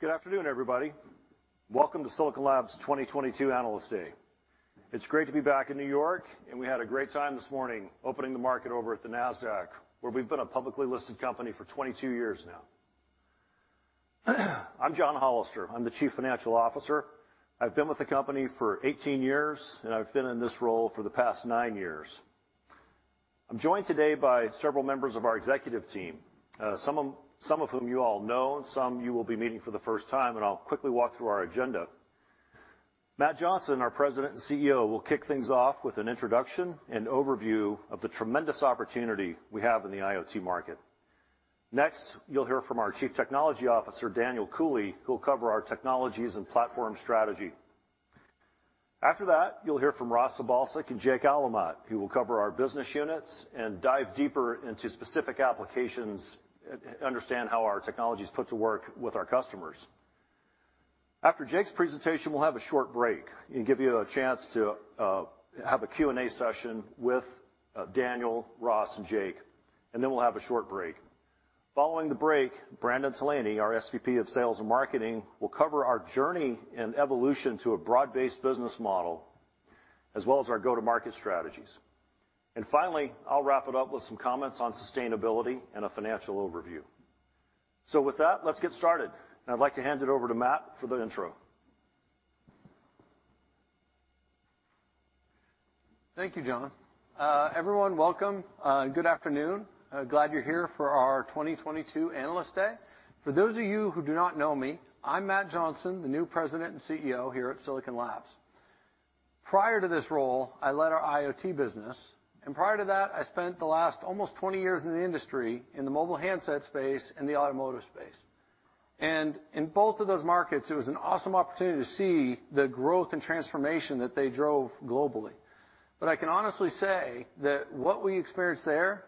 Good afternoon, everybody. Welcome to Silicon Labs 2022 Analyst Day. It's great to be back in New York, and we had a great time this morning opening the market over at the Nasdaq, where we've been a publicly listed company for 22 years now. I'm John Hollister. I'm the Chief Financial Officer. I've been with the company for 18 years, and I've been in this role for the past 9 years. I'm joined today by several members of our executive team, some of whom you all know, and some you will be meeting for the first time, and I'll quickly walk through our agenda. Matt Johnson, our President and CEO, will kick things off with an introduction and overview of the tremendous opportunity we have in the IoT market. Next, you'll hear from our Chief Technology Officer, Daniel Cooley, who will cover our technologies and platform strategy. After that, you'll hear from Ross Sabolcik and Jake Alamat, who will cover our business units and dive deeper into specific applications, understand how our technology is put to work with our customers. After Jake's presentation, we'll have a short break and give you a chance to have a Q&A session with Daniel, Ross, and Jake, and then we'll have a short break. Following the break, Brandon Tolany, our SVP of Sales and Marketing, will cover our journey and evolution to a broad-based business model, as well as our go-to-market strategies. Finally, I'll wrap it up with some comments on sustainability and a financial overview. With that, let's get started. I'd like to hand it over to Matt for the intro. Thank you, John. Everyone, welcome. Good afternoon. Glad you're here for our 2022 Analyst Day. For those of you who do not know me, I'm Matt Johnson, the new President and CEO here at Silicon Labs. Prior to this role, I led our IoT business, and prior to that, I spent the last almost 20 years in the industry in the mobile handset space and the automotive space. In both of those markets, it was an awesome opportunity to see the growth and transformation that they drove globally. I can honestly say that what we experienced there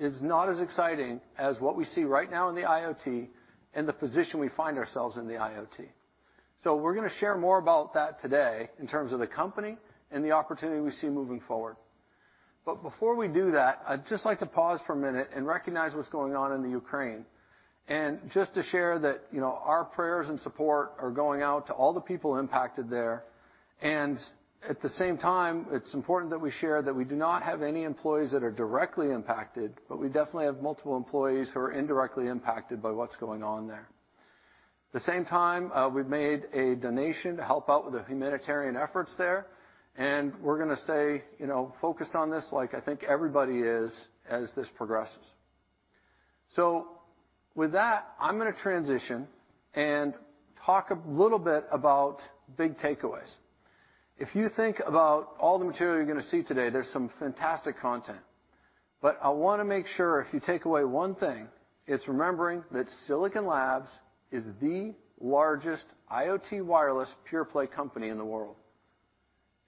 is not as exciting as what we see right now in the IoT and the position we find ourselves in the IoT. We're gonna share more about that today in terms of the company and the opportunity we see moving forward. Before we do that, I'd just like to pause for a minute and recognize what's going on in the Ukraine. Just to share that, you know, our prayers and support are going out to all the people impacted there. At the same time, it's important that we share that we do not have any employees that are directly impacted, but we definitely have multiple employees who are indirectly impacted by what's going on there. At the same time, we've made a donation to help out with the humanitarian efforts there, and we're gonna stay, you know, focused on this like I think everybody is as this progresses. With that, I'm gonna transition and talk a little bit about big takeaways. If you think about all the material you're gonna see today, there's some fantastic content. I wanna make sure if you take away one thing, it's remembering that Silicon Labs is the largest IoT wireless pure play company in the world.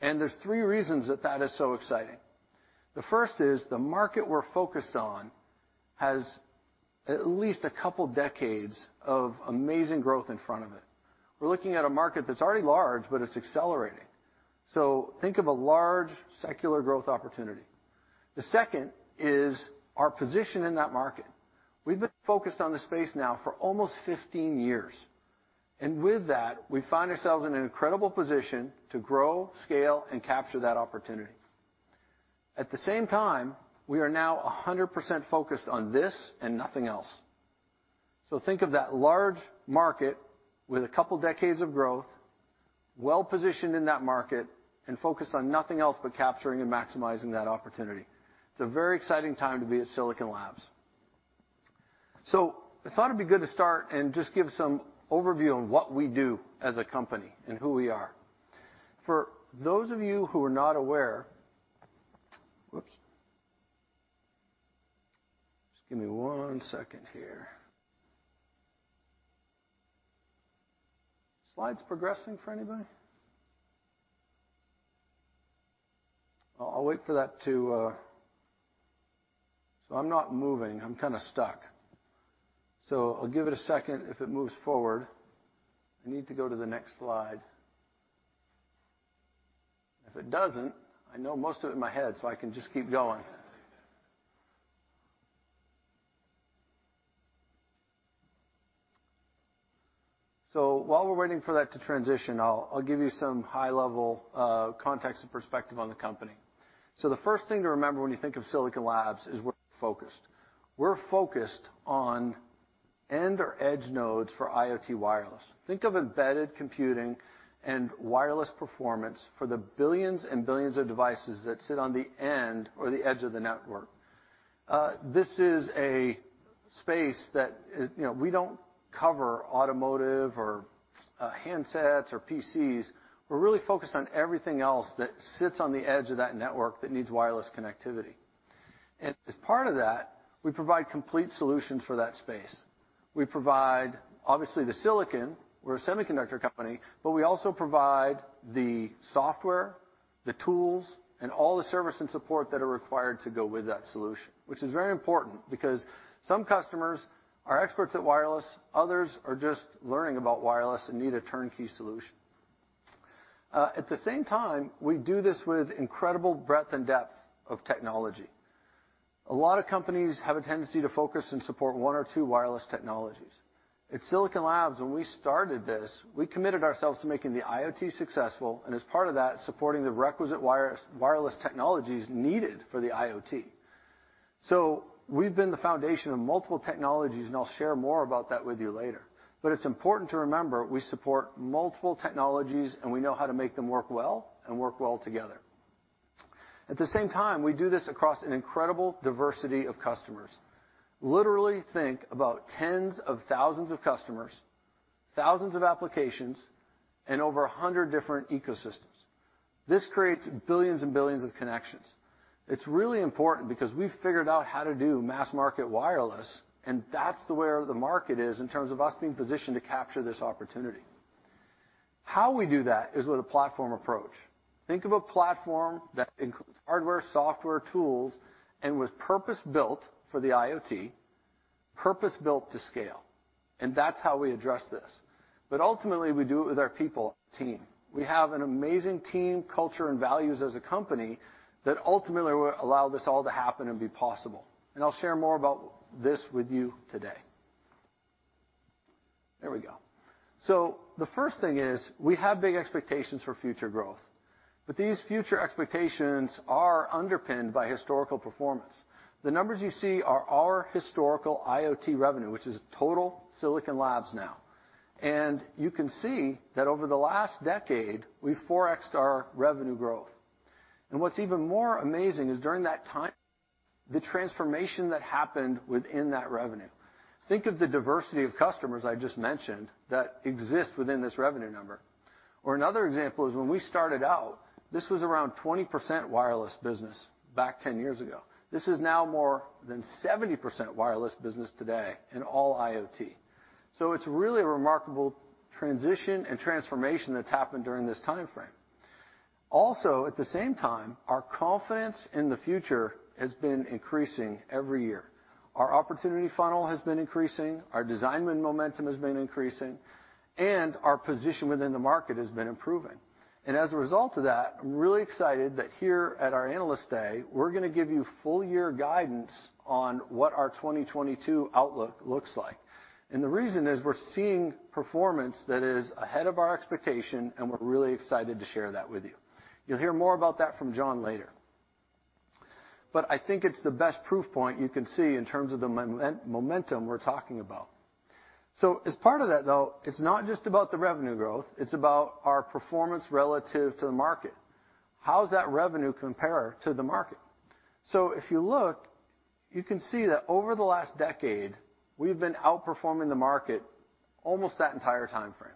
There's three reasons that that is so exciting. The first is the market we're focused on has at least a couple decades of amazing growth in front of it. We're looking at a market that's already large, but it's accelerating. Think of a large secular growth opportunity. The second is our position in that market. We've been focused on this space now for almost 15 years. With that, we find ourselves in an incredible position to grow, scale, and capture that opportunity. At the same time, we are now 100% focused on this and nothing else. Think of that large market with a couple decades of growth, well-positioned in that market and focused on nothing else but capturing and maximizing that opportunity. It's a very exciting time to be at Silicon Labs. I thought it'd be good to start and just give some overview on what we do as a company and who we are. For those of you who are not aware. Whoops. Just give me one second here. Slide's progressing for anybody? I'll wait for that to. I'm not moving. I'm kinda stuck. I'll give it a second if it moves forward. I need to go to the next slide. If it doesn't, I know most of it in my head, so I can just keep going. While we're waiting for that to transition, I'll give you some high-level context and perspective on the company. The first thing to remember when you think of Silicon Labs is we're focused. We're focused on end or edge nodes for IoT wireless. Think of embedded computing and wireless performance for the billions and billions of devices that sit on the end or the edge of the network. This is a space that is, you know, we don't cover automotive or handsets or PCs. We're really focused on everything else that sits on the edge of that network that needs wireless connectivity. As part of that, we provide complete solutions for that space. We provide, obviously, the silicon. We're a semiconductor company. We also provide the software, the tools, and all the service and support that are required to go with that solution, which is very important because some customers are experts at wireless, others are just learning about wireless and need a turnkey solution. At the same time, we do this with incredible breadth and depth of technology. A lot of companies have a tendency to focus and support one or two wireless technologies. At Silicon Labs, when we started this, we committed ourselves to making the IoT successful, and as part of that, supporting the requisite wireless technologies needed for the IoT. We've been the foundation of multiple technologies, and I'll share more about that with you later. It's important to remember we support multiple technologies, and we know how to make them work well and work well together. At the same time, we do this across an incredible diversity of customers. Literally think about tens of thousands of customers, thousands of applications, and over 100 different ecosystems. This creates billions and billions of connections. It's really important because we've figured out how to do mass market wireless, and that's the way the market is in terms of us being positioned to capture this opportunity. How we do that is with a platform approach. Think of a platform that includes hardware, software, tools, and that was purpose-built for the IoT, purpose-built to scale, and that's how we address this. But ultimately, we do it with our people team. We have an amazing team, culture, and values as a company that ultimately will allow this all to happen and be possible. I'll share more about this with you today. There we go. The first thing is we have big expectations for future growth, but these future expectations are underpinned by historical performance. The numbers you see are our historical IoT revenue, which is total Silicon Labs now. You can see that over the last decade, we've 4X'd our revenue growth. What's even more amazing is during that time, the transformation that happened within that revenue. Think of the diversity of customers I just mentioned that exist within this revenue number. Or another example is when we started out, this was around 20% wireless business back 10 years ago. This is now more than 70% wireless business today in all IoT. It's really a remarkable transition and transformation that's happened during this timeframe. Also, at the same time, our confidence in the future has been increasing every year. Our opportunity funnel has been increasing, our design win momentum has been increasing, and our position within the market has been improving. As a result of that, I'm really excited that here at our Analyst Day, we're gonna give you full year guidance on what our 2022 outlook looks like. The reason is we're seeing performance that is ahead of our expectation, and we're really excited to share that with you. You'll hear more about that from John later. I think it's the best proof point you can see in terms of the momentum we're talking about. As part of that, though, it's not just about the revenue growth, it's about our performance relative to the market. How does that revenue compare to the market? If you look, you can see that over the last decade, we've been outperforming the market almost that entire timeframe.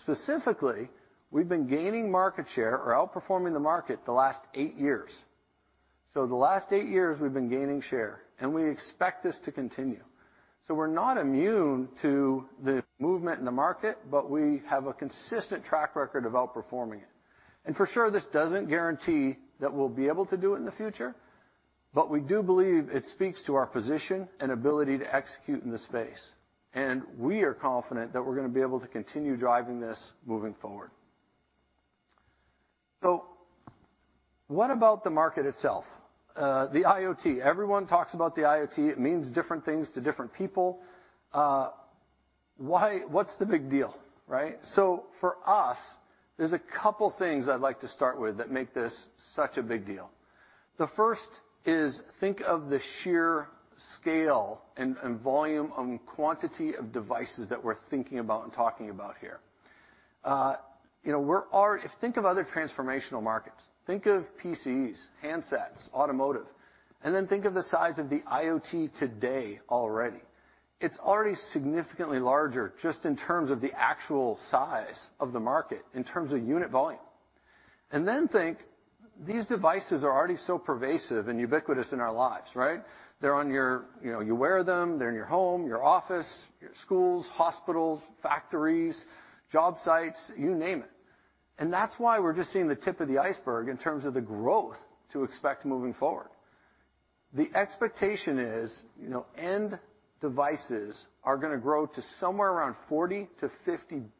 Specifically, we've been gaining market share or outperforming the market the last eight years. The last eight years we've been gaining share, and we expect this to continue. We're not immune to the movement in the market, but we have a consistent track record of outperforming it. For sure, this doesn't guarantee that we'll be able to do it in the future, but we do believe it speaks to our position and ability to execute in the space. We are confident that we're gonna be able to continue driving this moving forward. What about the market itself? The IoT. Everyone talks about the IoT. It means different things to different people. What's the big deal, right? For us, there's a couple things I'd like to start with that make this such a big deal. The first is think of the sheer scale and volume and quantity of devices that we're thinking about and talking about here. You know, we're all. If you think of other transformational markets, think of PCs, handsets, automotive, and then think of the size of the IoT today already. It's already significantly larger just in terms of the actual size of the market, in terms of unit volume. Think these devices are already so pervasive and ubiquitous in our lives, right? They're on your, you know, you wear them, they're in your home, your office, your schools, hospitals, factories, job sites, you name it. That's why we're just seeing the tip of the iceberg in terms of the growth to expect moving forward. The expectation is, you know, end devices are gonna grow to somewhere around 40-50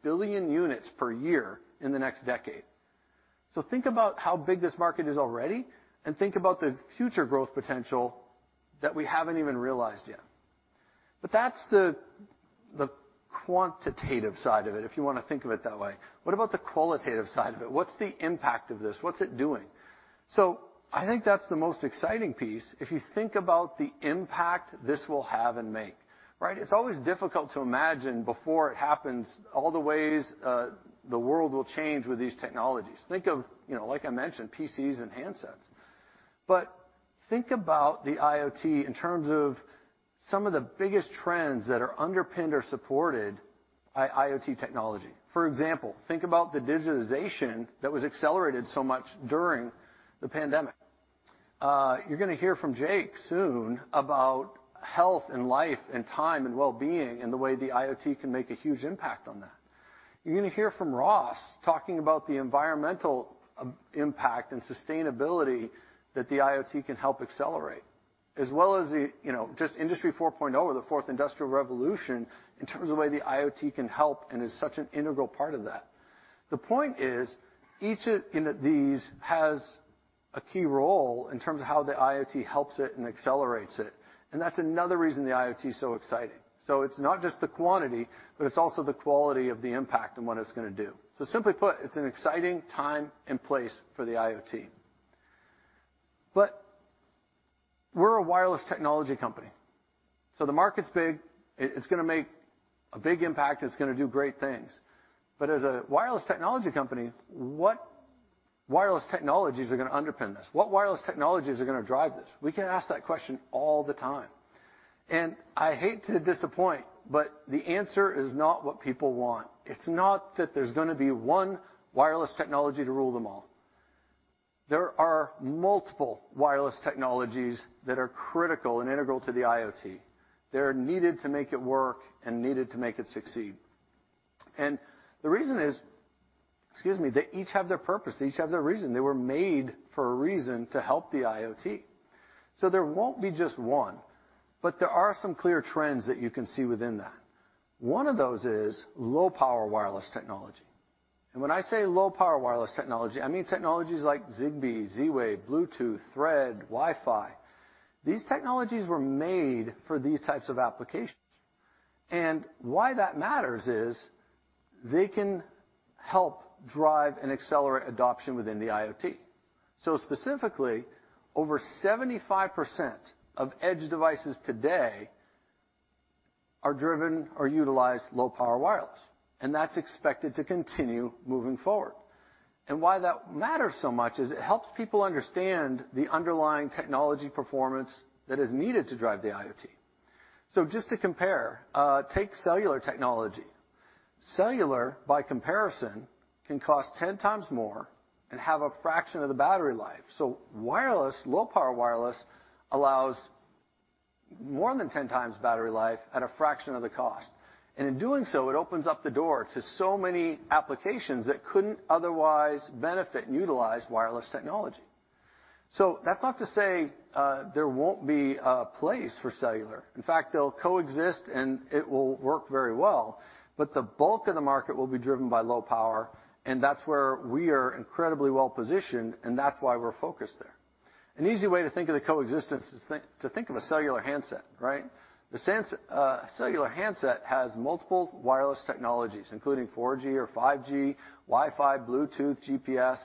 billion units per year in the next decade. Think about how big this market is already, and think about the future growth potential that we haven't even realized yet. That's the quantitative side of it, if you wanna think of it that way. What about the qualitative side of it? What's the impact of this? What's it doing? I think that's the most exciting piece if you think about the impact this will have and make, right? It's always difficult to imagine before it happens all the ways the world will change with these technologies. Think of, you know, like I mentioned, PCs and handsets. Think about the IoT in terms of some of the biggest trends that are underpinned or supported by IoT technology. For example, think about the digitization that was accelerated so much during the pandemic. You're gonna hear from Jake soon about home and life and time and well-being and the way the IoT can make a huge impact on that. You're gonna hear from Ross talking about the environmental impact and sustainability that the IoT can help accelerate, as well as the, you know, just Industry 4.0 or the fourth industrial revolution in terms of the way the IoT can help and is such an integral part of that. The point is, each of, you know, these has a key role in terms of how the IoT helps it and accelerates it, and that's another reason the IoT is so exciting. It's not just the quantity, but it's also the quality of the impact and what it's gonna do. Simply put, it's an exciting time and place for the IoT. We're a wireless technology company, so the market's big. It's gonna make a big impact. It's gonna do great things. As a wireless technology company, what wireless technologies are gonna underpin this? What wireless technologies are gonna drive this? We get asked that question all the time. I hate to disappoint, but the answer is not what people want. It's not that there's gonna be one wireless technology to rule them all. There are multiple wireless technologies that are critical and integral to the IoT. They're needed to make it work and needed to make it succeed. The reason is, excuse me, they each have their purpose, they each have their reason. They were made for a reason to help the IoT. There won't be just one, but there are some clear trends that you can see within that. One of those is low-power wireless technology. When I say low-power wireless technology, I mean technologies like Zigbee, Z-Wave, Bluetooth, Thread, Wi-Fi. These technologies were made for these types of applications. Why that matters is they can help drive and accelerate adoption within the IoT. Specifically, over 75% of edge devices today are driven or utilize low-power wireless, and that's expected to continue moving forward. Why that matters so much is it helps people understand the underlying technology performance that is needed to drive the IoT. Just to compare, take cellular technology. Cellular, by comparison, can cost ten times more and have a fraction of the battery life. Wireless, low-power wireless allows more than ten times battery life at a fraction of the cost. In doing so, it opens up the door to so many applications that couldn't otherwise benefit and utilize wireless technology. That's not to say, there won't be a place for cellular. In fact, they'll coexist, and it will work very well. The bulk of the market will be driven by low power, and that's where we are incredibly well-positioned, and that's why we're focused there. An easy way to think of the coexistence is to think of a cellular handset, right? Cellular handset has multiple wireless technologies, including 4G or 5G, Wi-Fi, Bluetooth, GPS,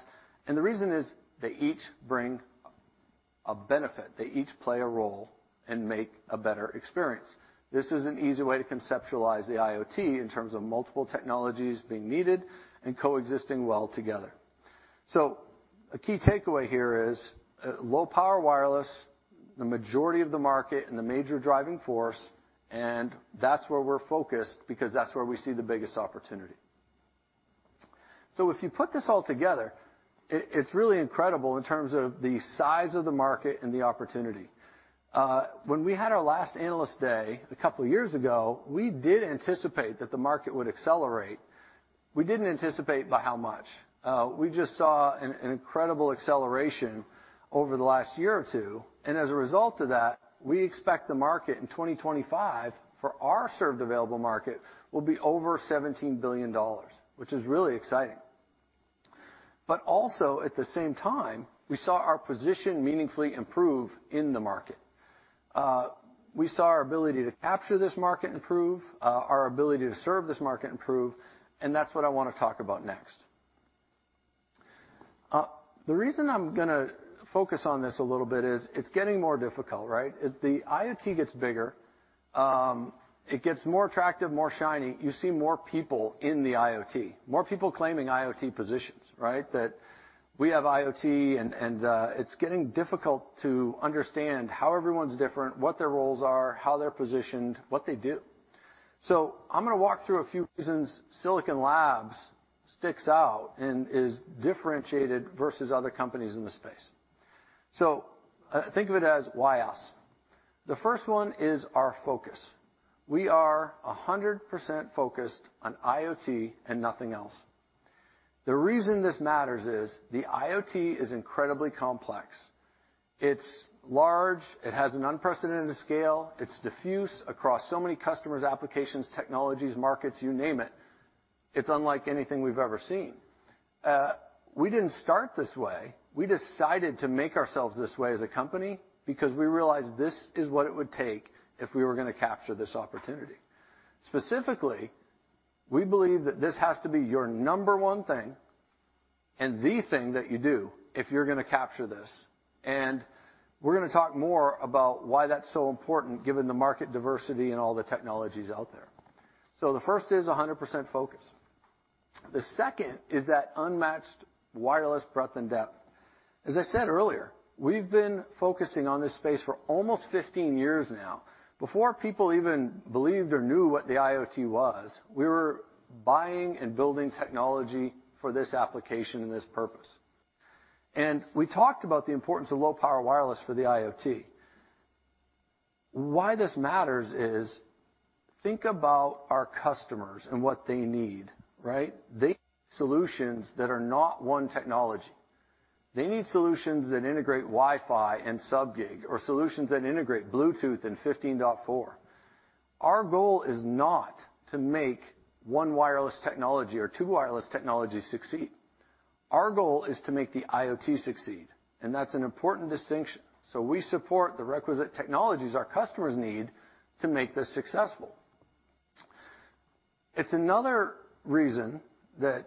and the reason is they each bring a benefit. They each play a role and make a better experience. This is an easy way to conceptualize the IoT in terms of multiple technologies being needed and coexisting well together. A key takeaway here is, low-power wireless, the majority of the market and the major driving force, and that's where we're focused because that's where we see the biggest opportunity. If you put this all together, it's really incredible in terms of the size of the market and the opportunity. When we had our last Analyst Day a couple years ago, we did anticipate that the market would accelerate. We didn't anticipate by how much. We just saw an incredible acceleration over the last year or two, and as a result of that, we expect the market in 2025 for our served available market will be over $17 billion, which is really exciting. Also, at the same time, we saw our position meaningfully improve in the market. We saw our ability to capture this market improve, our ability to serve this market improve, and that's what I wanna talk about next. The reason I'm gonna focus on this a little bit is it's getting more difficult, right? As the IoT gets bigger, it gets more attractive, more shiny. You see more people in the IoT, more people claiming IoT positions, right? That we have IoT and it's getting difficult to understand how everyone's different, what their roles are, how they're positioned, what they do. I'm gonna walk through a few reasons Silicon Labs sticks out and is differentiated versus other companies in the space. Think of it as why us. The first one is our focus. We are 100% focused on IoT and nothing else. The reason this matters is the IoT is incredibly complex. It's large. It has an unprecedented scale. It's diffuse across so many customers, applications, technologies, markets, you name it. It's unlike anything we've ever seen. We didn't start this way. We decided to make ourselves this way as a company because we realized this is what it would take if we were gonna capture this opportunity. Specifically, we believe that this has to be your number one thing and the thing that you do if you're gonna capture this, and we're gonna talk more about why that's so important given the market diversity and all the technologies out there. The first is 100% focus. The second is that unmatched wireless breadth and depth. As I said earlier, we've been focusing on this space for almost 15 years now. Before people even believed or knew what the IoT was, we were buying and building technology for this application and this purpose. We talked about the importance of low-power wireless for the IoT. Why this matters is, think about our customers and what they need, right? They need solutions that are not one technology. They need solutions that integrate Wi-Fi and sub-gig, or solutions that integrate Bluetooth and 15.4. Our goal is not to make one wireless technology or two wireless technologies succeed. Our goal is to make the IoT succeed, and that's an important distinction. We support the requisite technologies our customers need to make this successful. It's another reason that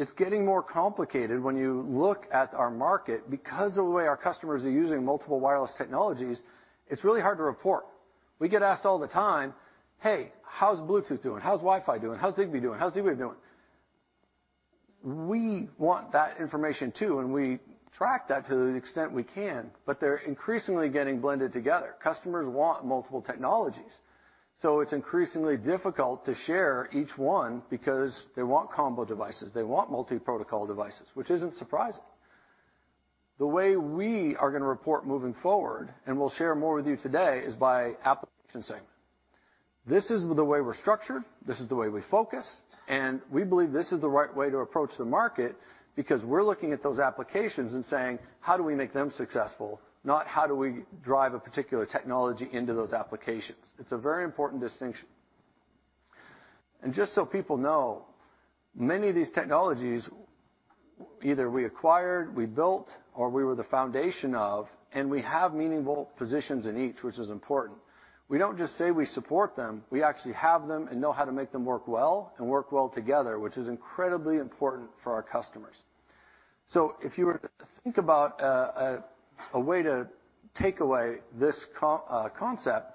it's getting more complicated when you look at our market, because of the way our customers are using multiple wireless technologies, it's really hard to report. We get asked all the time, "Hey, how's Bluetooth doing? How's Wi-Fi doing? How's Zigbee doing? How's Wi-Fi doing?" We want that information too, and we track that to the extent we can, but they're increasingly getting blended together. Customers want multiple technologies. It's increasingly difficult to share each one because they want combo devices. They want multi-protocol devices, which isn't surprising. The way we are gonna report moving forward, and we'll share more with you today, is by application segment. This is the way we're structured, this is the way we focus, and we believe this is the right way to approach the market because we're looking at those applications and saying, "How do we make them successful?" Not how do we drive a particular technology into those applications. It's a very important distinction. Just so people know, many of these technologies, either we acquired, we built, or we were the foundation of, and we have meaningful positions in each, which is important. We don't just say we support them, we actually have them and know how to make them work well and work well together, which is incredibly important for our customers. If you were to think about a way to take away this concept,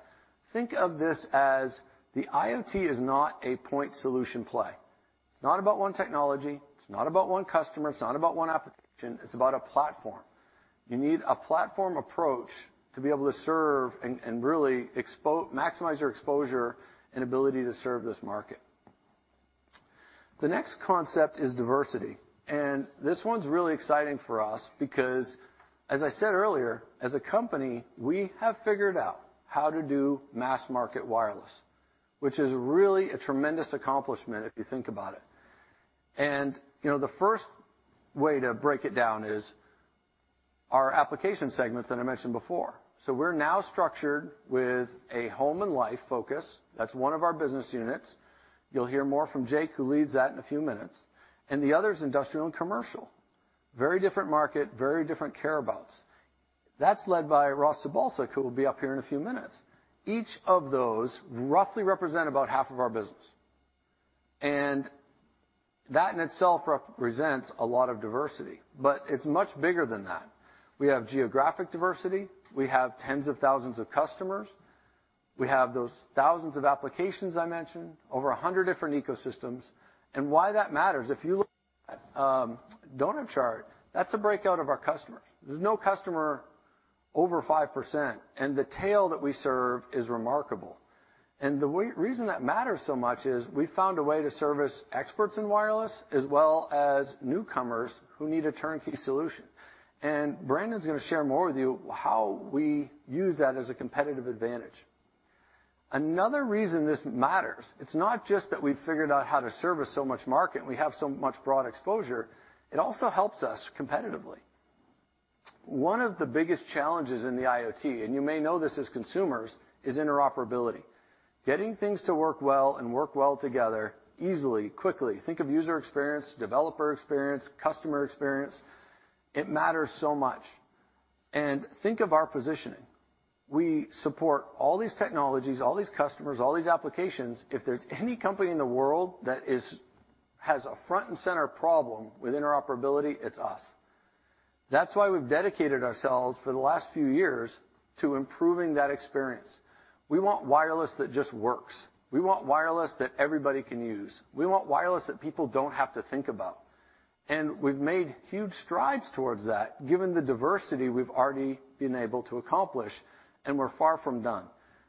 think of this as the IoT is not a point solution play. It's not about one technology, it's not about one customer, it's not about one application, it's about a platform. You need a platform approach to be able to serve and really maximize your exposure and ability to serve this market. The next concept is diversity. This one's really exciting for us because, as I said earlier, as a company, we have figured out how to do mass market wireless, which is really a tremendous accomplishment if you think about it. You know, the first way to break it down is our application segments that I mentioned before. We're now structured with a Home and Life focus. That's one of our business units. You'll hear more from Jake, who leads that, in a few minutes. The other is Industrial and Commercial. Very different market, very different care abouts. That's led by Ross Sabolcik, who will be up here in a few minutes. Each of those roughly represent about half of our business. That in itself represents a lot of diversity, but it's much bigger than that. We have geographic diversity, we have tens of thousands of customers. We have those thousands of applications I mentioned, over 100 different ecosystems. Why that matters, if you look at, donut chart, that's a breakout of our customers. There's no customer over 5%, and the tail that we serve is remarkable. The reason that matters so much is we found a way to service experts in wireless as well as newcomers who need a turnkey solution. Brandon Tolany's gonna share more with you how we use that as a competitive advantage. Another reason this matters, it's not just that we've figured out how to service so much market and we have so much broad exposure, it also helps us competitively. One of the biggest challenges in the IoT, and you may know this as consumers, is interoperability. Getting things to work well and work well together easily, quickly. Think of user experience, developer experience, customer experience. It matters so much. Think of our positioning. We support all these technologies, all these customers, all these applications. If there's any company in the world that has a front and center problem with interoperability, it's us. That's why we've dedicated ourselves for the last few years to improving that experience. We want wireless that just works. We want wireless that everybody can use. We want wireless that people don't have to think about. We've made huge strides towards that, given the diversity we've already been able to accomplish, and we're far from done.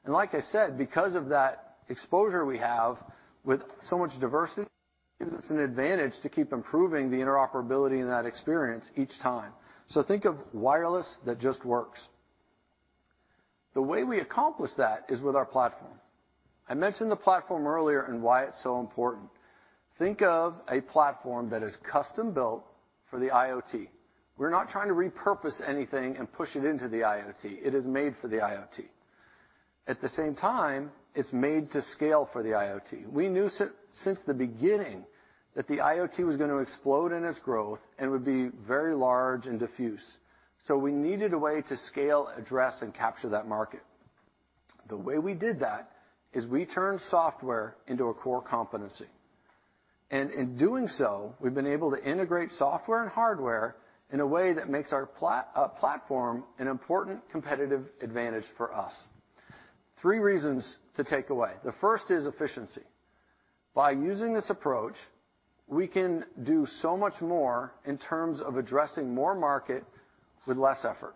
Like I said, because of that exposure we have with so much diversity, it gives us an advantage to keep improving the interoperability in that experience each time. Think of wireless that just works. The way we accomplish that is with our platform. I mentioned the platform earlier and why it's so important. Think of a platform that is custom built for the IoT. We're not trying to repurpose anything and push it into the IoT. It is made for the IoT. At the same time, it's made to scale for the IoT. We knew since the beginning that the IoT was gonna explode in its growth and would be very large and diffuse. We needed a way to scale, address, and capture that market. The way we did that is we turned software into a core competency. In doing so, we've been able to integrate software and hardware in a way that makes our platform an important competitive advantage for us. Three reasons to take away. The first is efficiency. By using this approach, we can do so much more in terms of addressing more market with less effort.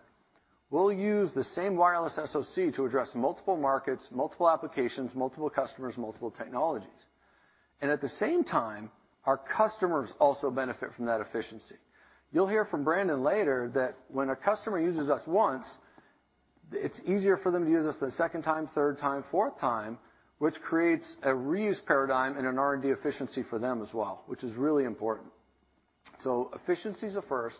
We'll use the same wireless SoC to address multiple markets, multiple applications, multiple customers, multiple technologies. At the same time, our customers also benefit from that efficiency. You'll hear from Brandon later that when a customer uses us once, it's easier for them to use us the second time, third time, fourth time, which creates a reuse paradigm and an R&D efficiency for them as well, which is really important. Efficiency is a first.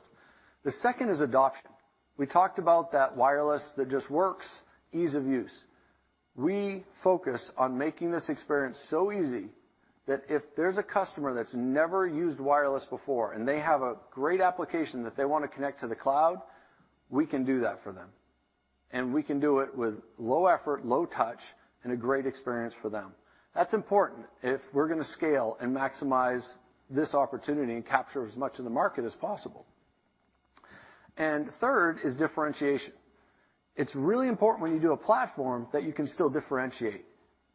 The second is adoption. We talked about that wireless that just works, ease of use. We focus on making this experience so easy that if there's a customer that's never used wireless before, and they have a great application that they wanna connect to the cloud, we can do that for them. We can do it with low effort, low touch, and a great experience for them. That's important if we're gonna scale and maximize this opportunity and capture as much of the market as possible. Third is differentiation. It's really important when you do a platform that you can still differentiate.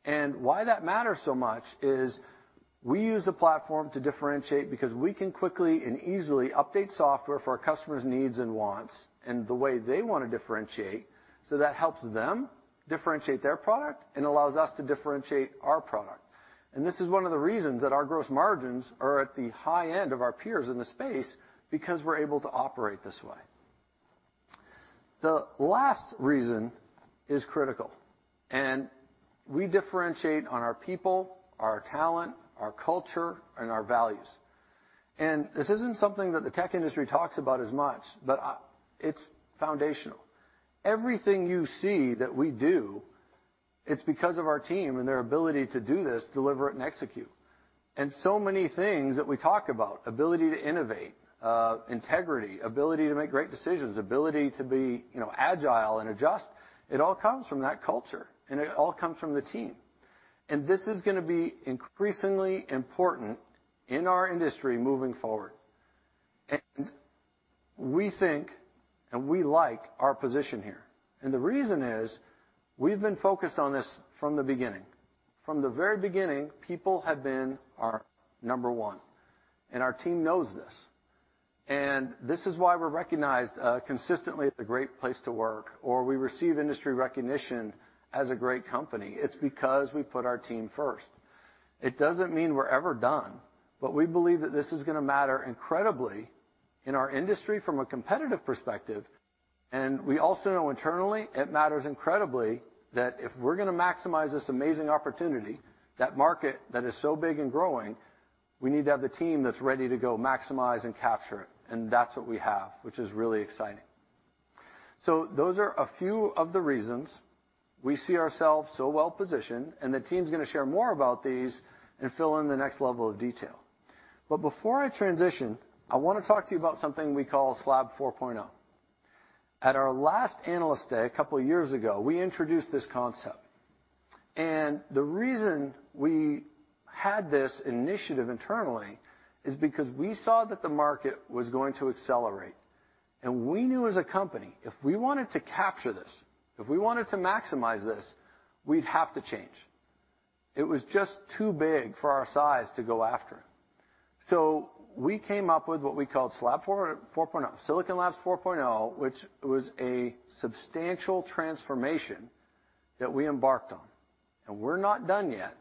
Why that matters so much is we use a platform to differentiate because we can quickly and easily update software for our customers' needs and wants and the way they wanna differentiate, so that helps them differentiate their product and allows us to differentiate our product. This is one of the reasons that our gross margins are at the high end of our peers in the space because we're able to operate this way. The last reason is critical, and we differentiate on our people, our talent, our culture, and our values. This isn't something that the tech industry talks about as much, but it's foundational. Everything you see that we do, it's because of our team and their ability to do this, deliver it, and execute. So many things that we talk about, ability to innovate, integrity, ability to make great decisions, ability to be, you know, agile and adjust, it all comes from that culture, and it all comes from the team. This is gonna be increasingly important in our industry moving forward. We think and we like our position here. The reason is we've been focused on this from the beginning. From the very beginning, people have been our number one, and our team knows this. This is why we're recognized consistently as a great place to work, or we receive industry recognition as a great company. It's because we put our team first. It doesn't mean we're ever done, but we believe that this is gonna matter incredibly in our industry from a competitive perspective. We also know internally it matters incredibly that if we're gonna maximize this amazing opportunity, that market that is so big and growing, we need to have the team that's ready to go maximize and capture it, and that's what we have, which is really exciting. Those are a few of the reasons we see ourselves so well positioned, and the team's gonna share more about these and fill in the next level of detail. Before I transition, I wanna talk to you about something we call SLAB 4.0. At our last Analyst Day a couple years ago, we introduced this concept. The reason we had this initiative internally is because we saw that the market was going to accelerate. We knew as a company, if we wanted to capture this, if we wanted to maximize this, we'd have to change. It was just too big for our size to go after. We came up with what we called SLAB 4.0, Silicon Labs 4.0, which was a substantial transformation that we embarked on. We're not done yet,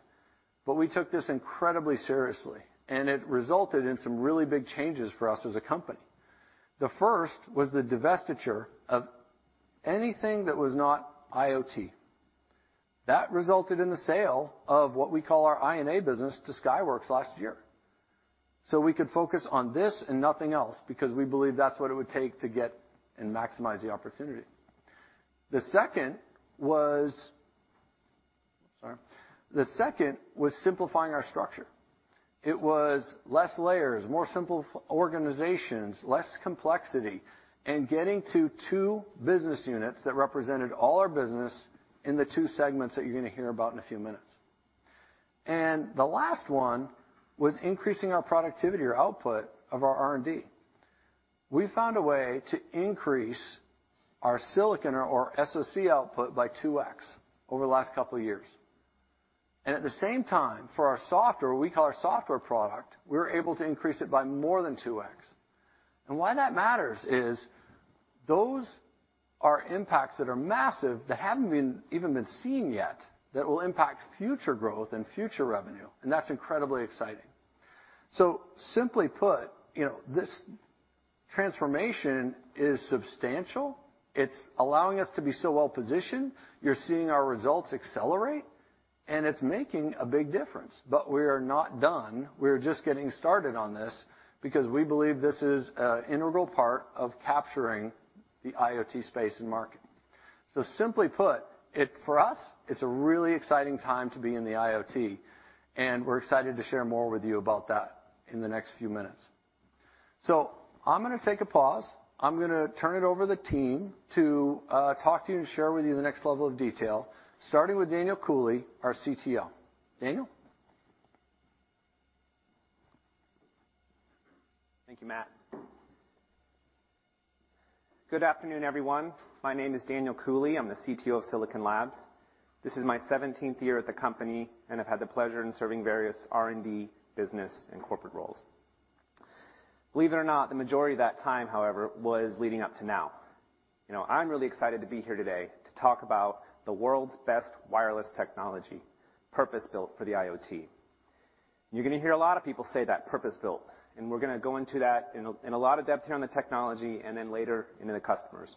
but we took this incredibly seriously, and it resulted in some really big changes for us as a company. The first was the divestiture of anything that was not IoT. That resulted in the sale of what we call our I&A business to Skyworks last year. We could focus on this and nothing else because we believe that's what it would take to get and maximize the opportunity. The second was simplifying our structure. It was less layers, more simple organizations, less complexity, and getting to two business units that represented all our business in the two segments that you're gonna hear about in a few minutes. The last one was increasing our productivity or output of our R&D. We found a way to increase our Silicon or SoC output by 2x over the last couple of years. At the same time, for our software, what we call our software product, we were able to increase it by more than 2x. Why that matters is those are impacts that are massive that haven't even been seen yet that will impact future growth and future revenue, and that's incredibly exciting. Simply put, you know, this transformation is substantial. It's allowing us to be so well positioned. You're seeing our results accelerate, and it's making a big difference. We are not done. We're just getting started on this because we believe this is an integral part of capturing the IoT space and market. Simply put, it, for us, it's a really exciting time to be in the IoT, and we're excited to share more with you about that in the next few minutes. I'm gonna take a pause. I'm gonna turn it over to the team to talk to you and share with you the next level of detail, starting with Daniel Cooley, our CTO. Daniel? Thank you, Matt. Good afternoon, everyone. My name is Daniel Cooley. I'm the CTO of Silicon Labs. This is my 17th year at the company, and I've had the pleasure in serving various R&D, business, and corporate roles. Believe it or not, the majority of that time, however, was leading up to now. You know, I'm really excited to be here today to talk about the world's best wireless technology, purpose-built for the IoT. You're gonna hear a lot of people say that, purpose-built, and we're gonna go into that in a lot of depth here on the technology and then later into the customers.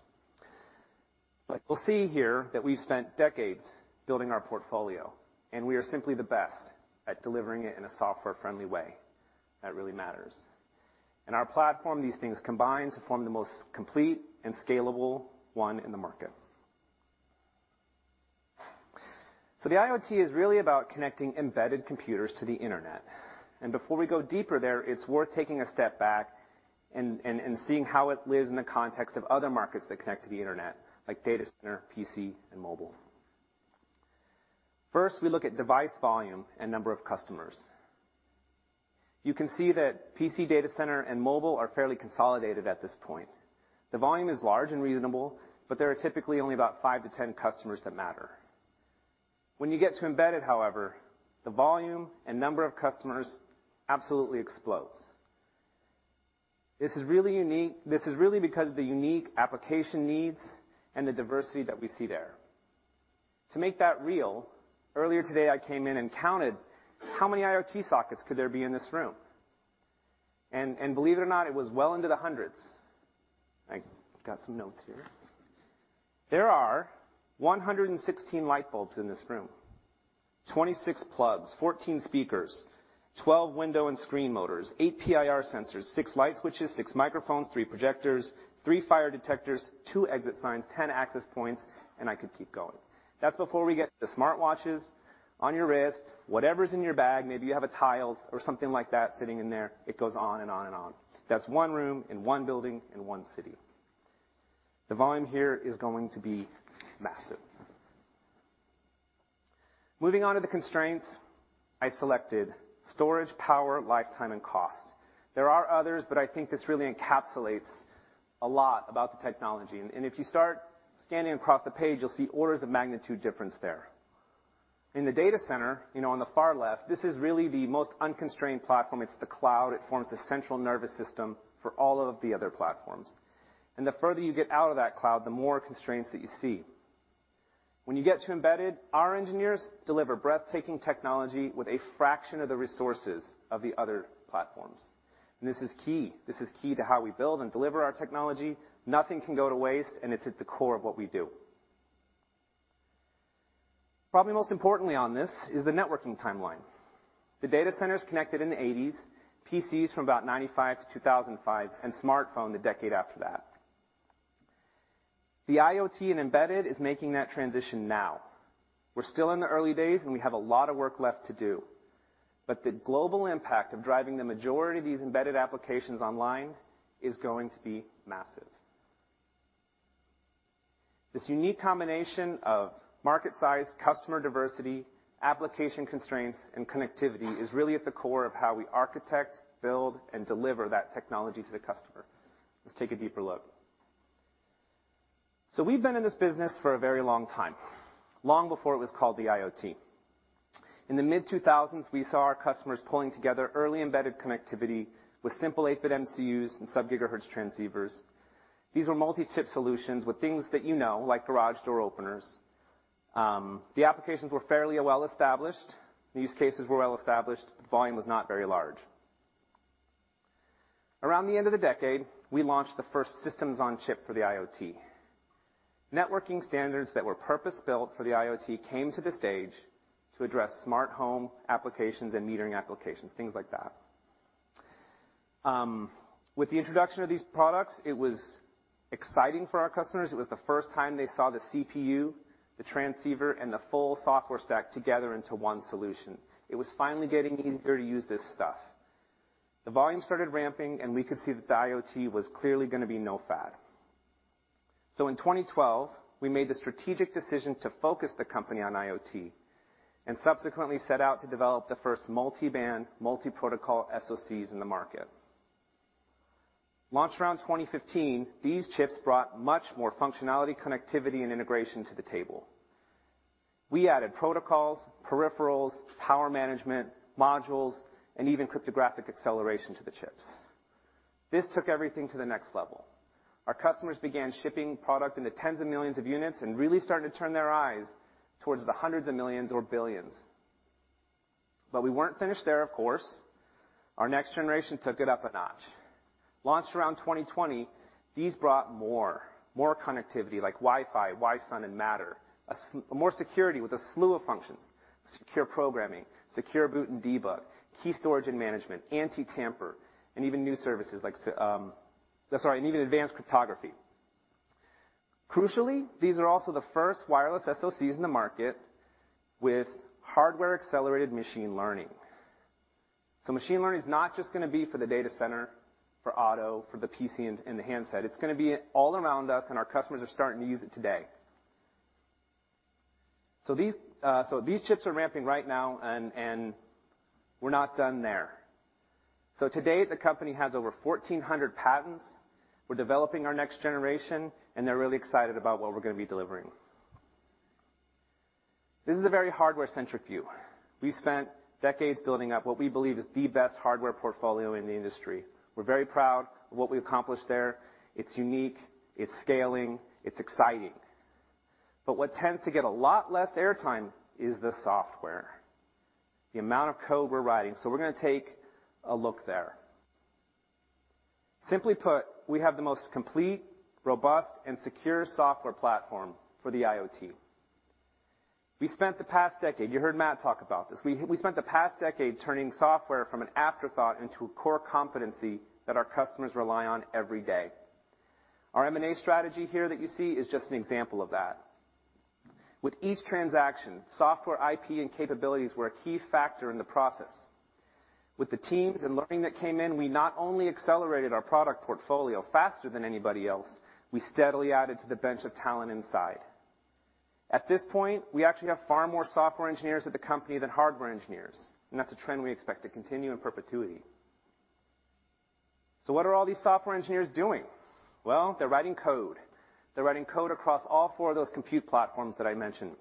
We'll see here that we've spent decades building our portfolio, and we are simply the best at delivering it in a software-friendly way that really matters. In our platform, these things combine to form the most complete and scalable one in the market. The IoT is really about connecting embedded computers to the internet. Before we go deeper there, it's worth taking a step back and seeing how it lives in the context of other markets that connect to the internet, like data center, PC, and mobile. First, we look at device volume and number of customers. You can see that PC data center and mobile are fairly consolidated at this point. The volume is large and reasonable, but there are typically only about 5 to 10 customers that matter. When you get to embedded, however, the volume and number of customers absolutely explodes. This is really unique because of the unique application needs and the diversity that we see there. To make that real, earlier today, I came in and counted how many IoT sockets could there be in this room. Believe it or not, it was well into the hundreds. I got some notes here. There are 116 light bulbs in this room, 26 plugs, 14 speakers, 12 window and screen motors, eight PIR sensors, six light switches, six microphones, three projectors, three fire detectors, two exit signs, ten access points, and I could keep going. That's before we get the smartwatches on your wrist, whatever's in your bag, maybe you have a Tile or something like that sitting in there. It goes on and on and on. That's one room in one building in one city. The volume here is going to be massive. Moving on to the constraints, I selected storage, power, lifetime, and cost. There are others, but I think this really encapsulates a lot about the technology. If you start scanning across the page, you'll see orders of magnitude difference there. In the data center, you know, on the far left, this is really the most unconstrained platform. It's the cloud. It forms the central nervous system for all of the other platforms. The further you get out of that cloud, the more constraints that you see. When you get to embedded, our engineers deliver breathtaking technology with a fraction of the resources of the other platforms. This is key. This is key to how we build and deliver our technology. Nothing can go to waste, and it's at the core of what we do. Probably most importantly on this is the networking timeline. The data center's connected in the 1980s, PCs from about 1995 to 2005, and smartphone the decade after that. The IoT and embedded is making that transition now. We're still in the early days, and we have a lot of work left to do, but the global impact of driving the majority of these embedded applications online is going to be massive. This unique combination of market size, customer diversity, application constraints, and connectivity is really at the core of how we architect, build, and deliver that technology to the customer. Let's take a deeper look. We've been in this business for a very long time, long before it was called the IoT. In the mid-2000s, we saw our customers pulling together early embedded connectivity with simple eight-bit MCUs and sub-gigahertz transceivers. These were multi-chip solutions with things that you know, like garage door openers. The applications were fairly well-established. The use cases were well-established. The volume was not very large. Around the end of the decade, we launched the first systems-on-chip for the IoT. Networking standards that were purpose-built for the IoT came to the stage to address smart home applications and metering applications, things like that. With the introduction of these products, it was exciting for our customers. It was the first time they saw the CPU, the transceiver, and the full software stack together into one solution. It was finally getting easier to use this stuff. The volume started ramping, and we could see that the IoT was clearly gonna be no fad. In 2012, we made the strategic decision to focus the company on IoT and subsequently set out to develop the first multi-band, multi-protocol SoCs in the market. Launched around 2015, these chips brought much more functionality, connectivity, and integration to the table. We added protocols, peripherals, power management, modules, and even cryptographic acceleration to the chips. This took everything to the next level. Our customers began shipping product in the tens of millions of units and really started to turn their eyes towards the hundreds of millions or billions. We weren't finished there, of course. Our next generation took it up a notch. Launched around 2020, these brought more connectivity like Wi-Fi, Wi-SUN, and Matter. More security with a slew of functions, secure programming, secure boot and debug, key storage and management, anti-tamper, and even new services like and even advanced cryptography. Crucially, these are also the first wireless SoCs in the market with hardware-accelerated machine learning. Machine learning is not just gonna be for the data center, for auto, for the PC, and the handset. It's gonna be all around us, and our customers are starting to use it today. These chips are ramping right now and we're not done there. To date, the company has over 1400 patents. We're developing our next generation, and they're really excited about what we're gonna be delivering. This is a very hardware-centric view. We spent decades building up what we believe is the best hardware portfolio in the industry. We're very proud of what we've accomplished there. It's unique, it's scaling, it's exciting. What tends to get a lot less airtime is the software, the amount of code we're writing. We're gonna take a look there. Simply put, we have the most complete, robust, and secure software platform for the IoT. We spent the past decade. You heard Matt talk about this. We spent the past decade turning software from an afterthought into a core competency that our customers rely on every day. Our M&A strategy here that you see is just an example of that. With each transaction, software IP and capabilities were a key factor in the process. With the teams and learning that came in, we not only accelerated our product portfolio faster than anybody else, we steadily added to the bench of talent inside. At this point, we actually have far more software engineers at the company than hardware engineers, and that's a trend we expect to continue in perpetuity. What are all these software engineers doing? Well, they're writing code. They're writing code across all four of those compute platforms that I mentioned.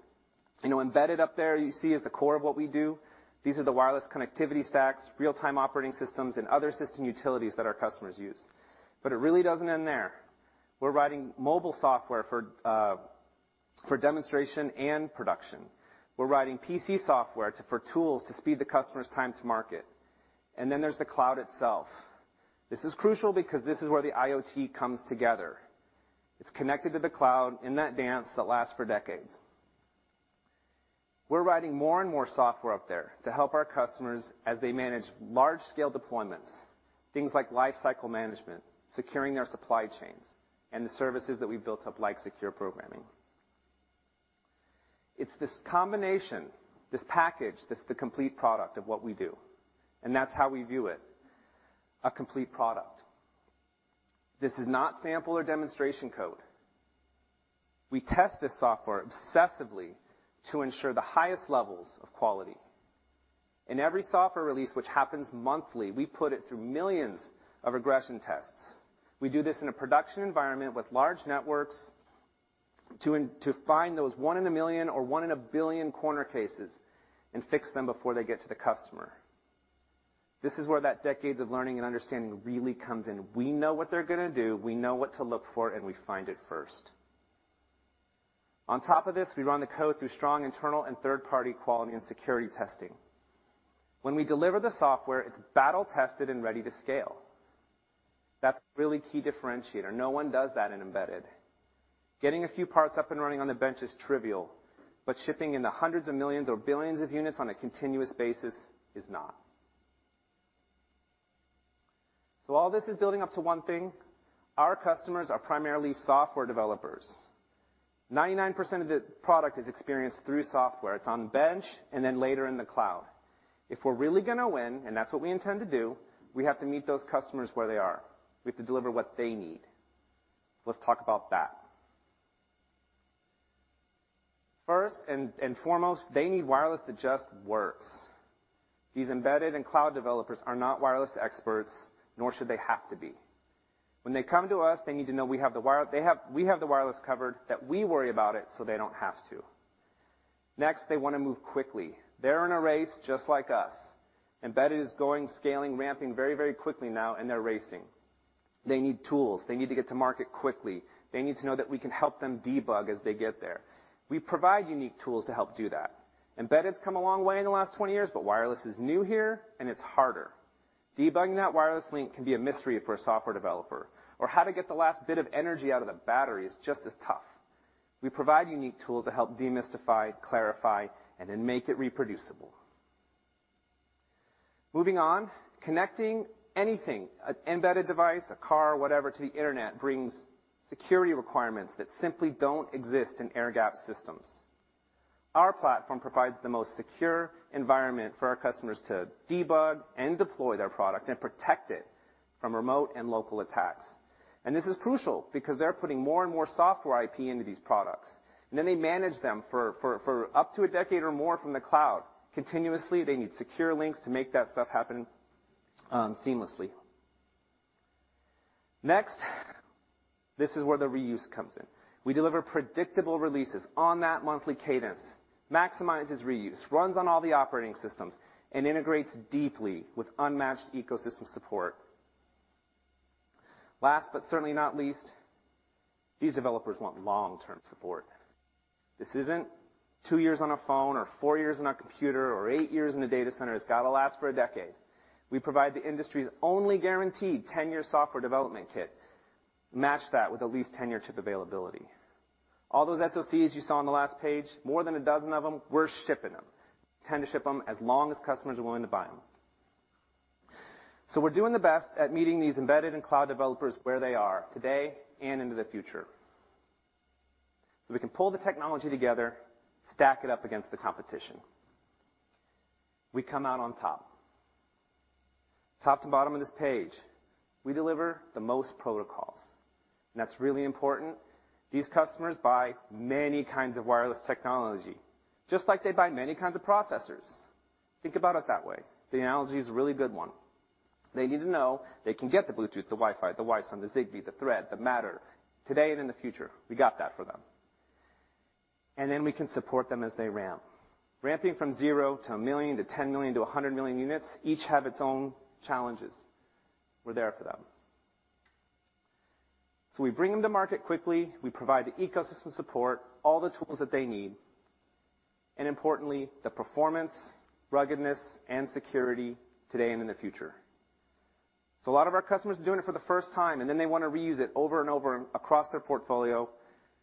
You know, embedded up there you see is the core of what we do. These are the wireless connectivity stacks, real-time operating systems, and other system utilities that our customers use. It really doesn't end there. We're writing mobile software for demonstration and production. We're writing PC software for tools to speed the customer's time to market. Then there's the cloud itself. This is crucial because this is where the IoT comes together. It's connected to the cloud in that dance that lasts for decades. We're writing more and more software up there to help our customers as they manage large scale deployments, things like lifecycle management, securing their supply chains, and the services that we've built up, like secure programming. It's this combination, this package that's the complete product of what we do, and that's how we view it, a complete product. This is not sample or demonstration code. We test this software obsessively to ensure the highest levels of quality. In every software release, which happens monthly, we put it through millions of regression tests. We do this in a production environment with large networks to find those one in a million or one in a billion corner cases and fix them before they get to the customer. This is where that decades of learning and understanding really comes in. We know what they're gonna do, we know what to look for, and we find it first. On top of this, we run the code through strong internal and third-party quality and security testing. When we deliver the software, it's battle tested and ready to scale. That's a really key differentiator. No one does that in embedded. Getting a few parts up and running on the bench is trivial, but shipping in the hundreds of millions or billions of units on a continuous basis is not. All this is building up to one thing. Our customers are primarily software developers. 99% of the product is experienced through software. It's on bench, and then later in the cloud. If we're really gonna win, and that's what we intend to do, we have to meet those customers where they are. We have to deliver what they need. Let's talk about that. First and foremost, they need wireless that just works. These embedded and cloud developers are not wireless experts, nor should they have to be. When they come to us, they need to know we have the wireless covered, that we worry about it, so they don't have to. Next, they wanna move quickly. They're in a race just like us. Embedded is going, scaling, ramping very, very quickly now and they're racing. They need tools. They need to get to market quickly. They need to know that we can help them debug as they get there. We provide unique tools to help do that. Embedded's come a long way in the last 20 years, but wireless is new here, and it's harder. Debugging that wireless link can be a mystery for a software developer. Or how to get the last bit of energy out of the battery is just as tough. We provide unique tools to help demystify, clarify, and then make it reproducible. Moving on, connecting anything, an embedded device, a car, whatever, to the internet, brings security requirements that simply don't exist in air-gapped systems. Our platform provides the most secure environment for our customers to debug and deploy their product and protect it from remote and local attacks. This is crucial because they're putting more and more software IP into these products, and then they manage them for up to a decade or more from the cloud. Continuously, they need secure links to make that stuff happen seamlessly. Next, this is where the reuse comes in. We deliver predictable releases on that monthly cadence, maximizes reuse, runs on all the operating systems, and integrates deeply with unmatched ecosystem support. Last, but certainly not least, these developers want long-term support. This isn't two years on a phone or 4 years on a computer or 8 years in a data center. It's gotta last for a decade. We provide the industry's only guaranteed 10-year software development kit. Match that with at least 10-year chip availability. All those SoCs you saw on the last page, more than a dozen of them, we're shipping them. tend to ship them as long as customers are willing to buy them. We're doing the best at meeting these embedded and cloud developers where they are today and into the future. We can pull the technology together, stack it up against the competition. We come out on top. Top to bottom of this page, we deliver the most protocols, and that's really important. These customers buy many kinds of wireless technology, just like they buy many kinds of processors. Think about it that way. The analogy is a really good one. They need to know they can get the Bluetooth, the Wi-Fi, the Zigbee, the Thread, the Matter today and in the future. We got that for them. And then we can support them as they ramp. Ramping from 0 to 1 million to 10 million to 100 million units each have its own challenges. We're there for them. We bring them to market quickly. We provide the ecosystem support, all the tools that they need, and importantly, the performance, ruggedness, and security today and in the future. A lot of our customers are doing it for the first time, and then they wanna reuse it over and over across their portfolio,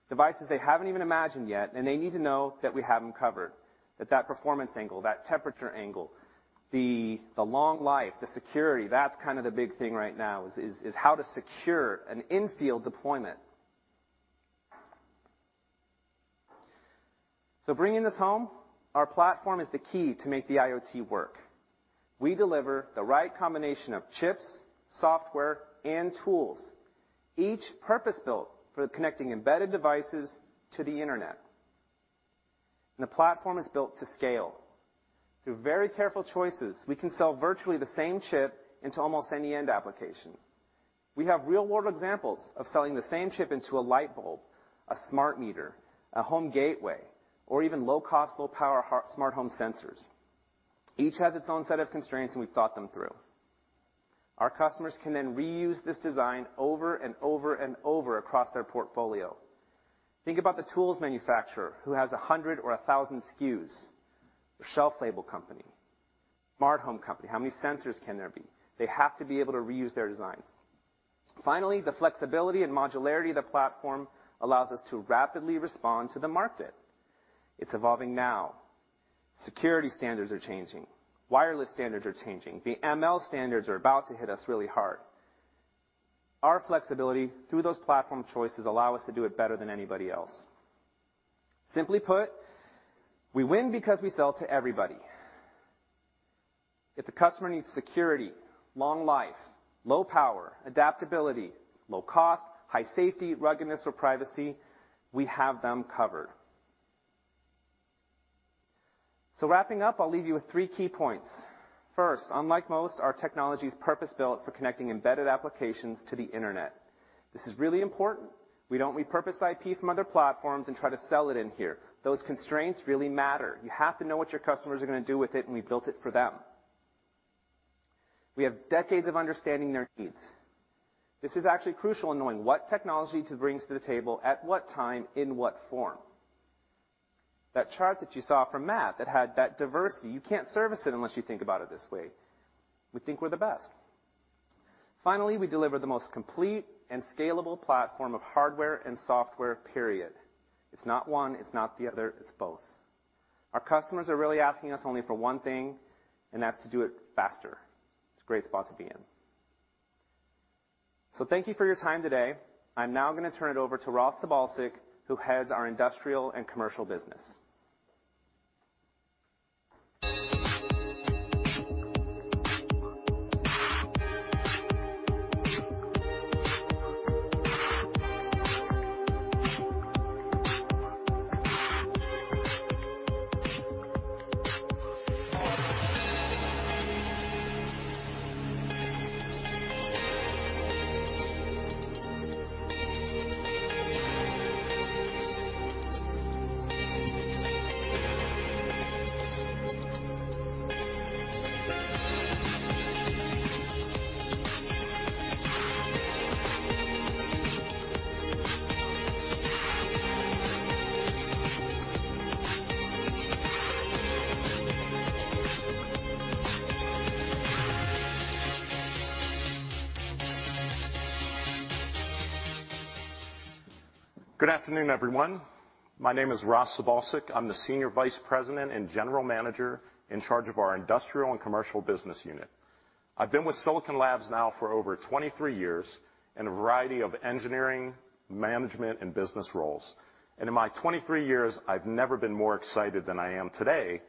devices they haven't even imagined yet, and they need to know that we have them covered. That performance angle, that temperature angle, the long life, the security, that's kinda the big thing right now is how to secure an in-field deployment. Bringing this home, our platform is the key to make the IoT work. We deliver the right combination of chips, software, and tools, each purpose-built for connecting embedded devices to the internet. The platform is built to scale. Through very careful choices, we can sell virtually the same chip into almost any end application. We have real-world examples of selling the same chip into a light bulb, a smart meter, a home gateway, or even low-cost, low-power smart home sensors. Each has its own set of constraints, and we've thought them through. Our customers can then reuse this design over and over and over across their portfolio. Think about the tools manufacturer who has 100 or 1,000 SKUs. The shelf label company, smart home company. How many sensors can there be? They have to be able to reuse their designs. Finally, the flexibility and modularity of the platform allows us to rapidly respond to the market. It's evolving now. Security standards are changing, wireless standards are changing. The ML standards are about to hit us really hard. Our flexibility through those platform choices allow us to do it better than anybody else. Simply put, we win because we sell to everybody. If the customer needs security, long life, low power, adaptability, low cost, high safety, ruggedness, or privacy, we have them covered. Wrapping up, I'll leave you with three key points. First, unlike most, our technology is purpose-built for connecting embedded applications to the internet. This is really important. We don't repurpose IP from other platforms and try to sell it in here. Those constraints really matter. You have to know what your customers are gonna do with it, and we built it for them. We have decades of understanding their needs. This is actually crucial in knowing what technology to bring to the table at what time, in what form. That chart that you saw from Matt that had that diversity, you can't service it unless you think about it this way. We think we're the best. Finally, we deliver the most complete and scalable platform of hardware and software, period. It's not one, it's not the other, it's both. Our customers are really asking us only for one thing, and that's to do it faster. It's a great spot to be in. Thank you for your time today. I'm now gonna turn it over to Ross Sabolcik, who heads our industrial and commercial business. Good afternoon, everyone. My name is Ross Sabolcik. I'm the Senior Vice President and General Manager in charge of our industrial and commercial business unit. I've been with Silicon Labs now for over 23 years in a variety of engineering, management, and business roles. In my 23 years, I've never been more excited than I am today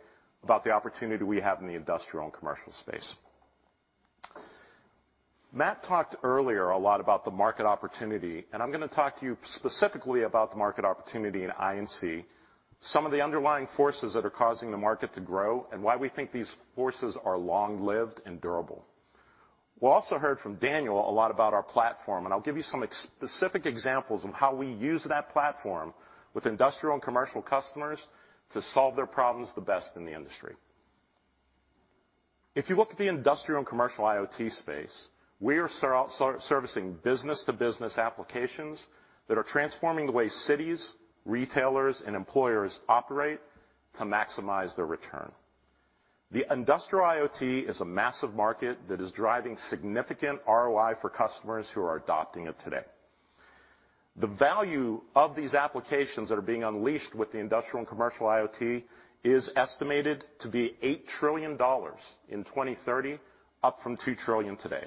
about the opportunity we have in the industrial and commercial space. Matt talked earlier a lot about the market opportunity, and I'm gonna talk to you specifically about the market opportunity in I and C, some of the underlying forces that are causing the market to grow, and why we think these forces are long-lived and durable. We also heard from Daniel a lot about our platform, and I'll give you some specific examples of how we use that platform with industrial and commercial customers to solve their problems the best in the industry. If you look at the industrial and commercial IoT space, we are servicing business-to-business applications that are transforming the way cities, retailers, and employers operate to maximize their return. The industrial IoT is a massive market that is driving significant ROI for customers who are adopting it today. The value of these applications that are being unleashed with the industrial and commercial IoT is estimated to be $8 trillion in 2030, up from $2 trillion today.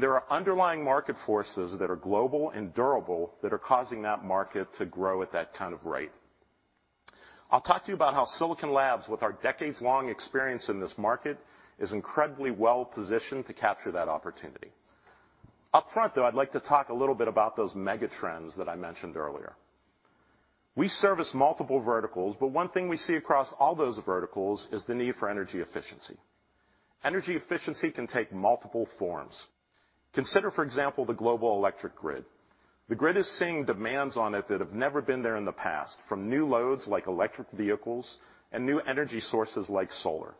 There are underlying market forces that are global and durable that are causing that market to grow at that kind of rate. I'll talk to you about how Silicon Labs, with our decades-long experience in this market, is incredibly well-positioned to capture that opportunity. Up front, though, I'd like to talk a little bit about those mega trends that I mentioned earlier. We service multiple verticals, but one thing we see across all those verticals is the need for energy efficiency. Energy efficiency can take multiple forms. Consider, for example, the global electric grid. The grid is seeing demands on it that have never been there in the past, from new loads like electric vehicles and new energy sources like solar,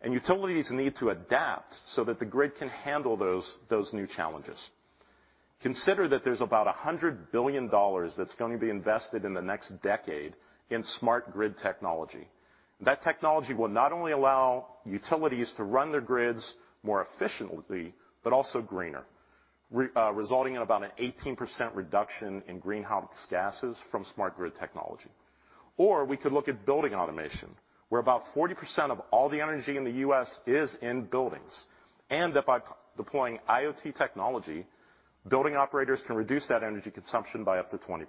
and utilities need to adapt so that the grid can handle those new challenges. Consider that there's about $100 billion that's going to be invested in the next decade in smart grid technology. That technology will not only allow utilities to run their grids more efficiently, but also greener, resulting in about an 18% reduction in greenhouse gases from smart grid technology. We could look at building automation, where about 40% of all the energy in the U.S. is in buildings, and that by deploying IoT technology, building operators can reduce that energy consumption by up to 20%.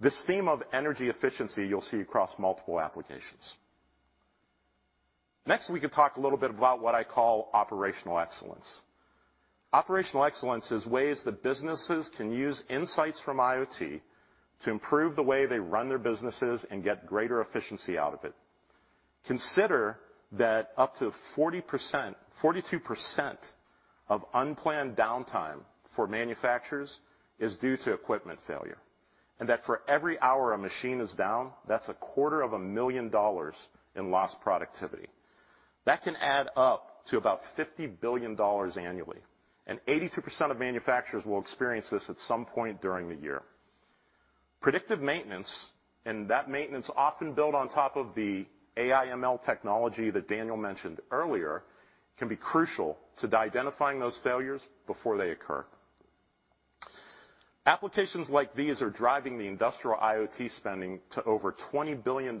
This theme of energy efficiency you'll see across multiple applications. Next, we could talk a little bit about what I call operational excellence. Operational excellence is ways that businesses can use insights from IoT to improve the way they run their businesses and get greater efficiency out of it. Consider that up to 42% of unplanned downtime for manufacturers is due to equipment failure, and that for every hour a machine is down, that's a quarter of a million dollars in lost productivity. That can add up to about $50 billion annually, and 82% of manufacturers will experience this at some point during the year. Predictive maintenance, that maintenance often built on top of the AI ML technology that Daniel mentioned earlier, can be crucial to identifying those failures before they occur. Applications like these are driving the industrial IoT spending to over $20 billion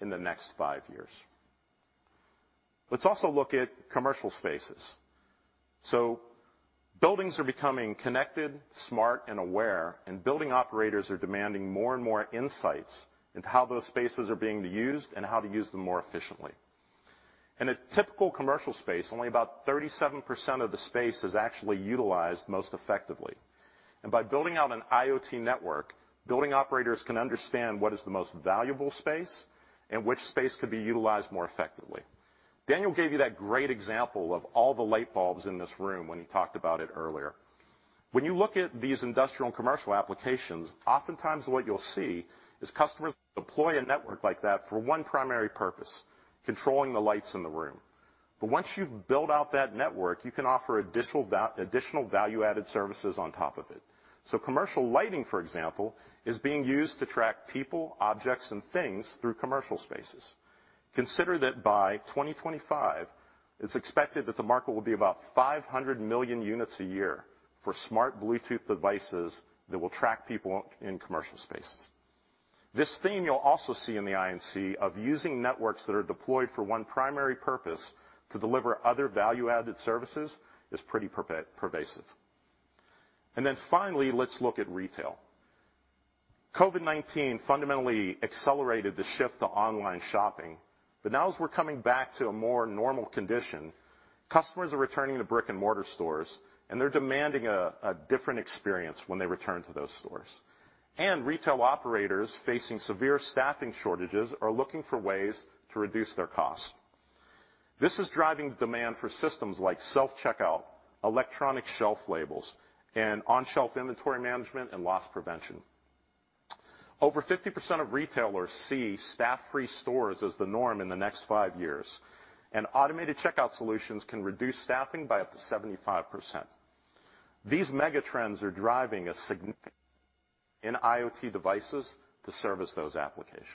in the next five years. Let's also look at commercial spaces. Buildings are becoming connected, smart, and aware, and building operators are demanding more and more insights into how those spaces are being used and how to use them more efficiently. In a typical commercial space, only about 37% of the space is actually utilized most effectively. By building out an IoT network, building operators can understand what is the most valuable space and which space could be utilized more effectively. Daniel gave you that great example of all the light bulbs in this room when he talked about it earlier. When you look at these industrial and commercial applications, oftentimes what you'll see is customers deploy a network like that for one primary purpose, controlling the lights in the room. But once you've built out that network, you can offer additional value-added services on top of it. Commercial lighting, for example, is being used to track people, objects, and things through commercial spaces. Consider that by 2025, it's expected that the market will be about 500 million units a year for smart Bluetooth devices that will track people in commercial spaces. This theme you'll also see in the I&C of using networks that are deployed for one primary purpose to deliver other value-added services is pretty pervasive. Finally, let's look at retail. COVID-19 fundamentally accelerated the shift to online shopping. Now as we're coming back to a more normal condition, customers are returning to brick-and-mortar stores, and they're demanding a different experience when they return to those stores. Retail operators facing severe staffing shortages are looking for ways to reduce their costs. This is driving the demand for systems like self-checkout, electronic shelf labels, and on-shelf inventory management and loss prevention. Over 50% of retailers see staff-free stores as the norm in the next 5 years, and automated checkout solutions can reduce staffing by up to 75%. These mega trends are driving a significant increase in IoT devices to service those applications.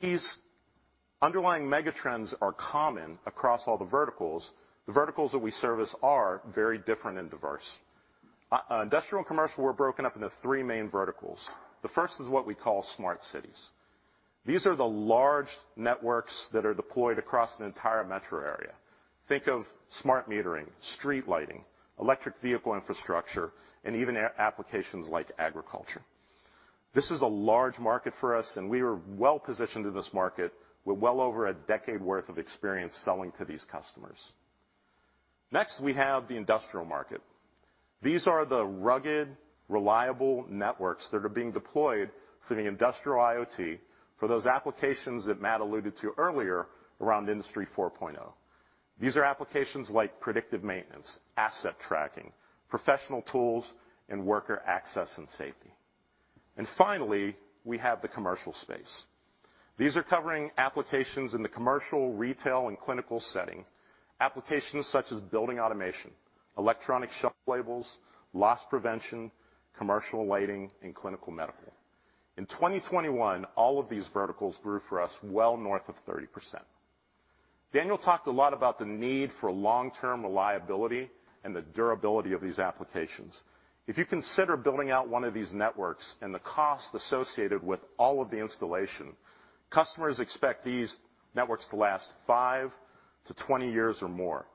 These underlying mega trends are common across all the verticals. The verticals that we service are very different and diverse. Industrial and commercial, we're broken up into 3 main verticals. The first is what we call smart cities. These are the large networks that are deployed across an entire metro area. Think of smart metering, street lighting, electric vehicle infrastructure, and even applications like agriculture. This is a large market for us, and we are well-positioned in this market with well over a decade worth of experience selling to these customers. Next, we have the industrial market. These are the rugged, reliable networks that are being deployed for the industrial IoT for those applications that Matt alluded to earlier around Industry 4.0. These are applications like predictive maintenance, asset tracking, professional tools, and worker access and safety. Finally, we have the commercial space. These are covering applications in the commercial, retail, and clinical setting, applications such as building automation, electronic shelf labels, loss prevention, commercial lighting, and clinical medical. In 2021, all of these verticals grew for us well north of 30%. Daniel talked a lot about the need for long-term reliability and the durability of these applications. If you consider building out one of these networks and the cost associated with all of the installation, customers expect these networks to last 5-20 years or more,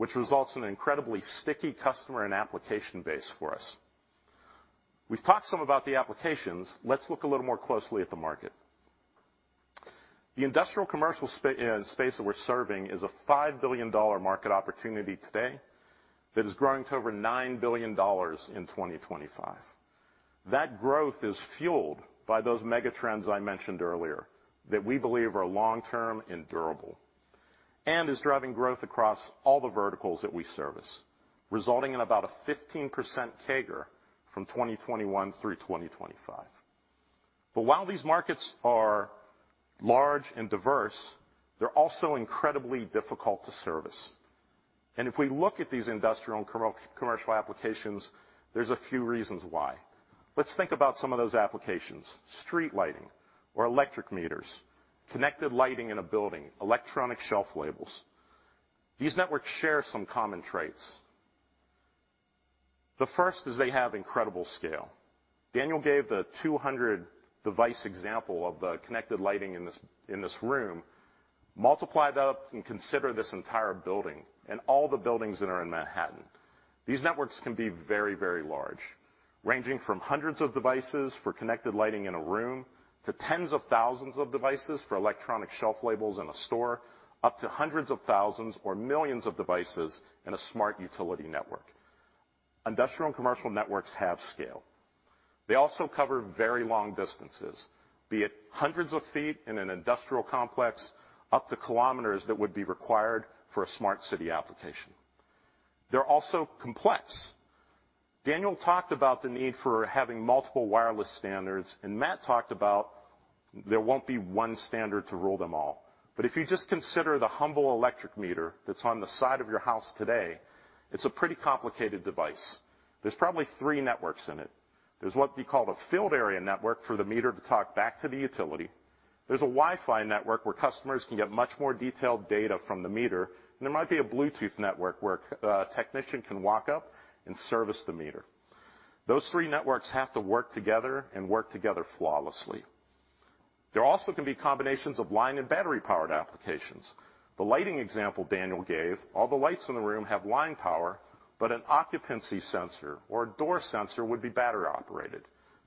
which results in an incredibly sticky customer and application base for us. We've talked some about the applications. Let's look a little more closely at the market. The industrial commercial space that we're serving is a $5 billion market opportunity today that is growing to over $9 billion in 2025. That growth is fueled by those mega trends I mentioned earlier that we believe are long-term and durable, and is driving growth across all the verticals that we service, resulting in about a 15% CAGR from 2021 through 2025. While these markets are large and diverse, they're also incredibly difficult to service. If we look at these industrial and commercial applications, there's a few reasons why. Let's think about some of those applications. Street lighting or electric meters, connected lighting in a building, electronic shelf labels. These networks share some common traits. The first is they have incredible scale. Daniel gave the 200 device example of the connected lighting in this, in this room. Multiply that up and consider this entire building and all the buildings that are in Manhattan. These networks can be very, very large, ranging from hundreds of devices for connected lighting in a room to tens of thousands of devices for electronic shelf labels in a store, up to hundreds of thousands or millions of devices in a smart utility network. Industrial and commercial networks have scale. They also cover very long distances, be it hundreds of feet in an industrial complex up to kilometers that would be required for a smart city application. They're also complex. Daniel talked about the need for having multiple wireless standards, and Matt talked about there won't be one standard to rule them all. If you just consider the humble electric meter that's on the side of your house today, it's a pretty complicated device. There's probably three networks in it. There's what we call a field area network for the meter to talk back to the utility. There's a Wi-Fi network where customers can get much more detailed data from the meter, and there might be a Bluetooth network where a technician can walk up and service the meter. Those three networks have to work together and work together flawlessly. There also can be combinations of line and battery powered applications. The lighting example Daniel gave, all the lights in the room have line power, but an occupancy sensor or a door sensor would be battery operated.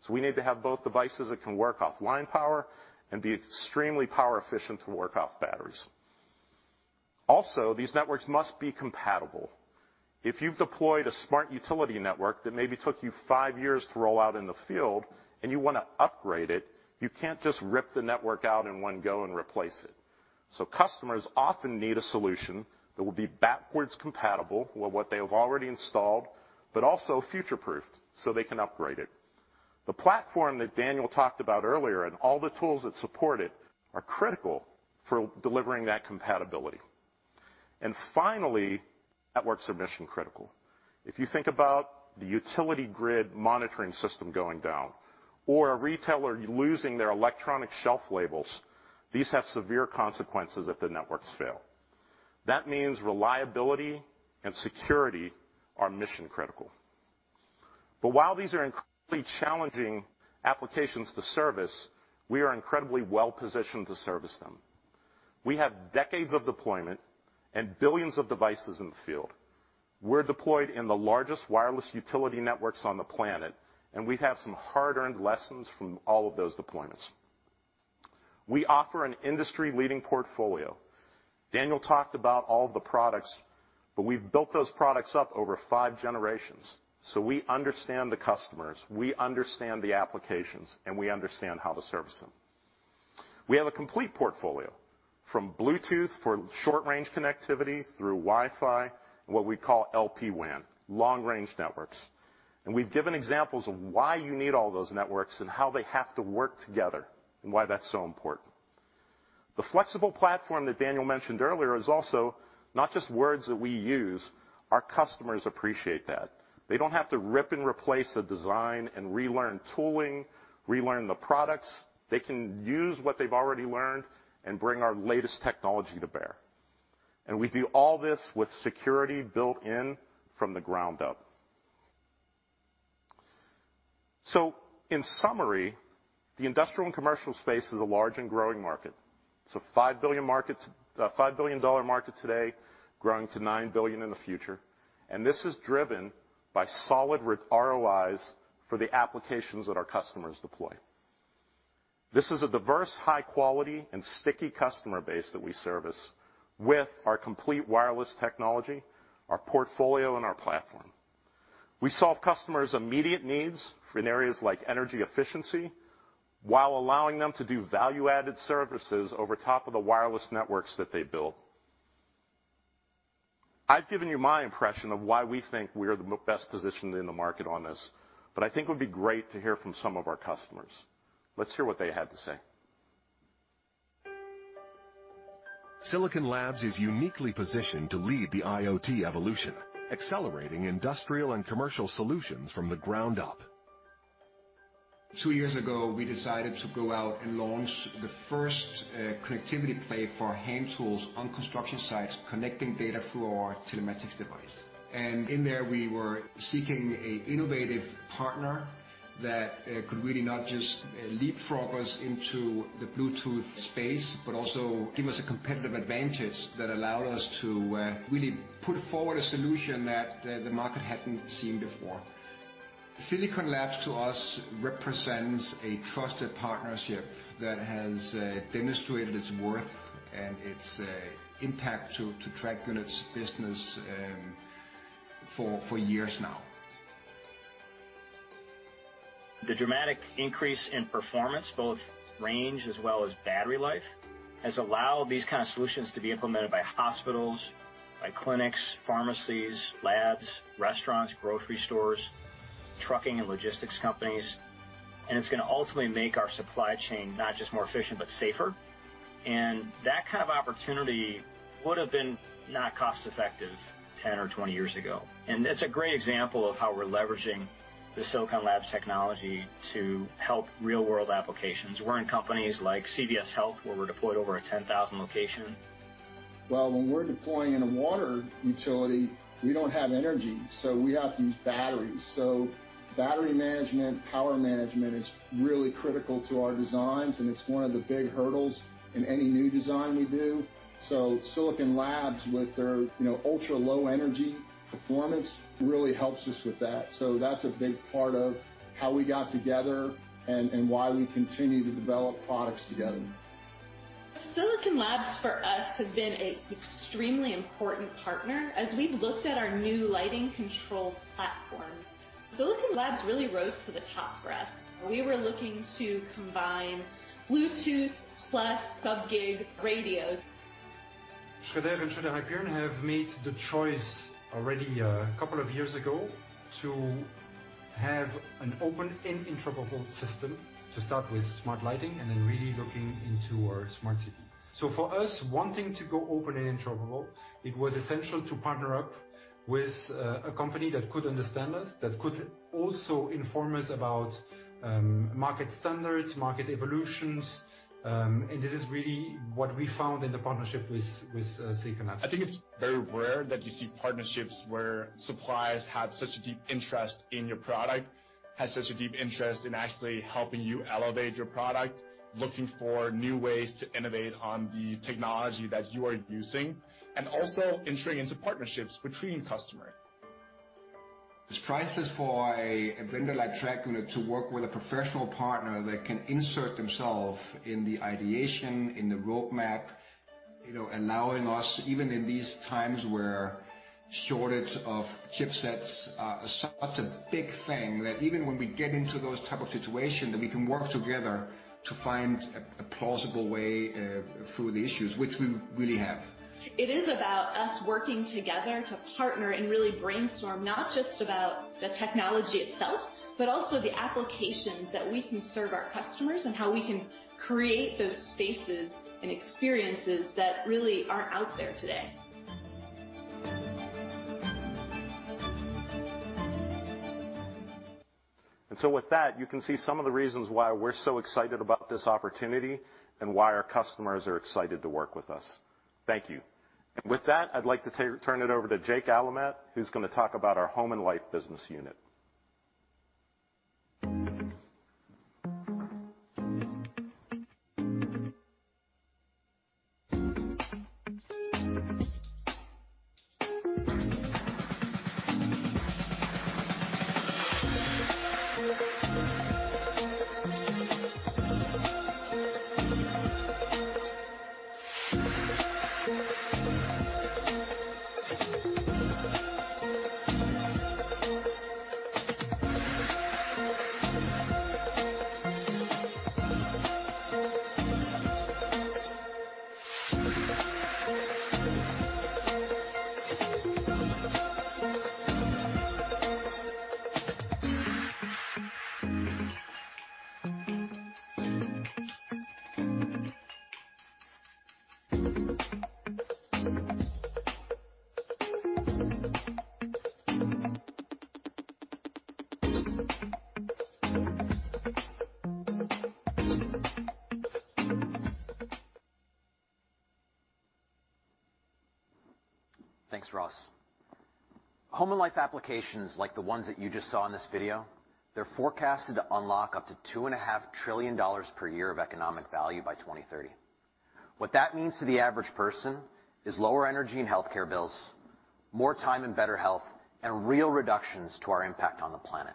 We need to have both devices that can work off line power and be extremely power efficient to work off batteries. Also, these networks must be compatible. If you've deployed a smart utility network that maybe took you five years to roll out in the field and you wanna upgrade it, you can't just rip the network out in one go and replace it. Customers often need a solution that will be backwards compatible with what they have already installed, but also future-proof so they can upgrade it. The platform that Daniel talked about earlier and all the tools that support it are critical for delivering that compatibility. Finally, networks are mission critical. If you think about the utility grid monitoring system going down or a retailer losing their electronic shelf labels, these have severe consequences if the networks fail. That means reliability and security are mission critical. While these are incredibly challenging applications to service, we are incredibly well positioned to service them. We have decades of deployment and billions of devices in the field. We're deployed in the largest wireless utility networks on the planet, and we have some hard-earned lessons from all of those deployments. We offer an industry-leading portfolio. Daniel talked about all the products, but we've built those products up over five generations. We understand the customers, we understand the applications, and we understand how to service them. We have a complete portfolio from Bluetooth for short-range connectivity through Wi-Fi and what we call LPWAN, long-range networks. We've given examples of why you need all those networks and how they have to work together and why that's so important. The flexible platform that Daniel mentioned earlier is also not just words that we use. Our customers appreciate that. They don't have to rip and replace the design and relearn tooling, relearn the products. They can use what they've already learned and bring our latest technology to bear. We do all this with security built in from the ground up. In summary, the industrial and commercial space is a large and growing market. It's a $5 billion market, $5 billion market today growing to $9 billion in the future. This is driven by solid ROIs for the applications that our customers deploy. This is a diverse, high quality and sticky customer base that we service with our complete wireless technology, our portfolio and our platform. We solve customers' immediate needs in areas like energy efficiency while allowing them to do value-added services over top of the wireless networks that they build. I've given you my impression of why we think we're the best positioned in the market on this, but I think it would be great to hear from some of our customers. Let's hear what they have to say. Silicon Labs is uniquely positioned to lead the IoT evolution, accelerating industrial and commercial solutions from the ground up. Two years ago, we decided to go out and launch the first connectivity play for hand tools on construction sites, connecting data through our telematics device. In there we were seeking a innovative partner that could really not just leapfrog us into the Bluetooth space, but also give us a competitive advantage that allowed us to really put forward a solution that the market hadn't seen before. Silicon Labs to us represents a trusted partnership that has demonstrated its worth and its impact to Trackunit's business for years now. The dramatic increase in performance, both range as well as battery life, has allowed these kind of solutions to be implemented by hospitals, by clinics, pharmacies, labs, restaurants, grocery stores, trucking and logistics companies. It's gonna ultimately make our supply chain not just more efficient but safer. That kind of opportunity would have been not cost-effective 10 or 20 years ago. It's a great example of how we're leveraging the Silicon Labs technology to help real-world applications. We're in companies like CVS Health, where we're deployed over 10,000 locations. Well, when we're deploying in a water utility, we don't have energy, so we have to use batteries. Battery management, power management is really critical to our designs, and it's one of the big hurdles in any new design we do. Silicon Labs with their, you know, ultra-low energy performance really helps us with that. That's a big part of how we got together and why we continue to develop products together. Silicon Labs for us has been an extremely important partner. As we've looked at our new lighting controls platforms, Silicon Labs really rose to the top for us. We were looking to combine Bluetooth plus sub-GHz radios. Schréder and Schréder Hyperion have made the choice already a couple of years ago to have an open and interoperable system to start with smart lighting and then really looking into our smart city. For us, wanting to go open and interoperable, it was essential to partner up with a company that could understand us, that could also inform us about market standards, market evolutions. This is really what we found in the partnership with Silicon Labs. I think it's very rare that you see partnerships where suppliers have such a deep interest in your product, have such a deep interest in actually helping you elevate your product, looking for new ways to innovate on the technology that you are using, and also entering into partnerships between customers. It's priceless for a vendor like Trackunit to work with a professional partner that can insert themselves in the ideation, in the roadmap, you know, allowing us even in these times where shortage of chipsets are such a big thing, that even when we get into those type of situations, that we can work together to find a plausible way through the issues which we really have. It is about us working together to partner and really brainstorm, not just about the technology itself, but also the applications that we can serve our customers and how we can create those spaces and experiences that really aren't out there today. With that, you can see some of the reasons why we're so excited about this opportunity and why our customers are excited to work with us. Thank you. With that, I'd like to turn it over to Jake Alamat, who's gonna talk about our home and life business unit. Thanks, Ross. Home and Life applications like the ones that you just saw in this video, they're forecasted to unlock up to $2.5 trillion per year of economic value by 2030. What that means to the average person is lower energy and healthcare bills, more time and better health, and real reductions to our impact on the planet.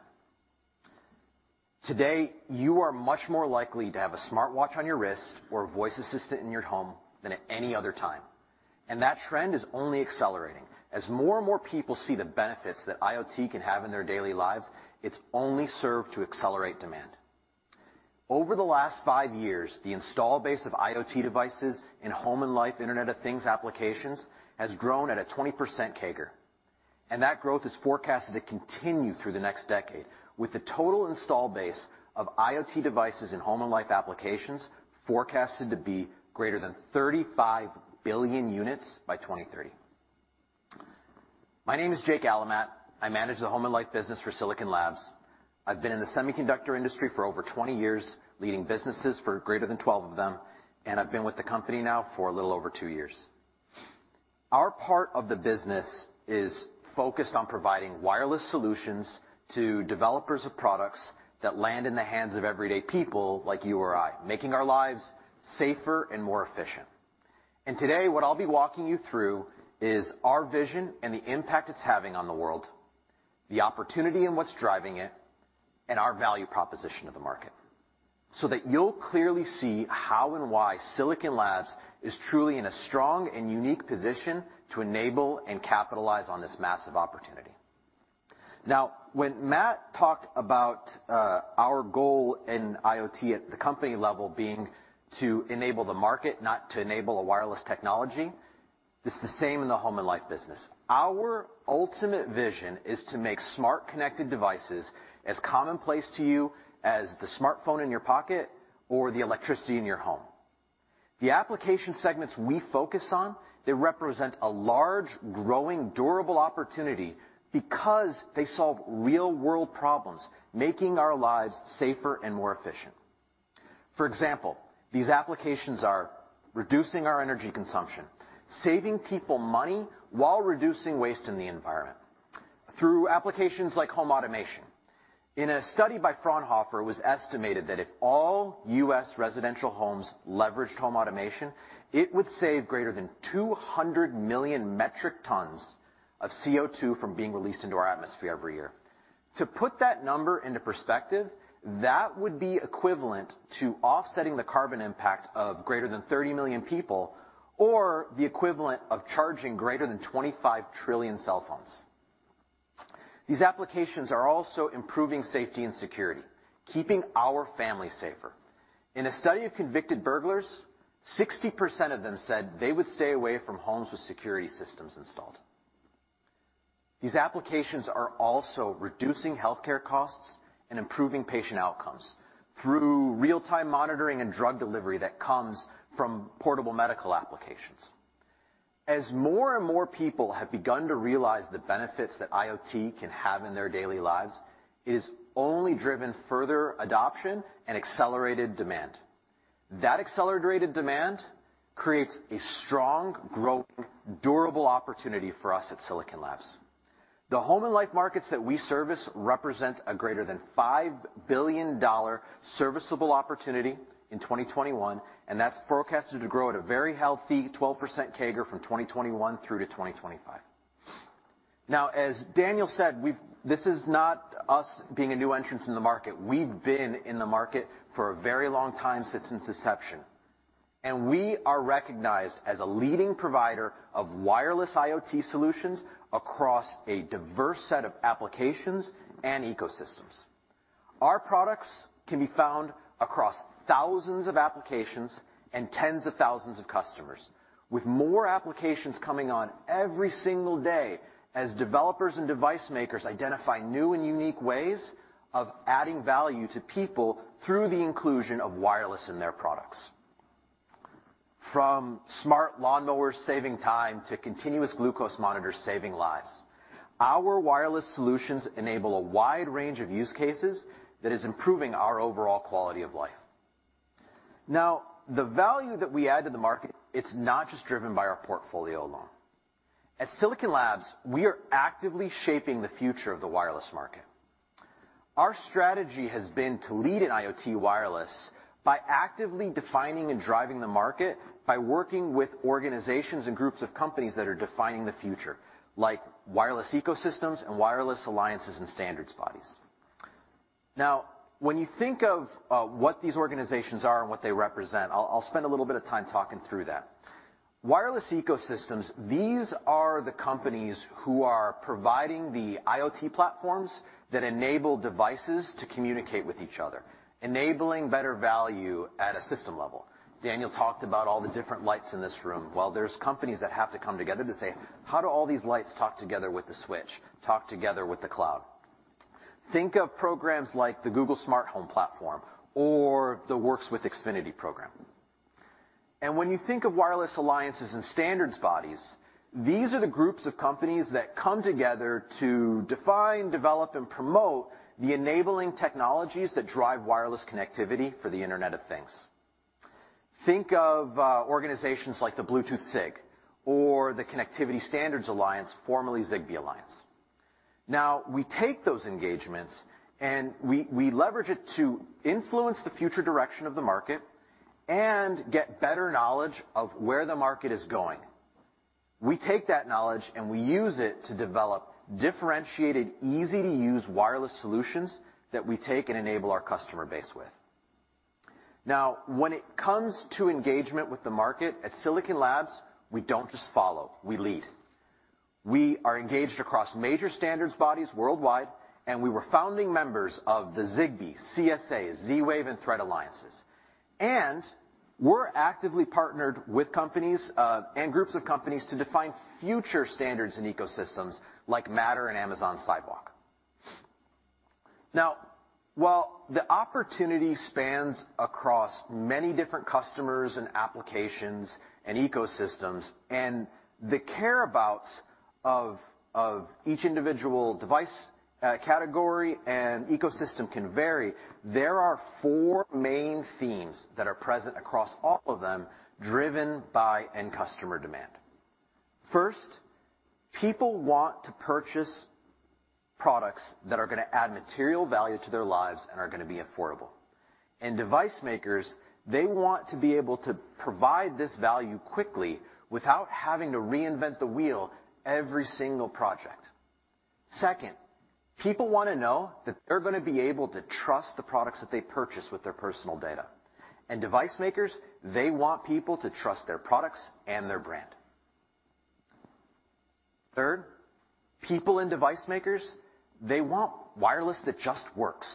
Today, you are much more likely to have a smartwatch on your wrist or a voice assistant in your home than at any other time. That trend is only accelerating. As more and more people see the benefits that IoT can have in their daily lives, it's only served to accelerate demand. Over the last 5 years, the install base of IoT devices in home and life Internet of Things applications has grown at a 20% CAGR, and that growth is forecasted to continue through the next decade with the total install base of IoT devices in home and life applications forecasted to be greater than 35 billion units by 2030. My name is Jake Alamat. I manage the home and life business for Silicon Labs. I've been in the semiconductor industry for over 20 years, leading businesses for greater than 12 of them, and I've been with the company now for a little over 2 years. Our part of the business is focused on providing wireless solutions to developers of products that land in the hands of everyday people like you or I, making our lives safer and more efficient. Today, what I'll be walking you through is our vision and the impact it's having on the world, the opportunity and what's driving it, and our value proposition to the market, so that you'll clearly see how and why Silicon Labs is truly in a strong and unique position to enable and capitalize on this massive opportunity. Now, when Matt talked about our goal in IoT at the company level being to enable the market, not to enable a wireless technology, it's the same in the home and life business. Our ultimate vision is to make smart, connected devices as commonplace to you as the smartphone in your pocket or the electricity in your home. The application segments we focus on, they represent a large, growing, durable opportunity because they solve real-world problems, making our lives safer and more efficient. For example, these applications are reducing our energy consumption, saving people money while reducing waste in the environment through applications like home automation. In a study by Fraunhofer, it was estimated that if all U.S. residential homes leveraged home automation, it would save greater than 200 million metric tons of CO2 from being released into our atmosphere every year. To put that number into perspective, that would be equivalent to offsetting the carbon impact of greater than 30 million people, or the equivalent of charging greater than 25 trillion cell phones. These applications are also improving safety and security, keeping our family safer. In a study of convicted burglars, 60% of them said they would stay away from homes with security systems installed. These applications are also reducing healthcare costs and improving patient outcomes through real-time monitoring and drug delivery that comes from portable medical applications. As more and more people have begun to realize the benefits that IoT can have in their daily lives, it has only driven further adoption and accelerated demand. That accelerated demand creates a strong, growing, durable opportunity for us at Silicon Labs. The home and life markets that we service represent a greater than $5 billion serviceable opportunity in 2021, and that's forecasted to grow at a very healthy 12% CAGR from 2021 through to 2025. Now, as Daniel said, this is not us being a new entrant in the market. We've been in the market for a very long time, since its inception. We are recognized as a leading provider of wireless IoT solutions across a diverse set of applications and ecosystems. Our products can be found across thousands of applications and tens of thousands of customers, with more applications coming on every single day as developers and device makers identify new and unique ways of adding value to people through the inclusion of wireless in their products. From smart lawnmowers saving time to continuous glucose monitors saving lives, our wireless solutions enable a wide range of use cases that is improving our overall quality of life. Now, the value that we add to the market, it's not just driven by our portfolio alone. At Silicon Labs, we are actively shaping the future of the wireless market. Our strategy has been to lead in IoT wireless by actively defining and driving the market by working with organizations and groups of companies that are defining the future, like wireless ecosystems and wireless alliances and standards bodies. Now, when you think of what these organizations are and what they represent, I'll spend a little bit of time talking through that. Wireless ecosystems, these are the companies who are providing the IoT platforms that enable devices to communicate with each other, enabling better value at a system level. Daniel talked about all the different lights in this room. Well, there's companies that have to come together to say, "How do all these lights talk together with the switch, talk together with the cloud?" Think of programs like the Google Home platform or the Works with Xfinity program. When you think of wireless alliances and standards bodies, these are the groups of companies that come together to define, develop, and promote the enabling technologies that drive wireless connectivity for the Internet of Things. Think of organizations like the Bluetooth SIG or the Connectivity Standards Alliance, formerly Zigbee Alliance. Now, we take those engagements, and we leverage it to influence the future direction of the market and get better knowledge of where the market is going. We take that knowledge, and we use it to develop differentiated, easy-to-use wireless solutions that we take and enable our customer base with. Now, when it comes to engagement with the market, at Silicon Labs, we don't just follow, we lead. We are engaged across major standards bodies worldwide, and we were founding members of the Zigbee, CSA, Z-Wave, and Thread Alliances. We're actively partnered with companies and groups of companies to define future standards and ecosystems like Matter and Amazon Sidewalk. Now, while the opportunity spans across many different customers and applications and ecosystems, and the care abouts of each individual device category and ecosystem can vary, there are four main themes that are present across all of them, driven by end customer demand. First, people want to purchase products that are gonna add material value to their lives and are gonna be affordable. Device makers, they want to be able to provide this value quickly without having to reinvent the wheel every single project. Second, people wanna know that they're gonna be able to trust the products that they purchase with their personal data. Device makers, they want people to trust their products and their brand. Third, people and device makers, they want wireless that just works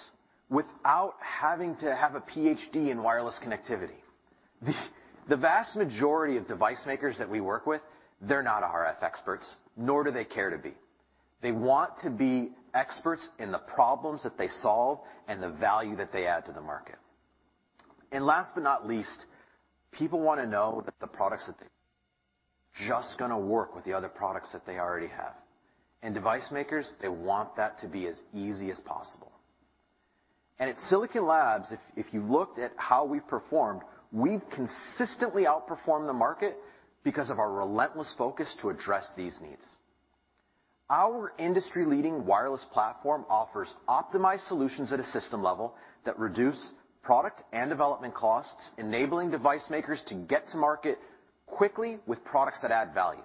without having to have a PhD in wireless connectivity. The vast majority of device makers that we work with, they're not RF experts, nor do they care to be. They want to be experts in the problems that they solve and the value that they add to the market. Last but not least, people wanna know that the products that they just gonna work with the other products that they already have. Device makers, they want that to be as easy as possible. At Silicon Labs, if you looked at how we performed, we've consistently outperformed the market because of our relentless focus to address these needs. Our industry-leading wireless platform offers optimized solutions at a system level that reduce product and development costs, enabling device makers to get to market quickly with products that add value.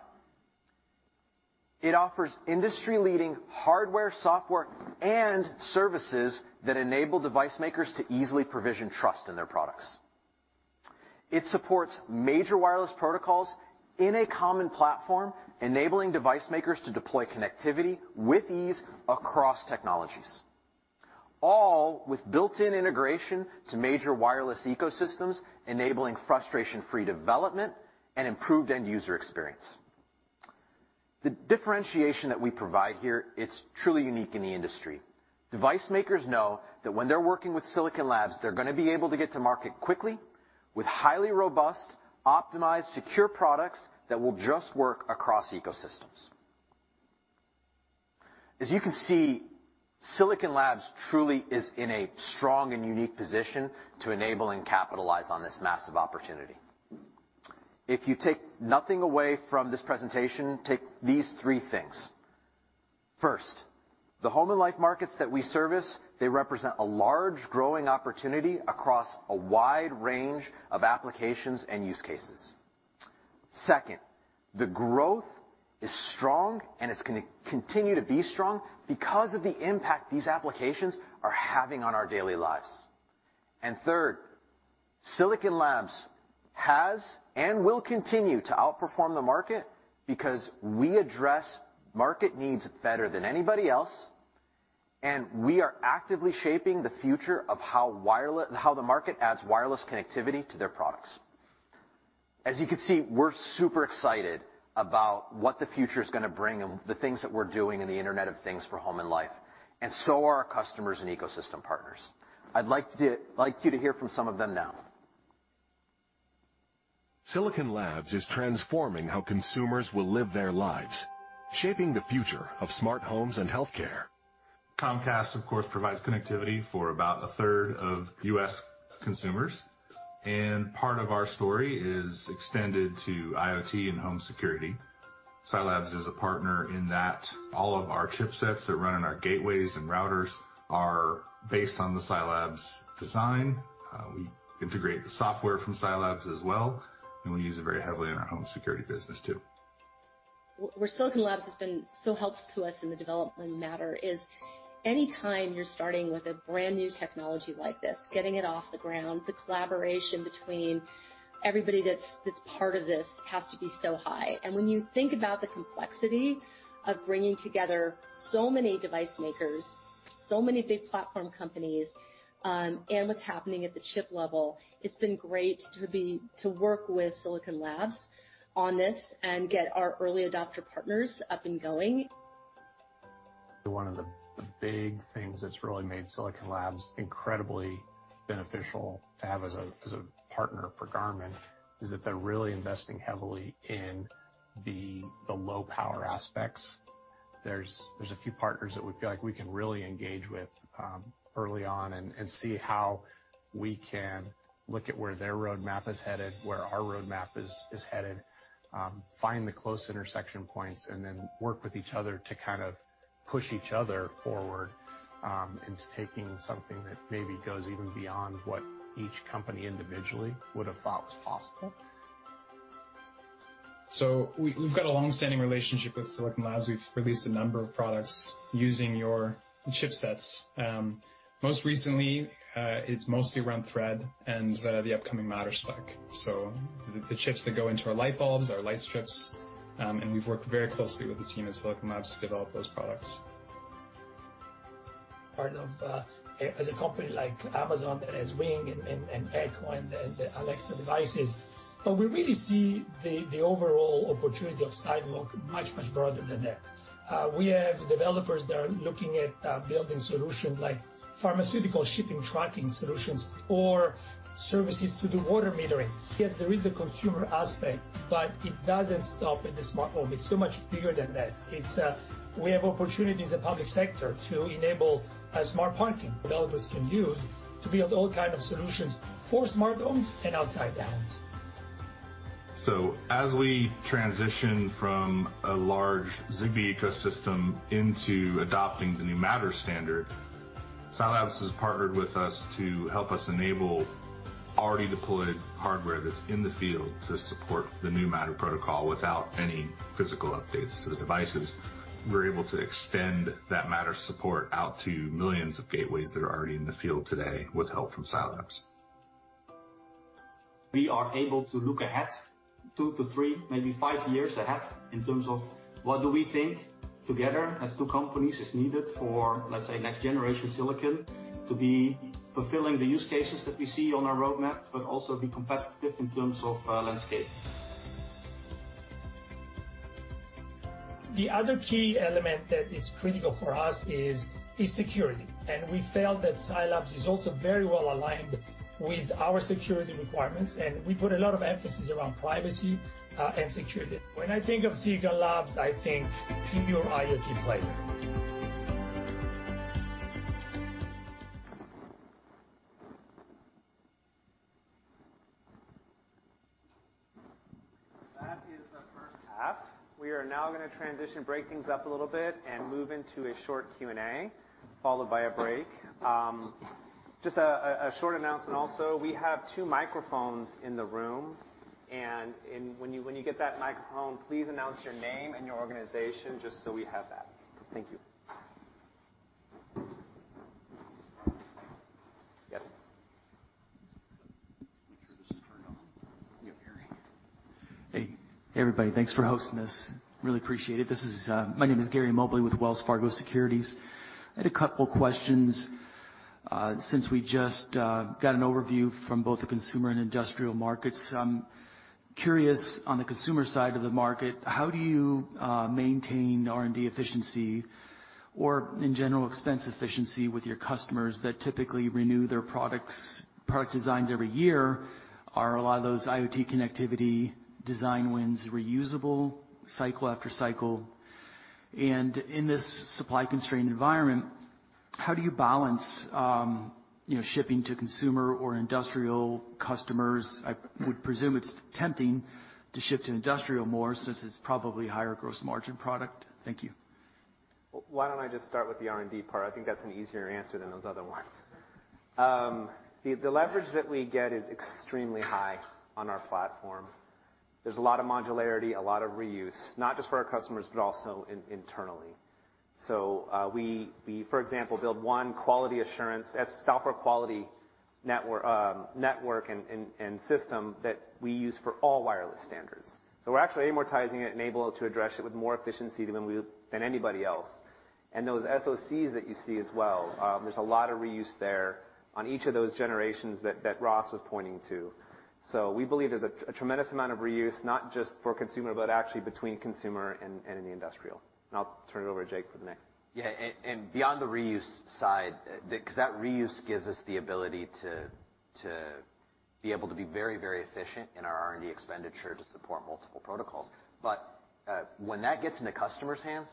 It offers industry-leading hardware, software and services that enable device makers to easily provision trust in their products. It supports major wireless protocols in a common platform, enabling device makers to deploy connectivity with ease across technologies, all with built-in integration to major wireless ecosystems, enabling frustration-free development and improved end-user experience. The differentiation that we provide here, it's truly unique in the industry. Device makers know that when they're working with Silicon Labs, they're gonna be able to get to market quickly with highly robust, optimized, secure products that will just work across ecosystems. As you can see, Silicon Labs truly is in a strong and unique position to enable and capitalize on this massive opportunity. If you take nothing away from this presentation, take these three things. First, the home and life markets that we service, they represent a large growing opportunity across a wide range of applications and use cases. Second, the growth is strong, and it's gonna continue to be strong because of the impact these applications are having on our daily lives. Third, Silicon Labs has, and will continue, to outperform the market because we address market needs better than anybody else, and we are actively shaping the future of how the market adds wireless connectivity to their products. As you can see, we're super excited about what the future's gonna bring and the things that we're doing in the Internet of Things for home and life, and so are our customers and ecosystem partners. I'd like you to hear from some of them now. Silicon Labs is transforming how consumers will live their lives, shaping the future of smart homes and healthcare. Comcast, of course, provides connectivity for about a third of U.S. consumers, and part of our story is extended to IoT and home security. Silicon Labs is a partner in that. All of our chipsets that run in our gateways and routers are based on the Silicon Labs design. We integrate the software from Silicon Labs as well, and we use it very heavily in our home security business too. Where Silicon Labs has been so helpful to us in the development of Matter is any time you're starting with a brand-new technology like this, getting it off the ground, the collaboration between everybody that's part of this has to be so high. When you think about the complexity of bringing together so many device makers, so many big platform companies, and what's happening at the chip level, it's been great to work with Silicon Labs on this and get our early adopter partners up and going. One of the big things that's really made Silicon Labs incredibly beneficial to have as a partner for Garmin is that they're really investing heavily in the low-power aspects. There's a few partners that we feel like we can really engage with early on and see how we can look at where their roadmap is headed, where our roadmap is headed, find the close intersection points, and then work with each other to kind of push each other forward into taking something that maybe goes even beyond what each company individually would have thought was possible. We've got a long-standing relationship with Silicon Labs. We've released a number of products using your chipsets. Most recently, it's mostly around Thread and the upcoming Matter spec, so the chips that go into our light bulbs, our light strips, and we've worked very closely with the team at Silicon Labs to develop those products. Part of as a company like Amazon that has Ring and Echo and the Alexa devices, but we really see the overall opportunity of Sidewalk much broader than that. We have developers that are looking at building solutions like pharmaceutical shipping tracking solutions or services to do water metering. Yes, there is the consumer aspect, but it doesn't stop at the smart home. It's so much bigger than that. We have opportunities in public sector to enable smart parking. Developers can use to build all kind of solutions for smart homes and outside the homes. As we transition from a large Zigbee ecosystem into adopting the new Matter standard, Silicon Labs has partnered with us to help us enable already deployed hardware that's in the field to support the new Matter protocol without any physical updates to the devices. We're able to extend that Matter support out to millions of gateways that are already in the field today with help from Silicon Labs. We are able to look ahead 2-3, maybe 5 years ahead in terms of what do we think together as two companies is needed for, let's say, next generation silicon to be fulfilling the use cases that we see on our roadmap, but also be competitive in terms of landscape. The other key element that is critical for us is security. We felt that Silicon Labs is also very well aligned with our security requirements, and we put a lot of emphasis around privacy, and security. When I think of Silicon Labs, I think pure IoT play. That is the first half. We are now gonna transition, break things up a little bit, and move into a short Q&A, followed by a break. Just a short announcement also. We have two microphones in the room, and when you get that microphone, please announce your name and your organization just so we have that. Thank you. Yes. Make sure this is turned on. Yeah, Gary. Hey. Hey, everybody. Thanks for hosting this. Really appreciate it. This is my name is Gary Mobley with Wells Fargo Securities. I had a couple questions. Since we just got an overview from both the consumer and industrial markets, I'm curious, on the consumer side of the market, how do you maintain R&D efficiency or in general expense efficiency with your customers that typically renew their products, product designs every year? Are a lot of those IoT connectivity design wins reusable cycle after cycle? In this supply constrained environment, how do you balance, you know, shipping to consumer or industrial customers? I would presume it's tempting to ship to industrial more since it's probably higher gross margin product. Thank you. Why don't I just start with the R&D part? I think that's an easier answer than those other ones. The leverage that we get is extremely high on our platform. There's a lot of modularity, a lot of reuse, not just for our customers, but also internally. We for example build one quality assurance and software quality network and system that we use for all wireless standards. We're actually amortizing it, enabling it to address it with more efficiency than anybody else. Those SoCs that you see as well, there's a lot of reuse there on each of those generations that Ross was pointing to. We believe there's a tremendous amount of reuse, not just for consumer, but actually between consumer and in the industrial. I'll turn it over to Jake for the next. Yeah. And beyond the reuse side, 'cause that reuse gives us the ability to be able to be very, very efficient in our R&D expenditure to support multiple protocols. But when that gets into customers' hands,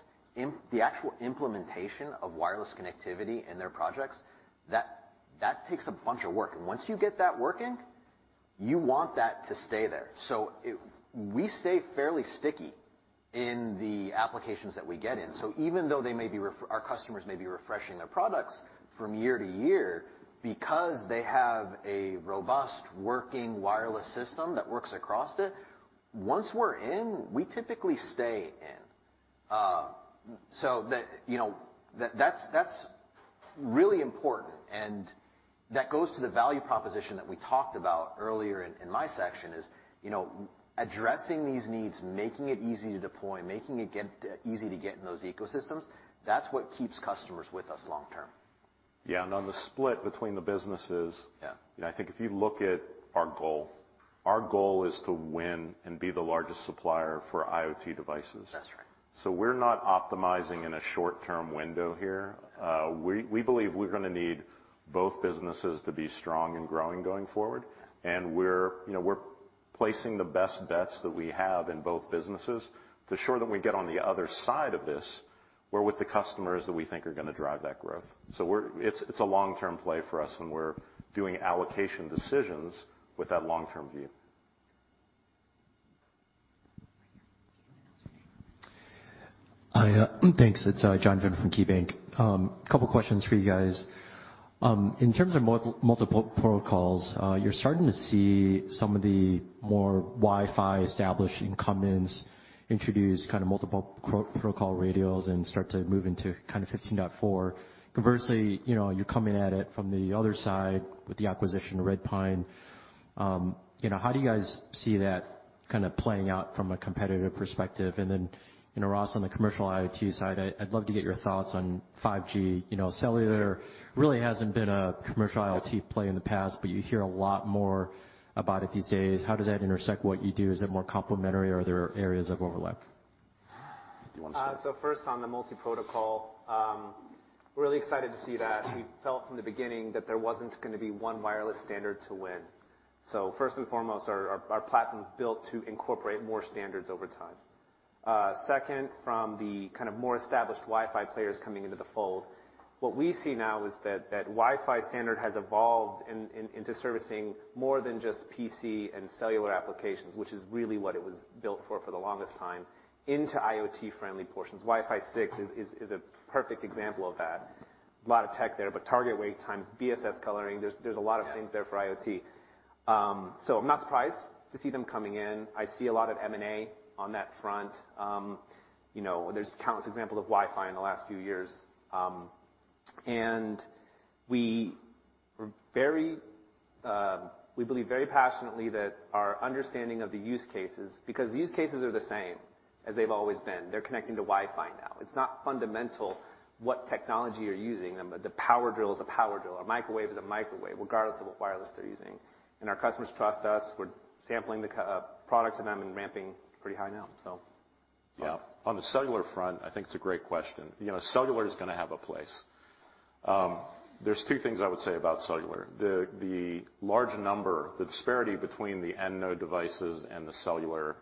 the actual implementation of wireless connectivity in their projects, that takes a bunch of work. Once you get that working, you want that to stay there. We stay fairly sticky in the applications that we get in. Even though our customers may be refreshing their products from year to year, because they have a robust working wireless system that works across it, once we're in, we typically stay in. That you know that's really important, and that goes to the value proposition that we talked about earlier in my section is you know addressing these needs, making it easy to deploy, making it easy to get in those ecosystems. That's what keeps customers with us long term. Yeah. On the split between the businesses- Yeah. You know, I think if you look at our goal, our goal is to win and be the largest supplier for IoT devices. That's right. We're not optimizing in a short-term window here. We believe we're gonna need both businesses to be strong and growing going forward. We're placing the best bets that we have in both businesses to ensure that we get on the other side of this. We're with the customers that we think are gonna drive that growth. It's a long-term play for us, and we're doing allocation decisions with that long-term view. Right here. Do you wanna announce your name? Hi. Thanks. It's John Vinh from KeyBanc. Couple questions for you guys. In terms of multiple protocols, you're starting to see some of the more Wi-Fi established incumbents introduce kind of multiple protocol radios and start to move into kind of 802.15.4. Conversely, you know, you're coming at it from the other side with the acquisition of Redpine. You know, how do you guys see that kinda playing out from a competitive perspective? Then, you know, Ross, on the commercial IoT side, I'd love to get your thoughts on 5G. You know, cellular really hasn't been a commercial IoT play in the past, but you hear a lot more about it these days. How does that intersect what you do? Is it more complementary, or are there areas of overlap? Do you wanna start? First on the multi-protocol, we're really excited to see that. We felt from the beginning that there wasn't gonna be one wireless standard to win. First and foremost, our platform's built to incorporate more standards over time. Second, from the kind of more established Wi-Fi players coming into the fold. What we see now is that Wi-Fi standard has evolved into servicing more than just PC and cellular applications, which is really what it was built for the longest time, into IoT-friendly portions. Wi-Fi 6 is a perfect example of that. A lot of tech there, but Target Wake Time, BSS coloring. There's a lot of things there for IoT. I'm not surprised to see them coming in. I see a lot of M&A on that front. You know, there's countless examples of Wi-Fi in the last few years. We believe very passionately that our understanding of the use cases, because use cases are the same as they've always been. They're connecting to Wi-Fi now. It's not fundamental what technology you're using. The power drill is a power drill. A microwave is a microwave, regardless of what wireless they're using. Our customers trust us. We're sampling the xG products for them and ramping pretty high now. Yeah. On the cellular front, I think it's a great question. You know, cellular is gonna have a place. There's two things I would say about cellular. The large number, the disparity between the end node devices and the cellular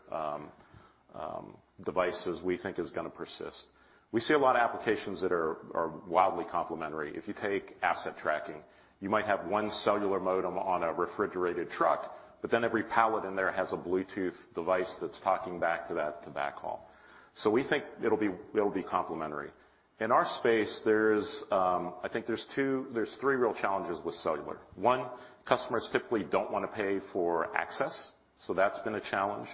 devices, we think is gonna persist. We see a lot of applications that are wildly complementary. If you take asset tracking, you might have one cellular modem on a refrigerated truck, but then every pallet in there has a Bluetooth device that's talking back to that to backhaul. We think it'll be complementary. In our space, there's three real challenges with cellular. One, customers typically don't wanna pay for access, so that's been a challenge.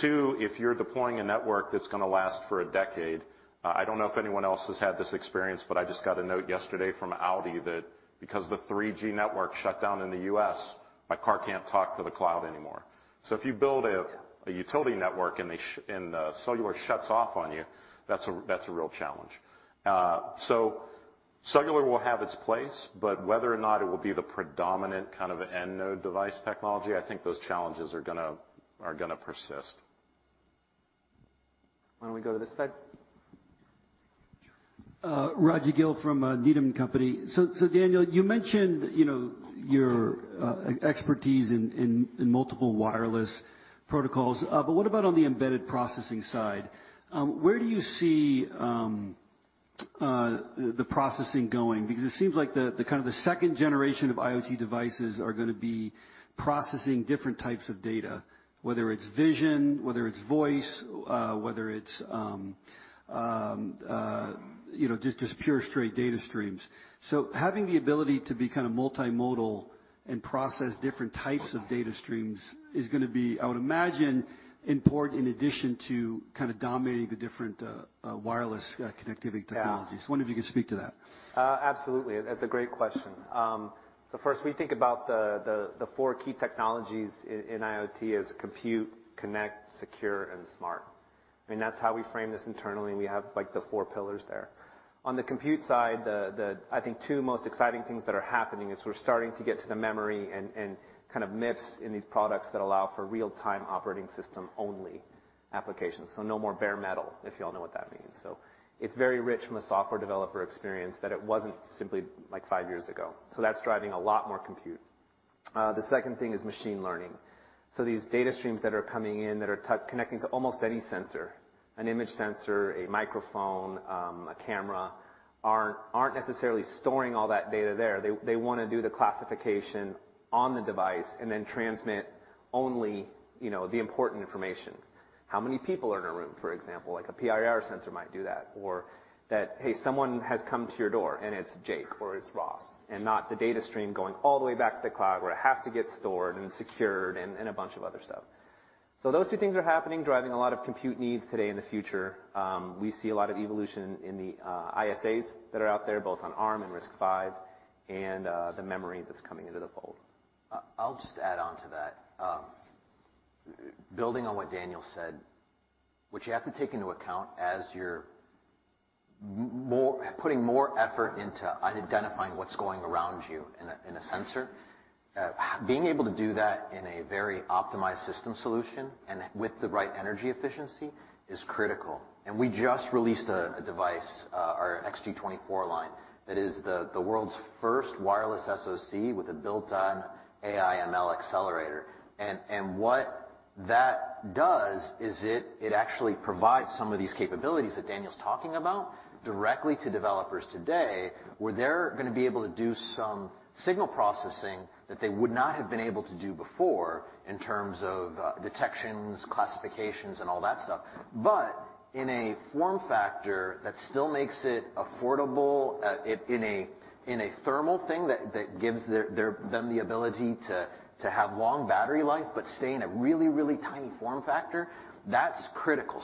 Two, if you're deploying a network that's gonna last for a decade, I don't know if anyone else has had this experience, but I just got a note yesterday from Audi that because the 3G network shut down in the U.S., my car can't talk to the cloud anymore. If you build a Yeah a utility network and the cellular shuts off on you, that's a real challenge. Cellular will have its place, but whether or not it will be the predominant kind of end node device technology, I think those challenges are gonna persist. Why don't we go to this side? Rajvindra Gill from Needham & Company. Daniel, you mentioned, you know, your expertise in multiple wireless protocols. What about on the embedded processing side? Where do you see the processing going? Because it seems like the kind of the second generation of IoT devices are gonna be processing different types of data, whether it's vision, whether it's voice, whether it's you know, just pure straight data streams. Having the ability to be kind of multimodal and process different types of data streams is gonna be, I would imagine, important in addition to kind of dominating the different wireless connectivity technologies. Yeah. I was wondering if you could speak to that. Absolutely. That's a great question. So first we think about the four key technologies in IoT: compute, connect, secure, and smart. I mean, that's how we frame this internally, and we have, like, the four pillars there. On the compute side, I think two most exciting things that are happening is we're starting to get to the memory and kind of MIPS in these products that allow for real-time operating system only applications. So no more bare metal, if you all know what that means. So it's very rich from a software developer experience that it wasn't simply like five years ago. So that's driving a lot more compute. The second thing is machine learning. These data streams that are coming in that are connecting to almost any sensor, an image sensor, a microphone, a camera, aren't necessarily storing all that data there. They wanna do the classification on the device and then transmit only, you know, the important information. How many people are in a room, for example, like a PIR sensor might do that. Or that, hey, someone has come to your door and it's Jake or it's Ross, and not the data stream going all the way back to the cloud where it has to get stored and secured and a bunch of other stuff. Those two things are happening, driving a lot of compute needs today and the future. We see a lot of evolution in the ISAs that are out there, both on Arm and RISC-V, and the memory that's coming into the fold. I'll just add on to that. Building on what Daniel said, what you have to take into account as you're putting more effort into identifying what's going around you in a sensor, being able to do that in a very optimized system solution and with the right energy efficiency is critical. We just released a device, our XG24 line, that is the world's first wireless SoC with a built-in AI ML accelerator. What that does is it actually provides some of these capabilities that Daniel's talking about directly to developers today, where they're gonna be able to do some signal processing that they would not have been able to do before in terms of detections, classifications, and all that stuff. In a form factor that still makes it affordable, in a thermal thing that gives them the ability to have long battery life but stay in a really tiny form factor, that's critical.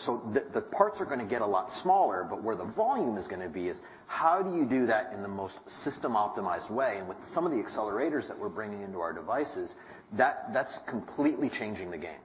The parts are gonna get a lot smaller, but where the volume is gonna be is how do you do that in the most system-optimized way? With some of the accelerators that we're bringing into our devices, that's completely changing the game.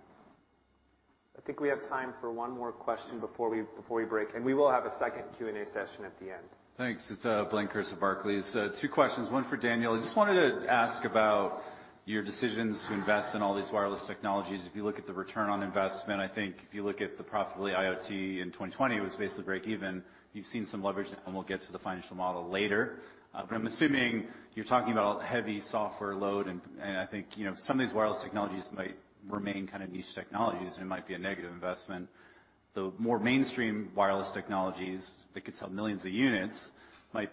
I think we have time for one more question before we break, and we will have a second Q&A session at the end. Thanks. It's Blayne Curtis of Barclays. Two questions. One for Daniel. I just wanted to ask about your decisions to invest in all these wireless technologies. If you look at the return on investment, I think if you look at the profitability of IoT in 2020, it was basically break even. You've seen some leverage, and we'll get to the financial model later. I'm assuming you're talking about heavy software load and I think, you know, some of these wireless technologies might remain kind of niche technologies and it might be a negative investment. The more mainstream wireless technologies that could sell millions of units,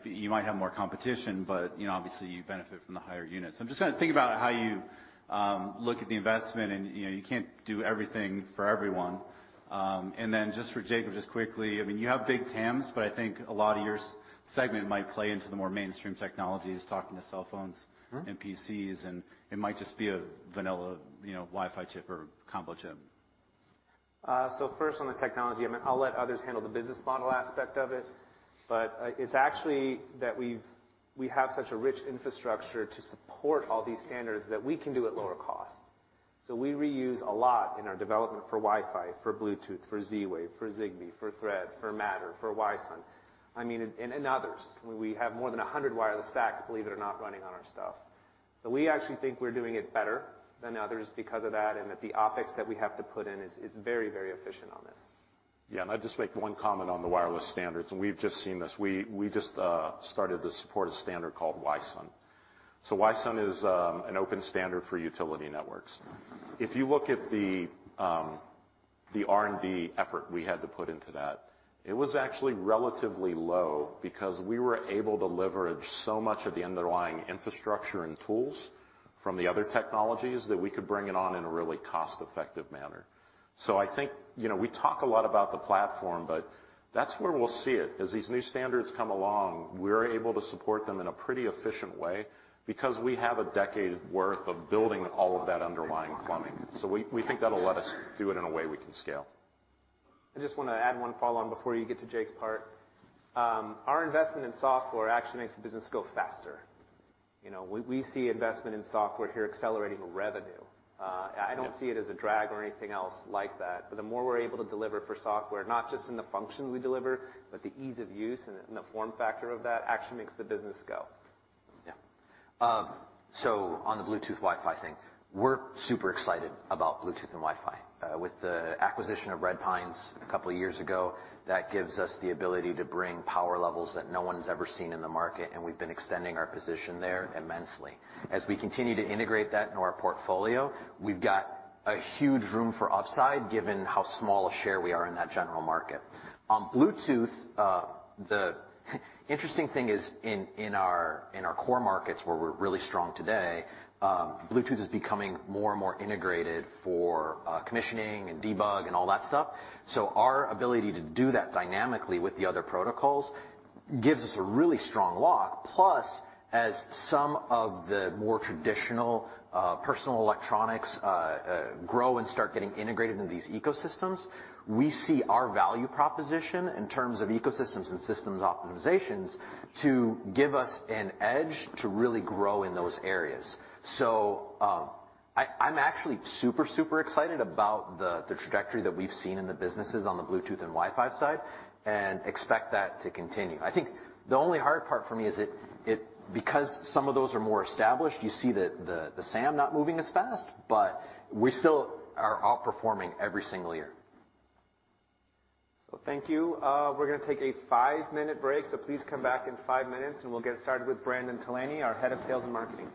you might have more competition, but you know, obviously you benefit from the higher units. I'm just trying to think about how you look at the investment and, you know, you can't do everything for everyone. Just for Jake, just quickly, I mean, you have big TAMs, but I think a lot of your segment might play into the more mainstream technologies, talking to cell phones and PCs, and it might just be a vanilla, you know, Wi-Fi chip or combo chip. First on the technology, I mean, I'll let others handle the business model aspect of it, but, it's actually that we have such a rich infrastructure to support all these standards that we can do at lower cost. We reuse a lot in our development for Wi-Fi, for Bluetooth, for Z-Wave, for Zigbee, for Thread, for Matter, for Wi-SUN, I mean, and others. We have more than 100 wireless stacks, believe it or not, running on our stuff. We actually think we're doing it better than others because of that, and that the OpEx that we have to put in is very, very efficient on this. Yeah. I'd just make one comment on the wireless standards, and we've just seen this. We just started to support a standard called Wi-SUN. Wi-SUN is an open standard for utility networks. If you look at the R&D effort we had to put into that, it was actually relatively low because we were able to leverage so much of the underlying infrastructure and tools from the other technologies that we could bring it on in a really cost-effective manner. I think, you know, we talk a lot about the platform, but that's where we'll see it. As these new standards come along, we're able to support them in a pretty efficient way because we have a decade worth of building all of that underlying plumbing. We think that'll let us do it in a way we can scale. I just wanna add one follow on before you get to Jake's part. Our investment in software actually makes the business go faster. You know, we see investment in software here accelerating revenue. I don't see it as a drag or anything else like that, but the more we're able to deliver for software, not just in the function we deliver, but the ease of use and the form factor of that actually makes the business go. Yeah. On the Bluetooth Wi-Fi thing, we're super excited about Bluetooth and Wi-Fi. With the acquisition of Redpine Signals a couple of years ago, that gives us the ability to bring power levels that no one's ever seen in the market, and we've been extending our position there immensely. As we continue to integrate that into our portfolio, we've got a huge room for upside, given how small a share we are in that general market. On Bluetooth, the interesting thing is in our core markets where we're really strong today, Bluetooth is becoming more and more integrated for commissioning and debug and all that stuff. Our ability to do that dynamically with the other protocols gives us a really strong lock. As some of the more traditional personal electronics grow and start getting integrated into these ecosystems, we see our value proposition in terms of ecosystems and systems optimizations to give us an edge to really grow in those areas. I'm actually super excited about the trajectory that we've seen in the businesses on the Bluetooth and Wi-Fi side and expect that to continue. I think the only hard part for me is it because some of those are more established, you see the SAM not moving as fast, but we still are outperforming every single year. Thank you. We're gonna take a five-minute break, so please come back in five minutes, and we'll get started with Brandon Tolany, our head of sales and marketing.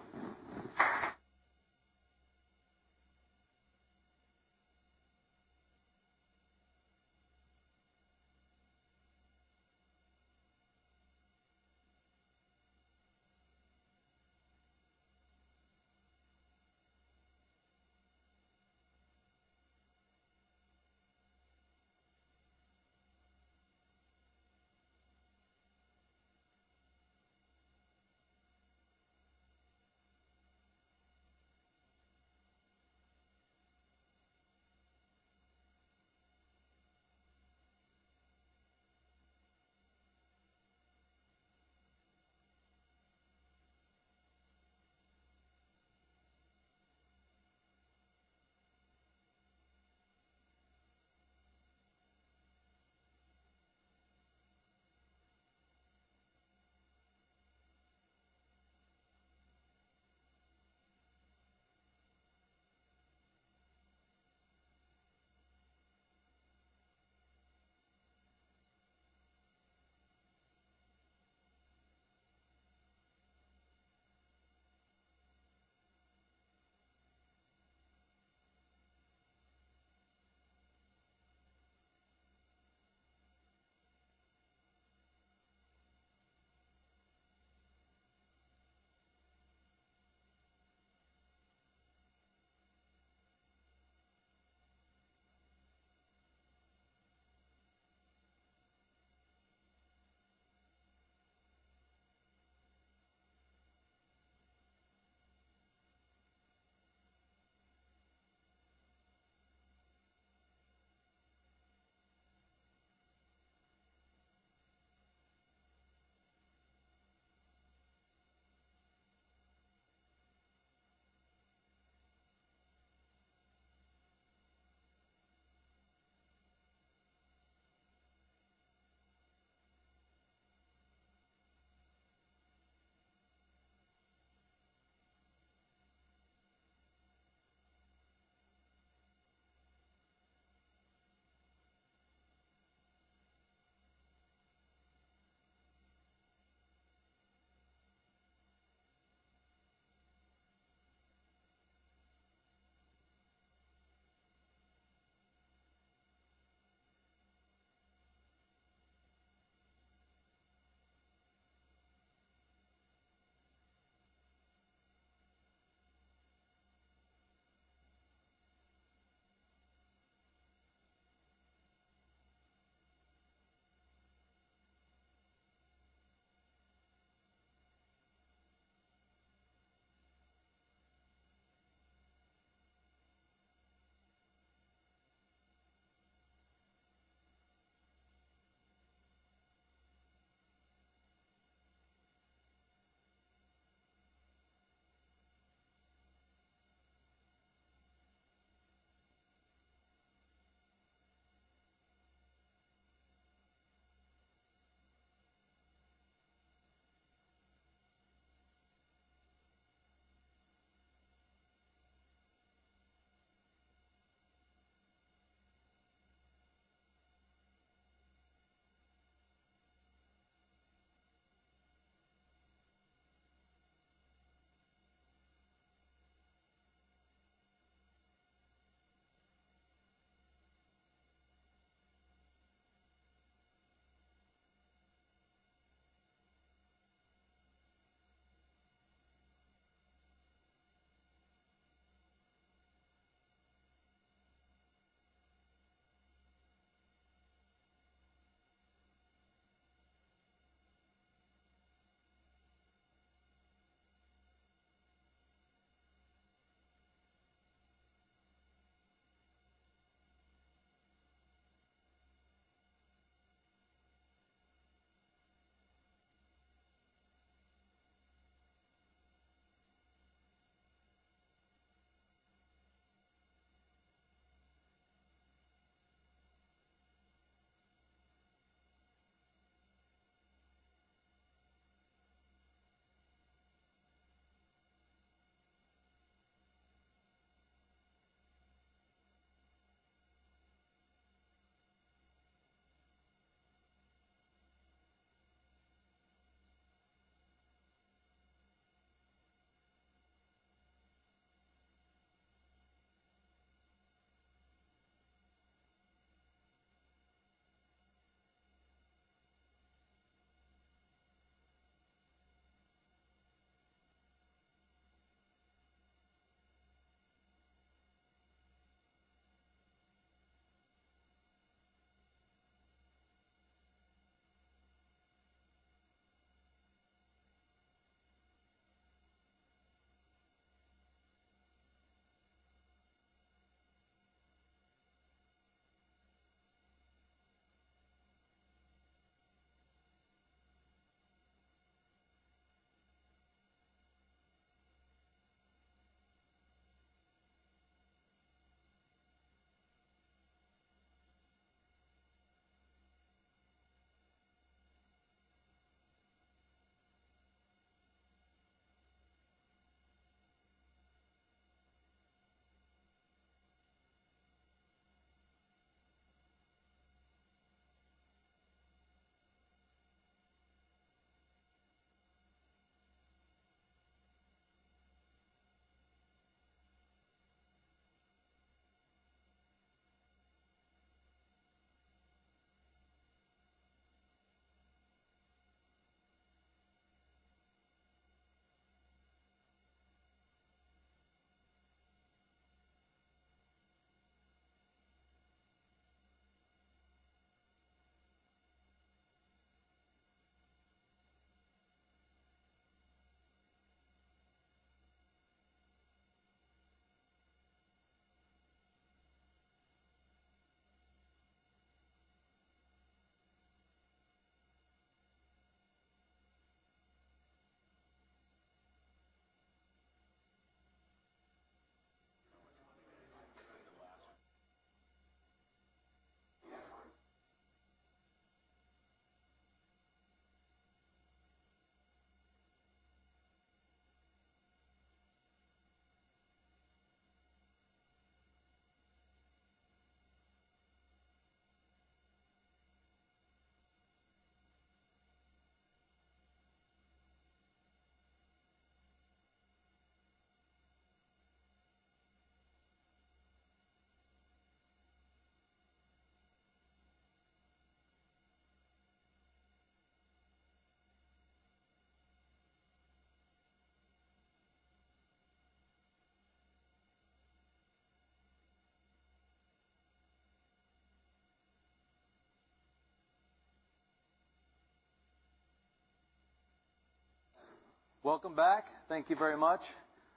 Welcome back. Thank you very much.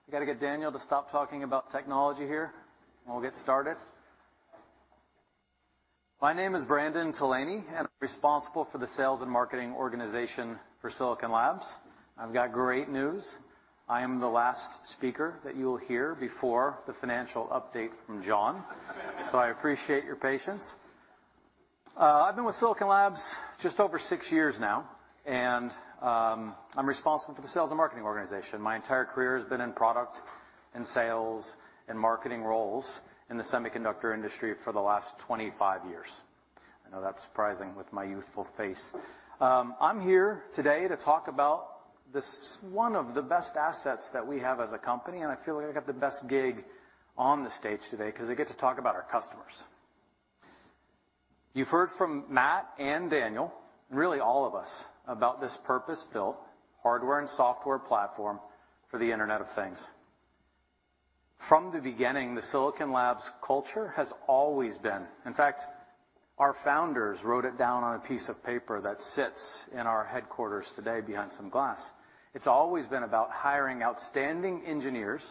I gotta get Daniel to stop talking about technology here, and we'll get started. My name is Brandon Tolany, and I'm responsible for the sales and marketing organization for Silicon Labs. I've got great news. I am the last speaker that you'll hear before the financial update from John. I appreciate your patience. I've been with Silicon Labs just over six years now, and I'm responsible for the sales and marketing organization. My entire career has been in product and sales and marketing roles in the semiconductor industry for the last 25 years. I know that's surprising with my youthful face. I'm here today to talk about this, one of the best assets that we have as a company, and I feel like I got the best gig on the stage today 'cause I get to talk about our customers. You've heard from Matt and Daniel, really all of us, about this purpose-built hardware and software platform for the Internet of Things. From the beginning, the Silicon Labs culture has always been. In fact, our founders wrote it down on a piece of paper that sits in our headquarters today behind some glass. It's always been about hiring outstanding engineers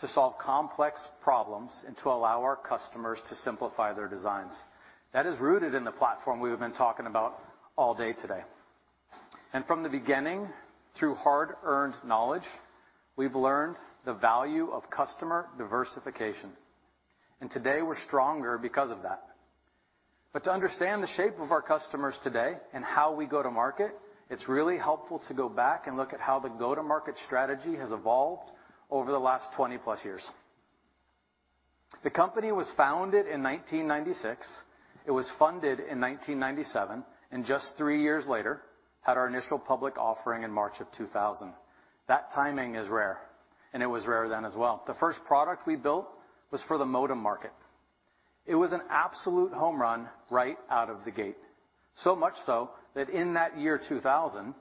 to solve complex problems and to allow our customers to simplify their designs. That is rooted in the platform we have been talking about all day today. From the beginning, through hard-earned knowledge, we've learned the value of customer diversification. Today we're stronger because of that. To understand the shape of our customers today and how we go to market, it's really helpful to go back and look at how the go-to-market strategy has evolved over the last 20-plus years. The company was founded in 1996. It was funded in 1997, and just three years later, had our initial public offering in March 2000. That timing is rare, and it was rare then as well. The first product we built was for the modem market. It was an absolute home run right out of the gate. So much so that in that year, 2000,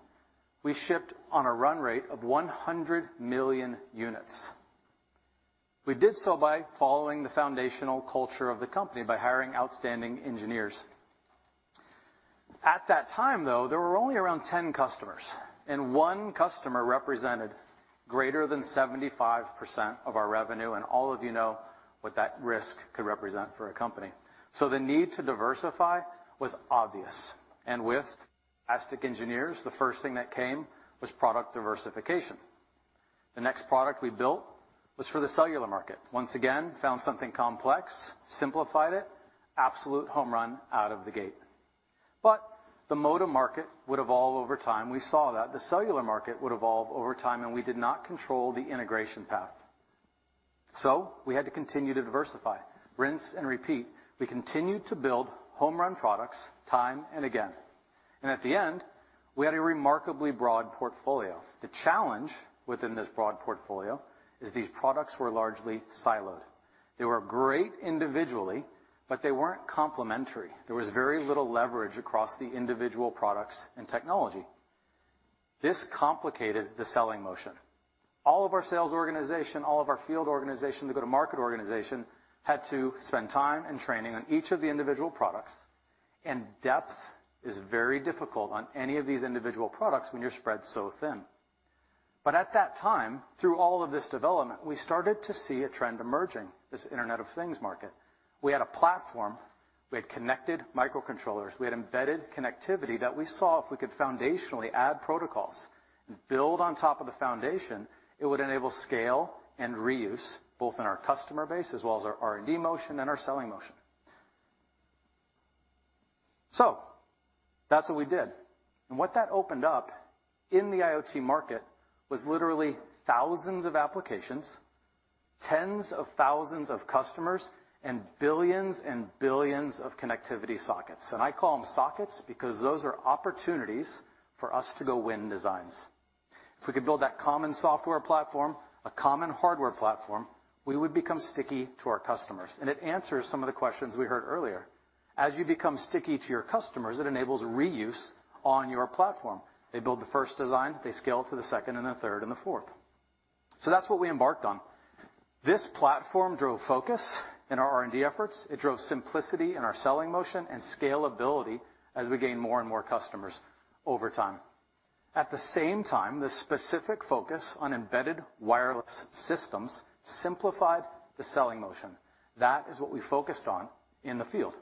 we shipped on a run rate of 100 million units. We did so by following the foundational culture of the company by hiring outstanding engineers. At that time, though, there were only around 10 customers, and one customer represented greater than 75% of our revenue, and all of you know what that risk could represent for a company. So the need to diversify was obvious. With Austin's engineers, the first thing that came was product diversification. The next product we built was for the cellular market. Once again, we found something complex, simplified it, absolute home run out of the gate. The modem market would evolve over time. We saw that. The cellular market would evolve over time, and we did not control the integration path. We had to continue to diversify, rinse and repeat. We continued to build home run products time and again. At the end, we had a remarkably broad portfolio. The challenge within this broad portfolio is these products were largely siloed. They were great individually, but they weren't complementary. There was very little leverage across the individual products and technology. This complicated the selling motion. All of our sales organization, all of our field organization, the go-to-market organization, had to spend time and training on each of the individual products. Depth is very difficult on any of these individual products when you're spread so thin. At that time, through all of this development, we started to see a trend emerging, this Internet of Things market. We had a platform, we had connected microcontrollers, we had embedded connectivity that we saw if we could foundationally add protocols and build on top of the foundation, it would enable scale and reuse, both in our customer base as well as our R&D motion and our selling motion. That's what we did. What that opened up in the IoT market was literally thousands of applications, tens of thousands of customers, and billions and billions of connectivity sockets. I call them sockets because those are opportunities for us to go win designs. If we could build that common software platform, a common hardware platform, we would become sticky to our customers, and it answers some of the questions we heard earlier. As you become sticky to your customers, it enables reuse on your platform. They build the first design, they scale to the second and the third and the fourth. That's what we embarked on. This platform drove focus in our R&D efforts. It drove simplicity in our selling motion and scalability as we gain more and more customers over time. At the same time, the specific focus on embedded wireless systems simplified the selling motion. That is what we focused on in the field.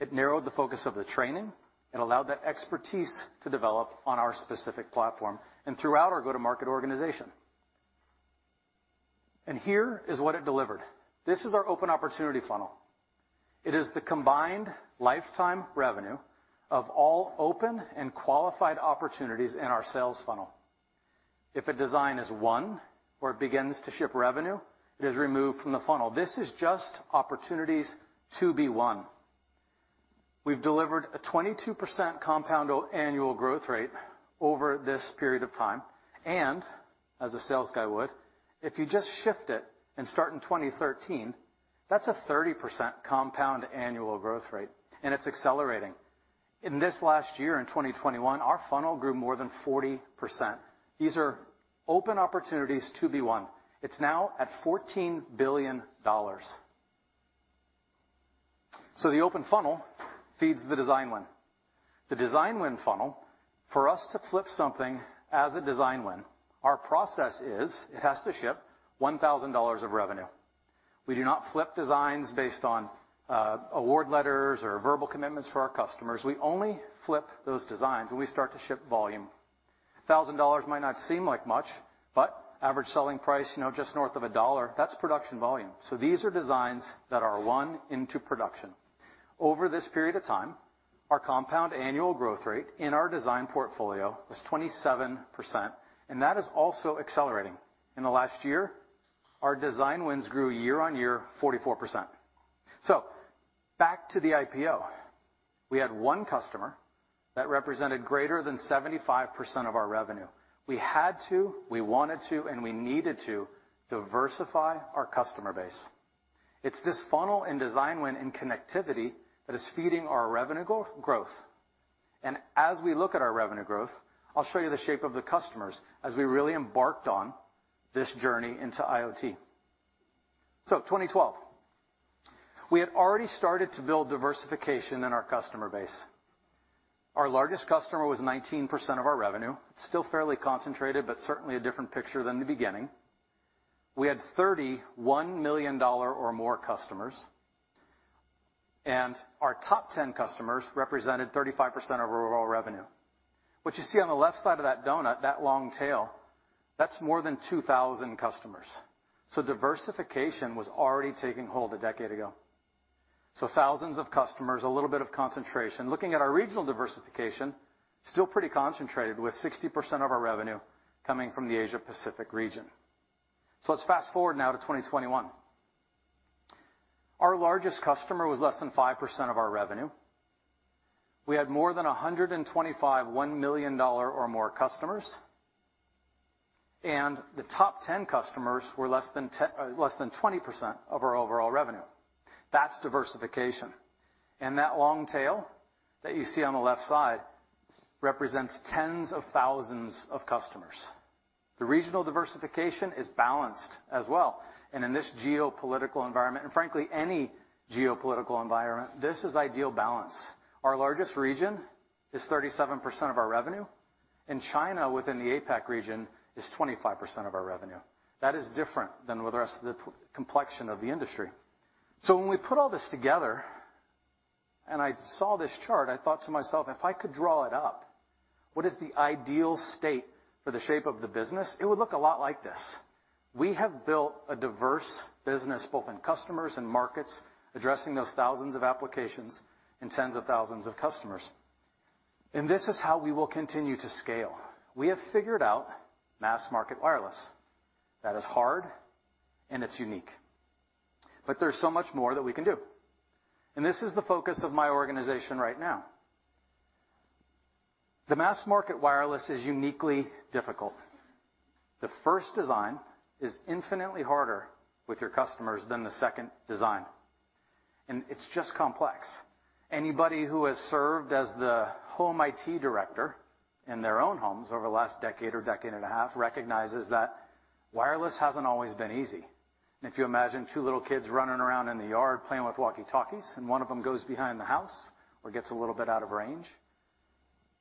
It narrowed the focus of the training. It allowed that expertise to develop on our specific platform and throughout our go-to-market organization. Here is what it delivered. This is our open opportunity funnel. It is the combined lifetime revenue of all open and qualified opportunities in our sales funnel. If a design is won or it begins to ship revenue, it is removed from the funnel. This is just opportunities to be won. We've delivered a 22% compound annual growth rate over this period of time, and as a sales guy would, if you just shift it and start in 2013, that's a 30% compound annual growth rate, and it's accelerating. In this last year, in 2021, our funnel grew more than 40%. These are open opportunities to be won. It's now at $14 billion. The open funnel feeds the design win. The design win funnel, for us to flip something as a design win, our process is it has to ship $1,000 of revenue. We do not flip designs based on award letters or verbal commitments for our customers. We only flip those designs when we start to ship volume. $1,000 might not seem like much, but average selling price, you know, just north of a dollar, that's production volume. These are designs that are won into production. Over this period of time, our compound annual growth rate in our design portfolio was 27%, and that is also accelerating. In the last year, our design wins grew year-on-year 44%. Back to the IPO. We had one customer that represented greater than 75% of our revenue. We had to, we wanted to, and we needed to diversify our customer base. It's this funnel in design win and connectivity that is feeding our revenue growth. As we look at our revenue growth, I'll show you the shape of the customers as we really embarked on this journey into IoT. Twenty twelve, we had already started to build diversification in our customer base. Our largest customer was 19% of our revenue. Still fairly concentrated, but certainly a different picture than the beginning. We had $31 million or more customers, and our top 10 customers represented 35% of our overall revenue. What you see on the left side of that donut, that long tail, that's more than 2,000 customers. Diversification was already taking hold a decade ago. Thousands of customers, a little bit of concentration. Looking at our regional diversification, still pretty concentrated, with 60% of our revenue coming from the Asia Pacific region. Let's fast-forward now to 2021. Our largest customer was less than 5% of our revenue. We had more than 125 $1 million or more customers, and the top 10 customers were less than 20% of our overall revenue. That's diversification. That long tail that you see on the left side represents tens of thousands of customers. The regional diversification is balanced as well. In this geopolitical environment, and frankly, any geopolitical environment, this is ideal balance. Our largest region is 37% of our revenue, and China, within the APAC region, is 25% of our revenue. That is different than with the rest of the complexion of the industry. When we put all this together and I saw this chart, I thought to myself, "If I could draw it up, what is the ideal state for the shape of the business? It would look a lot like this. We have built a diverse business, both in customers and markets, addressing those thousands of applications and tens of thousands of customers, and this is how we will continue to scale. We have figured out mass market wireless. That is hard and it's unique, but there's so much more that we can do, and this is the focus of my organization right now. The mass market wireless is uniquely difficult. The first design is infinitely harder with your customers than the second design, and it's just complex. Anybody who has served as the home IT director in their own homes over the last decade or decade and a half recognizes that wireless hasn't always been easy. If you imagine two little kids running around in the yard playing with walkie-talkies, and one of them goes behind the house or gets a little bit out of range,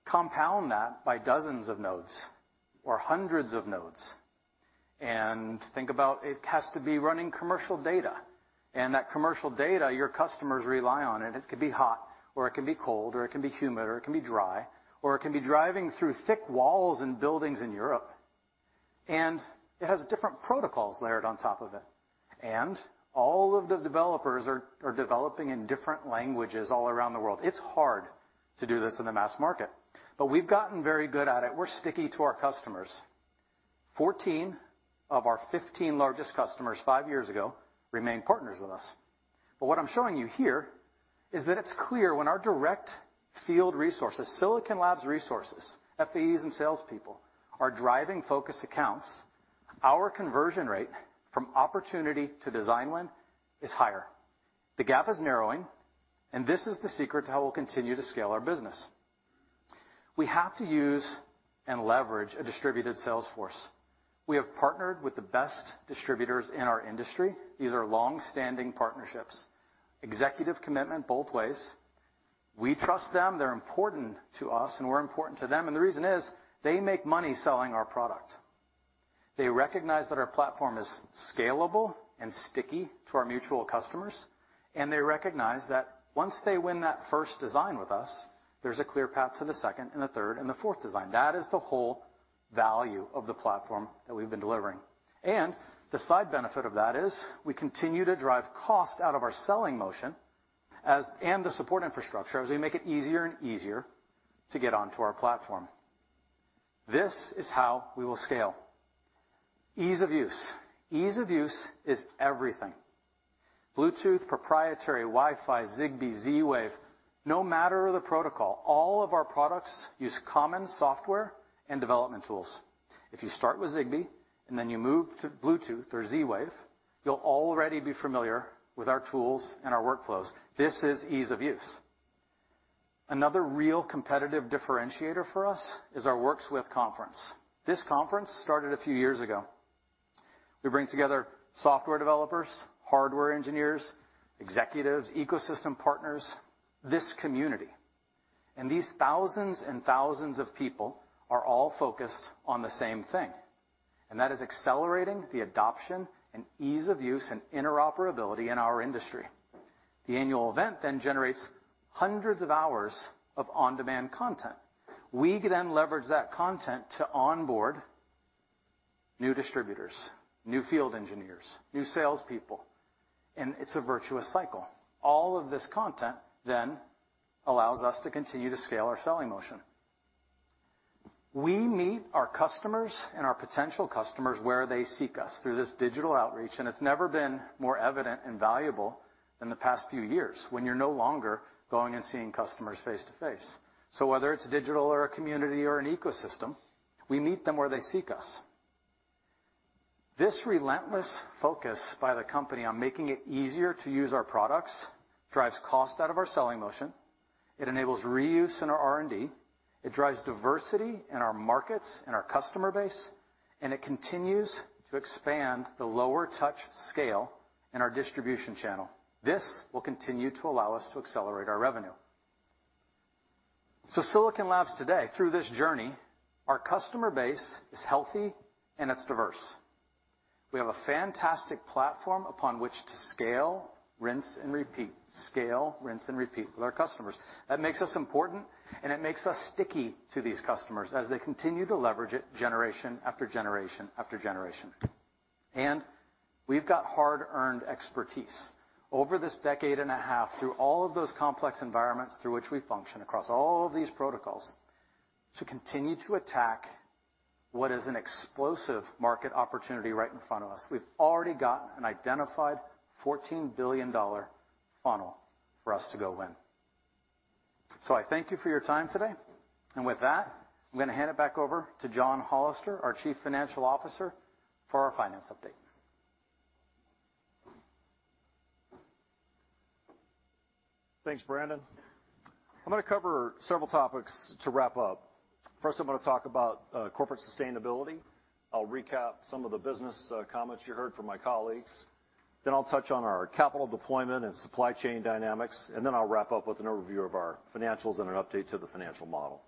compound that by dozens of nodes or hundreds of nodes, and think about it has to be running commercial data. That commercial data, your customers rely on it. It could be hot or it can be cold, or it can be humid, or it can be dry, or it can be driving through thick walls in buildings in Europe, and it has different protocols layered on top of it. All of the developers are developing in different languages all around the world. It's hard to do this in the mass market, but we've gotten very good at it. We're sticky to our customers. 14 of our 15 largest customers five years ago remain partners with us. What I'm showing you here is that it's clear when our direct field resources, Silicon Labs resources, FAEs, and salespeople are driving focus accounts, our conversion rate from opportunity to design win is higher. The gap is narrowing, and this is the secret to how we'll continue to scale our business. We have to use and leverage a distributed sales force. We have partnered with the best distributors in our industry. These are long-standing partnerships, executive commitment both ways. We trust them. They're important to us, and we're important to them. The reason is they make money selling our product. They recognize that our platform is scalable and sticky to our mutual customers, and they recognize that once they win that first design with us, there's a clear path to the second and the third and the fourth design. That is the whole value of the platform that we've been delivering. The side benefit of that is we continue to drive cost out of our selling motion as, and the support infrastructure as we make it easier and easier to get onto our platform. This is how we will scale. Ease of use. Ease of use is everything. Bluetooth, proprietary Wi-Fi, Zigbee, Z-Wave, no matter the protocol, all of our products use common software and development tools. If you start with Zigbee and then you move to Bluetooth or Z-Wave, you'll already be familiar with our tools and our workflows. This is ease of use. Another real competitive differentiator for us is our Works With conference. This conference started a few years ago. We bring together software developers, hardware engineers, executives, ecosystem partners, this community, and these thousands and thousands of people are all focused on the same thing, and that is accelerating the adoption and ease of use and interoperability in our industry. The annual event then generates hundreds of hours of on-demand content. We then leverage that content to onboard new distributors, new field engineers, new salespeople, and it's a virtuous cycle. All of this content then allows us to continue to scale our selling motion. We meet our customers and our potential customers where they seek us through this digital outreach, and it's never been more evident and valuable than the past few years when you're no longer going and seeing customers face-to-face. Whether it's digital or a community or an ecosystem, we meet them where they seek us. This relentless focus by the company on making it easier to use our products drives cost out of our selling motion. It enables reuse in our R&D. It drives diversity in our markets and our customer base, and it continues to expand the lower touch scale in our distribution channel. This will continue to allow us to accelerate our revenue. Silicon Labs today, through this journey, our customer base is healthy and it's diverse. We have a fantastic platform upon which to scale, rinse, and repeat, scale, rinse, and repeat with our customers. That makes us important, and it makes us sticky to these customers as they continue to leverage it generation after generation, after generation. We've got hard-earned expertise. Over this decade and a half, through all of those complex environments through which we function across all of these protocols, to continue to attack what is an explosive market opportunity right in front of us. We've already got an identified $14 billion funnel for us to go win. I thank you for your time today. With that, I'm gonna hand it back over to John Hollister, our Chief Financial Officer, for our finance update. Thanks, Brandon. I'm gonna cover several topics to wrap up. First, I'm gonna talk about corporate sustainability. I'll recap some of the business comments you heard from my colleagues. Then I'll touch on our capital deployment and supply chain dynamics, and then I'll wrap up with an overview of our financials and an update to the financial model.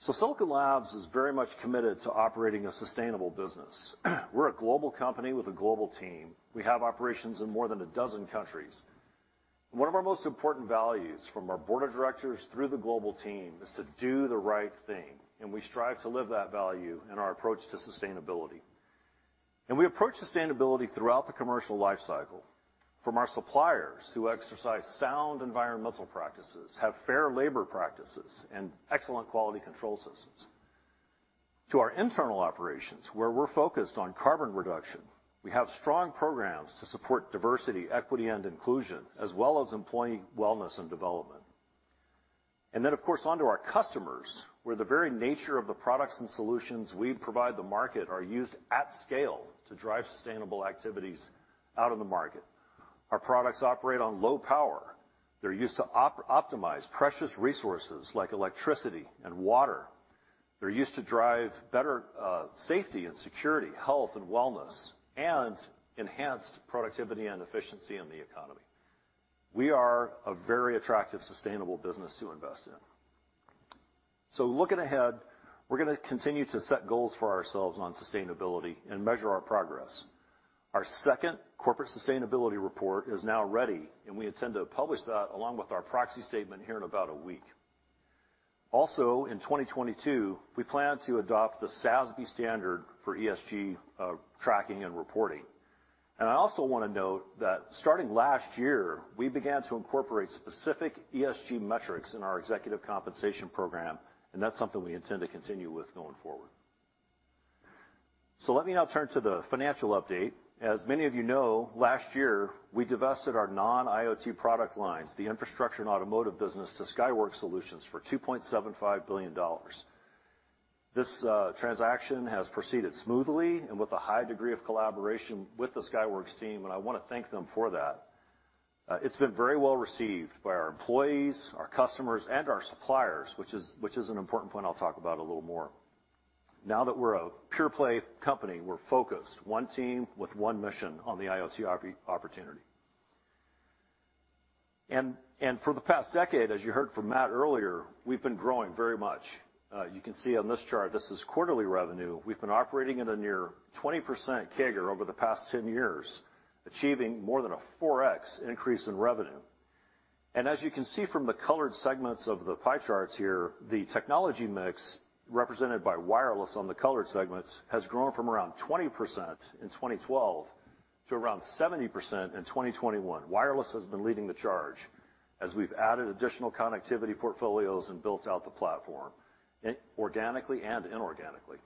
Silicon Labs is very much committed to operating a sustainable business. We're a global company with a global team. We have operations in more than a dozen countries. One of our most important values from our board of directors through the global team is to do the right thing, and we strive to live that value in our approach to sustainability. We approach sustainability throughout the commercial life cycle from our suppliers who exercise sound environmental practices, have fair labor practices and excellent quality control systems, to our internal operations, where we're focused on carbon reduction. We have strong programs to support diversity, equity, and inclusion, as well as employee wellness and development. Of course, onto our customers, where the very nature of the products and solutions we provide the market are used at scale to drive sustainable activities out in the market. Our products operate on low power. They're used to optimize precious resources like electricity and water. They're used to drive better safety and security, health and wellness, and enhanced productivity and efficiency in the economy. We are a very attractive, sustainable business to invest in. Looking ahead, we're gonna continue to set goals for ourselves on sustainability and measure our progress. Our second corporate sustainability report is now ready, and we intend to publish that along with our proxy statement here in about a week. Also, in 2022, we plan to adopt the SASB standard for ESG tracking and reporting. I also wanna note that starting last year, we began to incorporate specific ESG metrics in our executive compensation program, and that's something we intend to continue with going forward. Let me now turn to the financial update. As many of you know, last year, we divested our non-IoT product lines, the infrastructure and automotive business, to Skyworks Solutions for $2.75 billion. This transaction has proceeded smoothly and with a high degree of collaboration with the Skyworks team, and I wanna thank them for that. It's been very well received by our employees, our customers, and our suppliers, which is an important point I'll talk about a little more. Now that we're a pure-play company, we're focused, one team with one mission on the IoT opportunity. For the past decade, as you heard from Matt earlier, we've been growing very much. You can see on this chart, this is quarterly revenue. We've been operating at a near 20% CAGR over the past 10 years, achieving more than a 4x increase in revenue. As you can see from the colored segments of the pie charts here, the technology mix represented by wireless on the colored segments has grown from around 20% in 2012 to around 70% in 2021. Wireless has been leading the charge as we've added additional connectivity portfolios and built out the platform, organically and inorganically.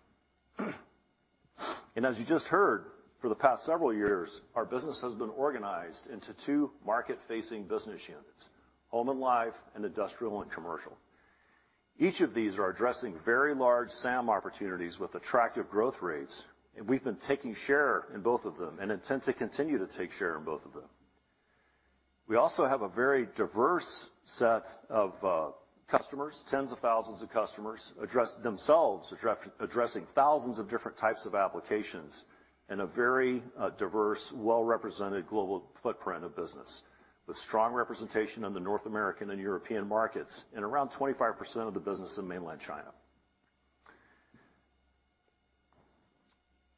As you just heard, for the past several years, our business has been organized into two market-facing business units, Home and Life, and Industrial and Commercial. Each of these are addressing very large SAM opportunities with attractive growth rates, and we've been taking share in both of them and intend to continue to take share in both of them. We also have a very diverse set of customers, tens of thousands of customers addressing thousands of different types of applications in a very diverse, well-represented global footprint of business, with strong representation in the North American and European markets and around 25% of the business in mainland China.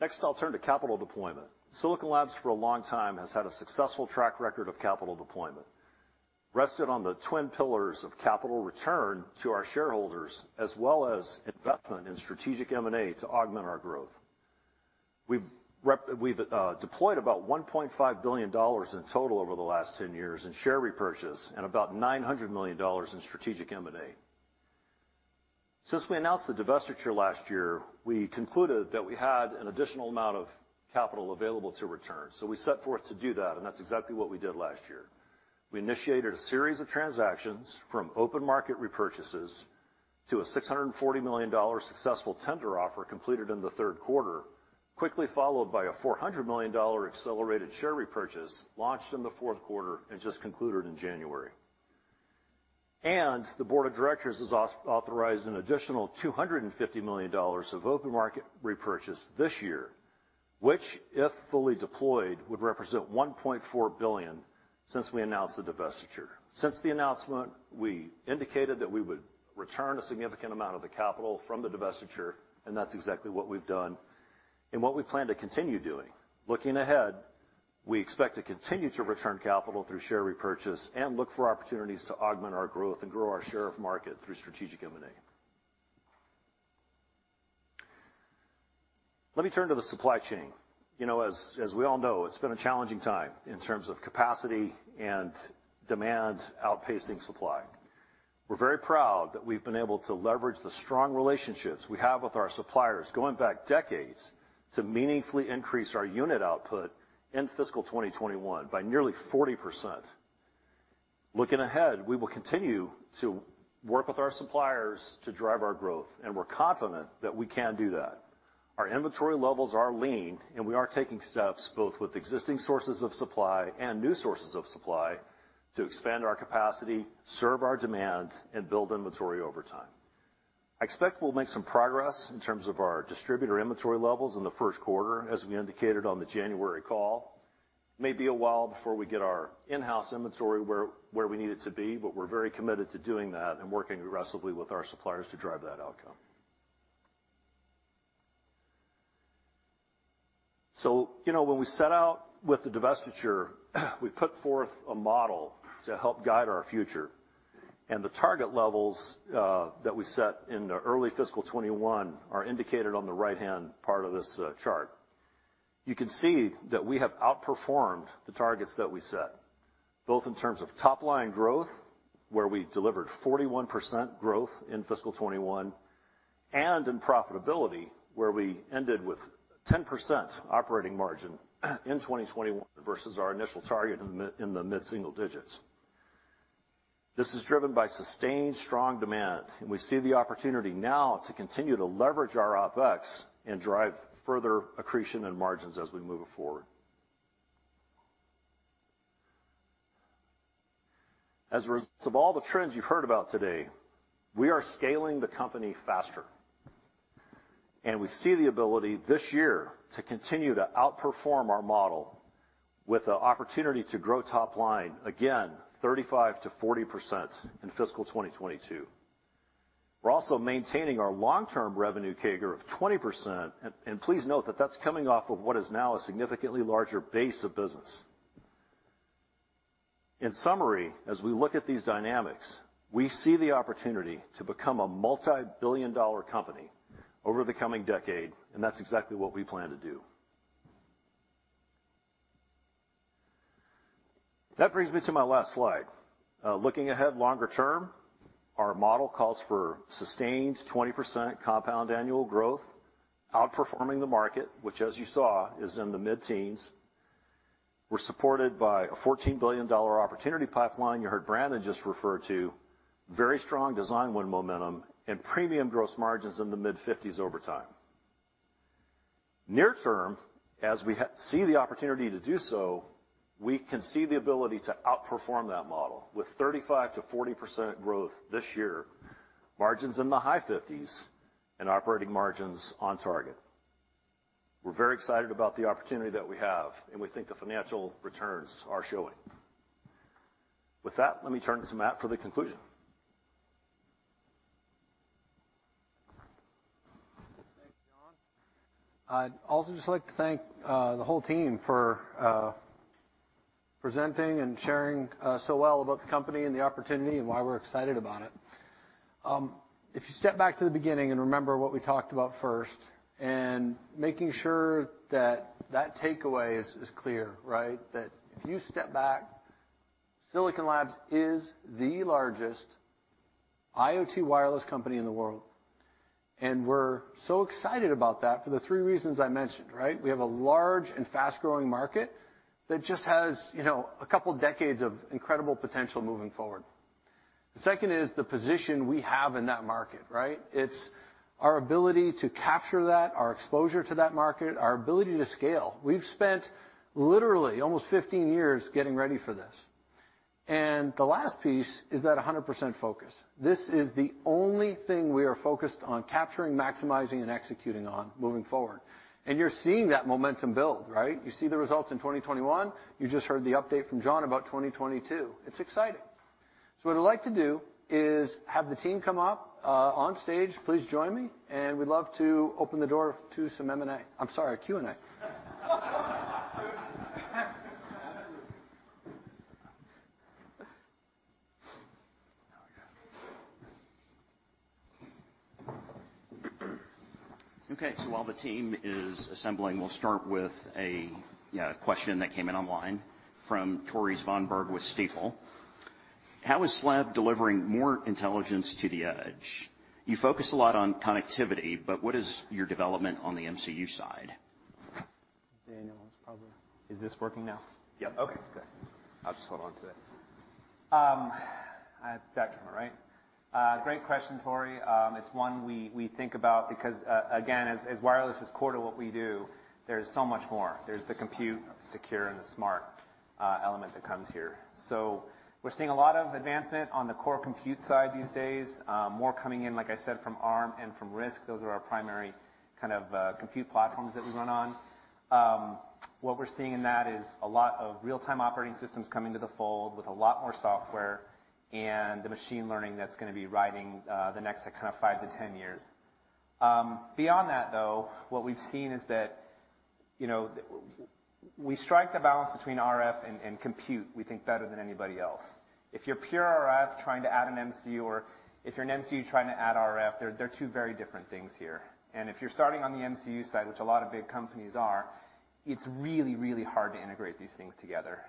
Next, I'll turn to capital deployment. Silicon Labs, for a long time, has had a successful track record of capital deployment rested on the twin pillars of capital return to our shareholders, as well as investment in strategic M&A to augment our growth. We've deployed about $1.5 billion in total over the last 10 years in share repurchase and about $900 million in strategic M&A. Since we announced the divestiture last year, we concluded that we had an additional amount of capital available to return, so we set forth to do that, and that's exactly what we did last year. We initiated a series of transactions from open market repurchases to a $640 million successful tender offer completed in the third quarter, quickly followed by a $400 million accelerated share repurchase launched in the fourth quarter and just concluded in January. The board of directors has authorized an additional $250 million of open market repurchase this year, which, if fully deployed, would represent $1.4 billion since we announced the divestiture. Since the announcement, we indicated that we would return a significant amount of the capital from the divestiture, and that's exactly what we've done and what we plan to continue doing. Looking ahead, we expect to continue to return capital through share repurchase and look for opportunities to augment our growth and grow our share of market through strategic M&A. Let me turn to the supply chain. You know, as we all know, it's been a challenging time in terms of capacity and demand outpacing supply. We're very proud that we've been able to leverage the strong relationships we have with our suppliers, going back decades, to meaningfully increase our unit output in fiscal 2021 by nearly 40%. Looking ahead, we will continue to work with our suppliers to drive our growth, and we're confident that we can do that. Our inventory levels are lean, and we are taking steps, both with existing sources of supply and new sources of supply, to expand our capacity, serve our demand, and build inventory over time. I expect we'll make some progress in terms of our distributor inventory levels in the first quarter, as we indicated on the January call. It may be a while before we get our in-house inventory where we need it to be, but we're very committed to doing that and working aggressively with our suppliers to drive that outcome. You know, when we set out with the divestiture, we put forth a model to help guide our future, and the target levels that we set in the early fiscal 2021 are indicated on the right-hand part of this chart. You can see that we have outperformed the targets that we set, both in terms of top-line growth, where we delivered 41% growth in fiscal 2021, and in profitability, where we ended with 10% operating margin in 2021 versus our initial target in the mid-single digits. This is driven by sustained strong demand, and we see the opportunity now to continue to leverage our OpEx and drive further accretion and margins as we move forward. As a result of all the trends you've heard about today, we are scaling the company faster, and we see the ability this year to continue to outperform our model with the opportunity to grow top line, again, 35%-40% in fiscal 2022. We're also maintaining our long-term revenue CAGR of 20%. Please note that that's coming off of what is now a significantly larger base of business. In summary, as we look at these dynamics, we see the opportunity to become a multi-billion dollar company over the coming decade, and that's exactly what we plan to do. That brings me to my last slide. Looking ahead longer term, our model calls for sustained 20% compound annual growth, outperforming the market, which, as you saw, is in the mid-teens. We're supported by a $14 billion opportunity pipeline. You heard Brandon just refer to very strong design win momentum and premium gross margins in the mid-50s% over time. Near term, as we see the opportunity to do so, we can see the ability to outperform that model with 35%-40% growth this year, margins in the high 50s%, and operating margins on target. We're very excited about the opportunity that we have, and we think the financial returns are showing. With that, let me turn it to Matt for the conclusion. Thanks, John. I'd also just like to thank the whole team for presenting and sharing so well about the company and the opportunity and why we're excited about it. If you step back to the beginning and remember what we talked about first, and making sure that that takeaway is clear, right? That if you step back, Silicon Labs is the largest IoT wireless company in the world, and we're so excited about that for the three reasons I mentioned, right? We have a large and fast-growing market that just has a couple decades of incredible potential moving forward. The second is the position we have in that market, right? It's our ability to capture that, our exposure to that market, our ability to scale. We've spent literally almost 15 years getting ready for this. The last piece is that 100% focus. This is the only thing we are focused on capturing, maximizing, and executing on moving forward, and you're seeing that momentum build, right? You see the results in 2021. You just heard the update from John about 2022. It's exciting. What I'd like to do is have the team come up on stage. Please join me, and we'd love to open the door to some M&A. I'm sorry, Q&A. Okay. While the team is assembling, we'll start with a, yeah, question that came in online from Tore Svanberg with Stifel. How is SLAB delivering more intelligence to the edge? You focus a lot on connectivity, but what is your development on the MCU side? Daniel, it's probably... Is this working now? Yep. Okay, good. I'll just hold on to this. I have that one, right? Great question, Tore. It's one we think about because, again, as wireless is core to what we do, there's so much more. There's the compute, secure, and the smart element that comes here. We're seeing a lot of advancement on the core compute side these days, more coming in, like I said, from Arm and from RISC-V. Those are our primary kind of compute platforms that we run on. What we're seeing in that is a lot of real-time operating systems coming to the fold with a lot more software and the machine learning that's gonna be riding the next kind of 5 to 10 years. Beyond that, though, what we've seen is that, you know, we strike the balance between RF and compute, we think, better than anybody else. If you're pure RF trying to add an MCU, or if you're an MCU trying to add RF, they're two very different things here. If you're starting on the MCU side, which a lot of big companies are, it's really, really hard to integrate these things together.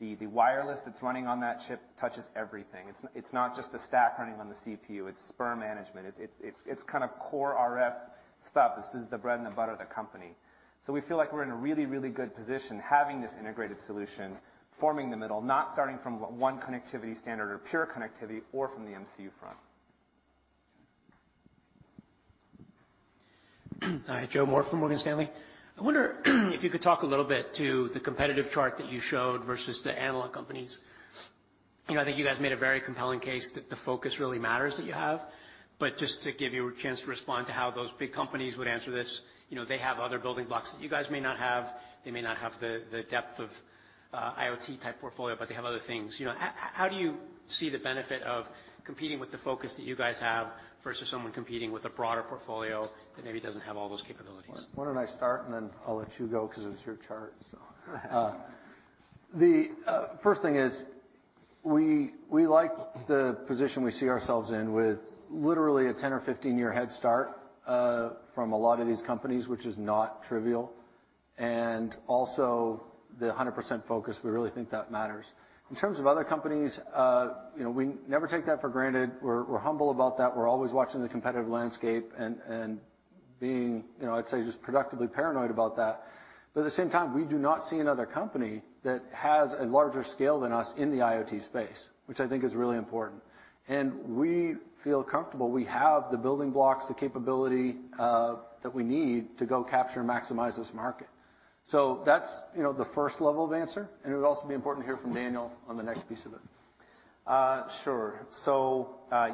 The wireless that's running on that chip touches everything. It's not just the stack running on the CPU, it's spur management. It's kind of core RF stuff. This is the bread and the butter of the company. We feel like we're in a really, really good position having this integrated solution, forming the middle, not starting from one connectivity standard or pure connectivity or from the MCU front. Hi, Joe Moore from Morgan Stanley. I wonder if you could talk a little bit to the competitive chart that you showed versus the analog companies. You know, I think you guys made a very compelling case that the focus really matters that you have. But just to give you a chance to respond to how those big companies would answer this, you know, they have other building blocks that you guys may not have. They may not have the depth of IoT-type portfolio, but they have other things. You know, how do you see the benefit of competing with the focus that you guys have versus someone competing with a broader portfolio that maybe doesn't have all those capabilities? Why don't I start, and then I'll let you go because it's your chart. The first thing is we like the position we see ourselves in with literally a 10- or 15-year head start from a lot of these companies, which is not trivial, and also the 100% focus; we really think that matters. In terms of other companies, you know, we never take that for granted. We're humble about that. We're always watching the competitive landscape and being, you know, I'd say just productively paranoid about that. But at the same time, we do not see another company that has a larger scale than us in the IoT space, which I think is really important. We feel comfortable we have the building blocks, the capability that we need to go capture and maximize this market. That's, you know, the first level of answer, and it would also be important to hear from Daniel on the next piece of it. Sure.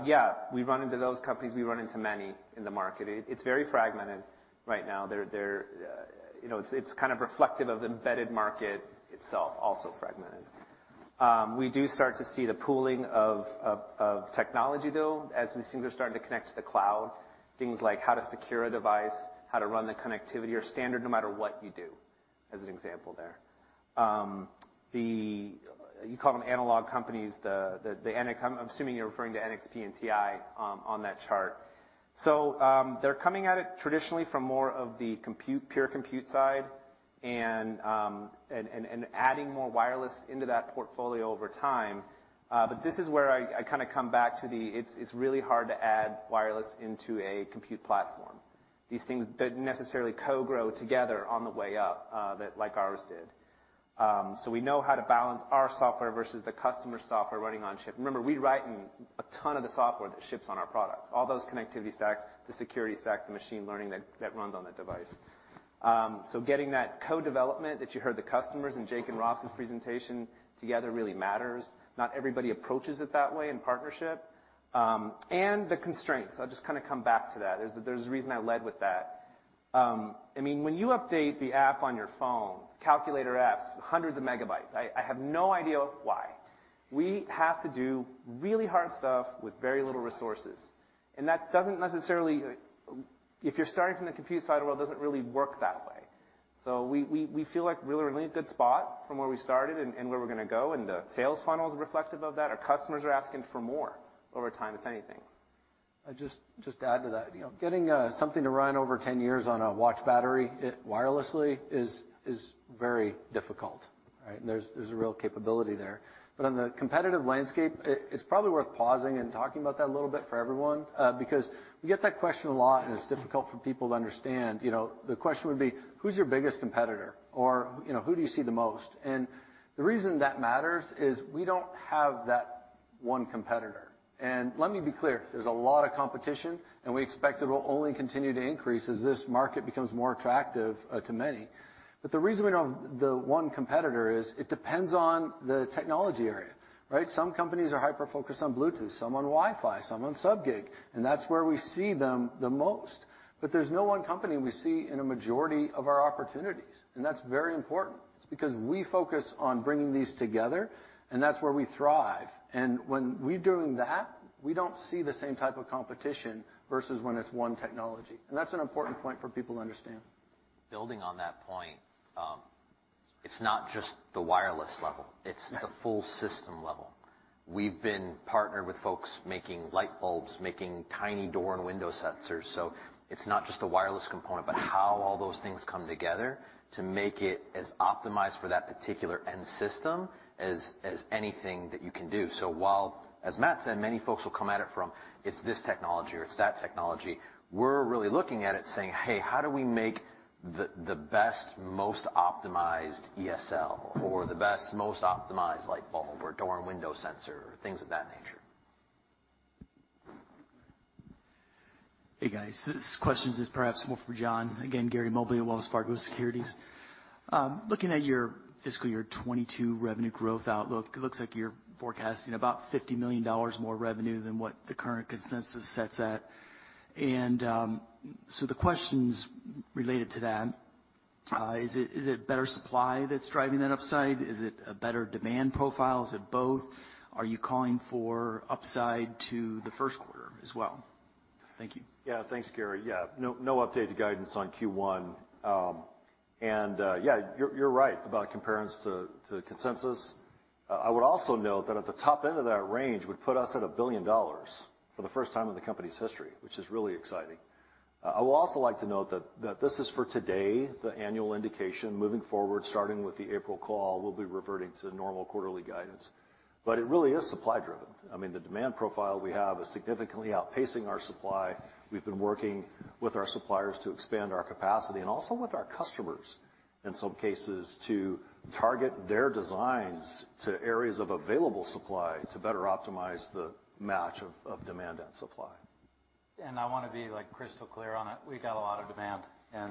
Yeah, we run into those companies, we run into many in the market. It's very fragmented right now. They're, you know, it's kind of reflective of the embedded market itself, also fragmented. We do start to see the pooling of technology, though, as these things are starting to connect to the cloud, things like how to secure a device, how to run the connectivity or standard no matter what you do, as an example there. You call them analog companies. I'm assuming you're referring to NXP and TI on that chart. They're coming at it traditionally from more of the compute, pure compute side and adding more wireless into that portfolio over time. This is where I kinda come back to the it's really hard to add wireless into a compute platform. These things don't necessarily co-grow together on the way up, like ours did. We know how to balance our software versus the customer software running on chip. Remember, we write in a ton of the software that ships on our products, all those connectivity stacks, the security stack, the machine learning that runs on that device. Getting that co-development that you heard the customers in Jake Alamat and Ross Sabolcik's presentation together really matters. Not everybody approaches it that way in partnership. The constraints. I'll just kinda come back to that. There's a reason I led with that. I mean, when you update the app on your phone, calculator apps, hundreds of megabytes, I have no idea why. We have to do really hard stuff with very little resources, and that doesn't necessarily. If you're starting from the compute side of world, it doesn't really work that way. We feel like we're in a really good spot from where we started and where we're gonna go, and the sales funnel is reflective of that. Our customers are asking for more over time, if anything. I'll just add to that. You know, getting something to run over 10 years on a watch battery wirelessly is very difficult, right? There's a real capability there. On the competitive landscape, it's probably worth pausing and talking about that a little bit for everyone, because we get that question a lot, and it's difficult for people to understand. You know, the question would be, "Who's your biggest competitor?" Or, you know, "Who do you see the most?" The reason that matters is we don't have that one competitor. Let me be clear, there's a lot of competition, and we expect it'll only continue to increase as this market becomes more attractive to many. The reason we don't have the one competitor is it depends on the technology area, right? Some companies are hyper-focused on Bluetooth, some on Wi-Fi, some on sub-GHz, and that's where we see them the most. But there's no one company we see in a majority of our opportunities, and that's very important. It's because we focus on bringing these together, and that's where we thrive. When we're doing that, we don't see the same type of competition versus when it's one technology. That's an important point for people to understand. Building on that point. It's not just the wireless level, it's the full system level. We've been partnered with folks making light bulbs, making tiny door and window sensors. It's not just a wireless component, but how all those things come together to make it as optimized for that particular end system as anything that you can do. While, as Matt said, many folks will come at it from, it's this technology or it's that technology, we're really looking at it saying, "Hey, how do we make the best, most optimized ESL or the best, most optimized light bulb or door and window sensor," or things of that nature. Hey, guys. This question is perhaps more for John. Again, Gary Mobley at Wells Fargo Securities. Looking at your fiscal year 2022 revenue growth outlook, it looks like you're forecasting about $50 million more revenue than what the current consensus sets at. The questions related to that, is it better supply that's driving that upside? Is it a better demand profile? Is it both? Are you calling for upside to the first quarter as well? Thank you. Thanks, Gary. No update to guidance on Q1. You're right about comparisons to consensus. I would also note that at the top end of that range would put us at $1 billion for the first time in the company's history, which is really exciting. I will also like to note that this is for today, the annual indication. Moving forward, starting with the April call, we'll be reverting to normal quarterly guidance. It really is supply driven. I mean, the demand profile we have is significantly outpacing our supply. We've been working with our suppliers to expand our capacity and also with our customers, in some cases, to target their designs to areas of available supply to better optimize the match of demand and supply. I wanna be, like, crystal clear on it. We got a lot of demand. I'm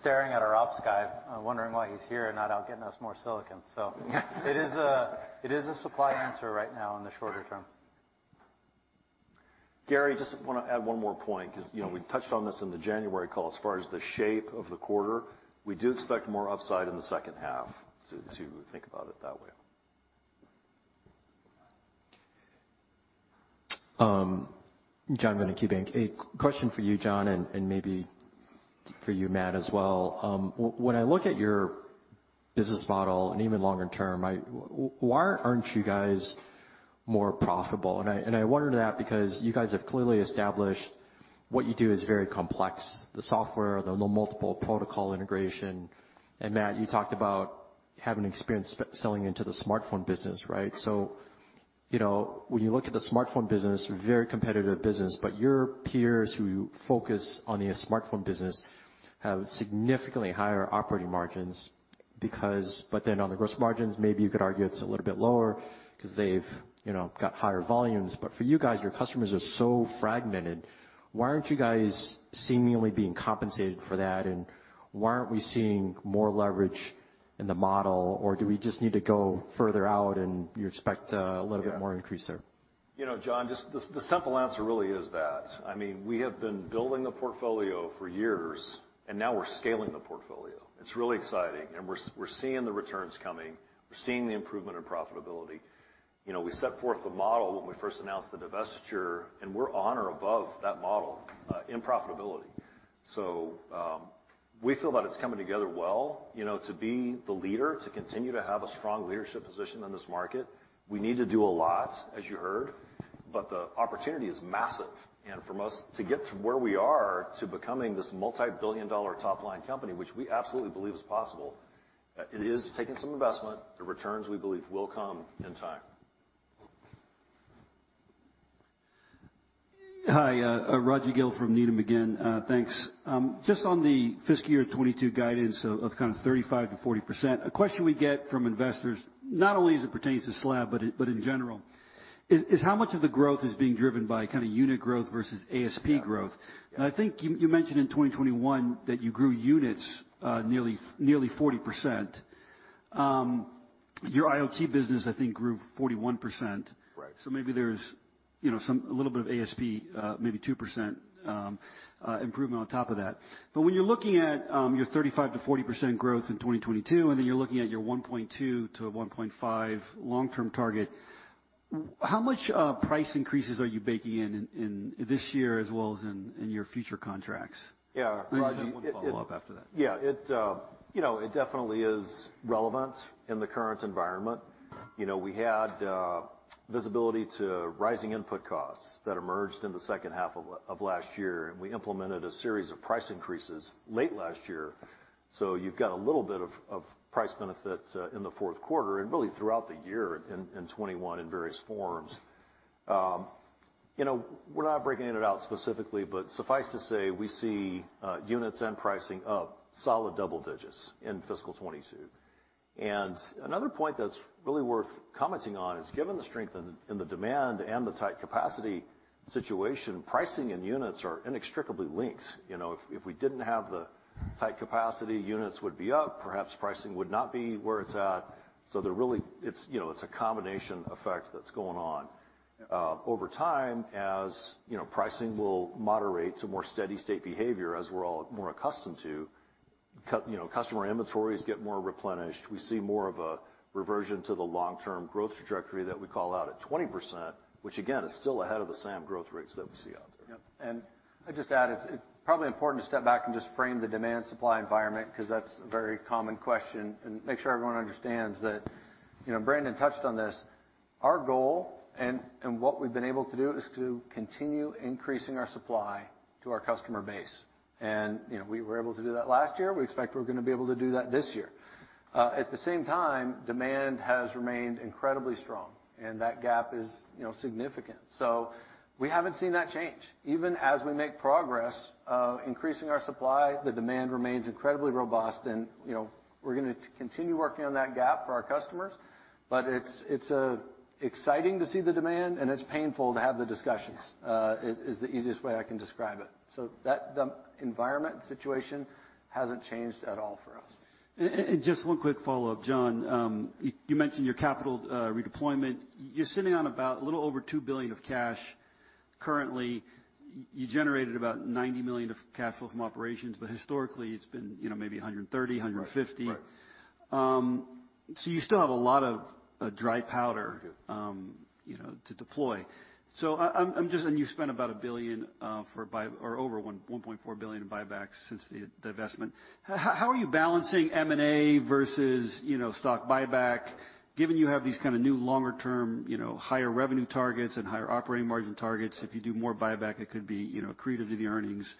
staring at our ops guy, wondering why he's here and not out getting us more silicon, so. It is a supply answer right now in the shorter term. Gary, just wanna add one more point 'cause, you know, we touched on this in the January call as far as the shape of the quarter. We do expect more upside in the second half, so to think about it that way. John Vinh, KeyBanc. A question for you, John, and maybe for you, Matt, as well. When I look at your business model and even longer term, why aren't you guys more profitable? I wonder that because you guys have clearly established what you do is very complex, the software, the multiple protocol integration. Matt, you talked about having experience selling into the smartphone business, right? You know, when you look at the smartphone business, very competitive business, but your peers who focus on the smartphone business have significantly higher operating margins because on the gross margins, maybe you could argue it's a little bit lower 'cause they've, you know, got higher volumes. For you guys, your customers are so fragmented, why aren't you guys seemingly being compensated for that, and why aren't we seeing more leverage in the model, or do we just need to go further out and you expect a little bit more increase there? You know, John, just the simple answer really is that. I mean, we have been building the portfolio for years, and now we're scaling the portfolio. It's really exciting, and we're seeing the returns coming. We're seeing the improvement in profitability. You know, we set forth the model when we first announced the divestiture, and we're on or above that model in profitability. So, we feel that it's coming together well. You know, to be the leader, to continue to have a strong leadership position in this market, we need to do a lot, as you heard, but the opportunity is massive. For most, to get to where we are to becoming this multi-billion dollar top-line company, which we absolutely believe is possible, it is taking some investment. The returns, we believe, will come in time. Hi, Rajvindra Gill from Needham again. Thanks. Just on the fiscal year 2022 guidance of kind of 35%-40%, a question we get from investors, not only as it pertains to SLAB but in general, is how much of the growth is being driven by kind of unit growth versus ASP growth? I think you mentioned in 2021 that you grew units nearly 40%. Your IoT business, I think, grew 41%. Right. Maybe there's, you know, some, a little bit of ASP, maybe 2% improvement on top of that. When you're looking at your 35%-40% growth in 2022, and then you're looking at your 1.2-1.5 long-term target, how much price increases are you baking in this year as well as in your future contracts? Yeah. Roger- I just have one follow-up after that. Yeah. It, you know, it definitely is relevant in the current environment. You know, we had visibility to rising input costs that emerged in the second half of last year, and we implemented a series of price increases late last year. So you've got a little bit of price benefit in the fourth quarter and really throughout the year in 2021 in various forms. You know, we're not breaking it out specifically, but suffice to say, we see units and pricing up solid double digits in fiscal 2022. Another point that's really worth commenting on is given the strength in the demand and the tight capacity situation, pricing and units are inextricably linked. You know, if we didn't have the tight capacity, units would be up, perhaps pricing would not be where it's at. So they're really. It's a combination effect that's going on. You know, over time, as you know, pricing will moderate to more steady state behavior as we're all more accustomed to. You know, customer inventories get more replenished. We see more of a reversion to the long-term growth trajectory that we call out at 20%, which again, is still ahead of the SAM growth rates that we see out there. Yep. I'd just add, it's probably important to step back and just frame the demand supply environment, 'cause that's a very common question, and make sure everyone understands that, you know, Brandon touched on this. Our goal and what we've been able to do is to continue increasing our supply to our customer base. You know, we were able to do that last year. We expect we're gonna be able to do that this year. At the same time, demand has remained incredibly strong, and that gap is, you know, significant. We haven't seen that change. Even as we make progress increasing our supply, the demand remains incredibly robust and, you know, we're gonna continue working on that gap for our customers. It's exciting to see the demand, and it's painful to have the discussions is the easiest way I can describe it. That the environment situation hasn't changed at all for us. Just one quick follow-up, John. You mentioned your capital redeployment. You're sitting on about a little over $2 billion of cash currently. You generated about $90 million of cash flow from operations, but historically it's been, you know, maybe $130 million, $150 million. Right. Right. You still have a lot of dry powder. We do. you know, to deploy. You've spent about $1 billion or over $1.4 billion in buybacks since the divestment. How are you balancing M&A versus, you know, stock buyback, given you have these kind of new longer term, you know, higher revenue targets and higher operating margin targets? If you do more buyback, it could be, you know, accretive to the earnings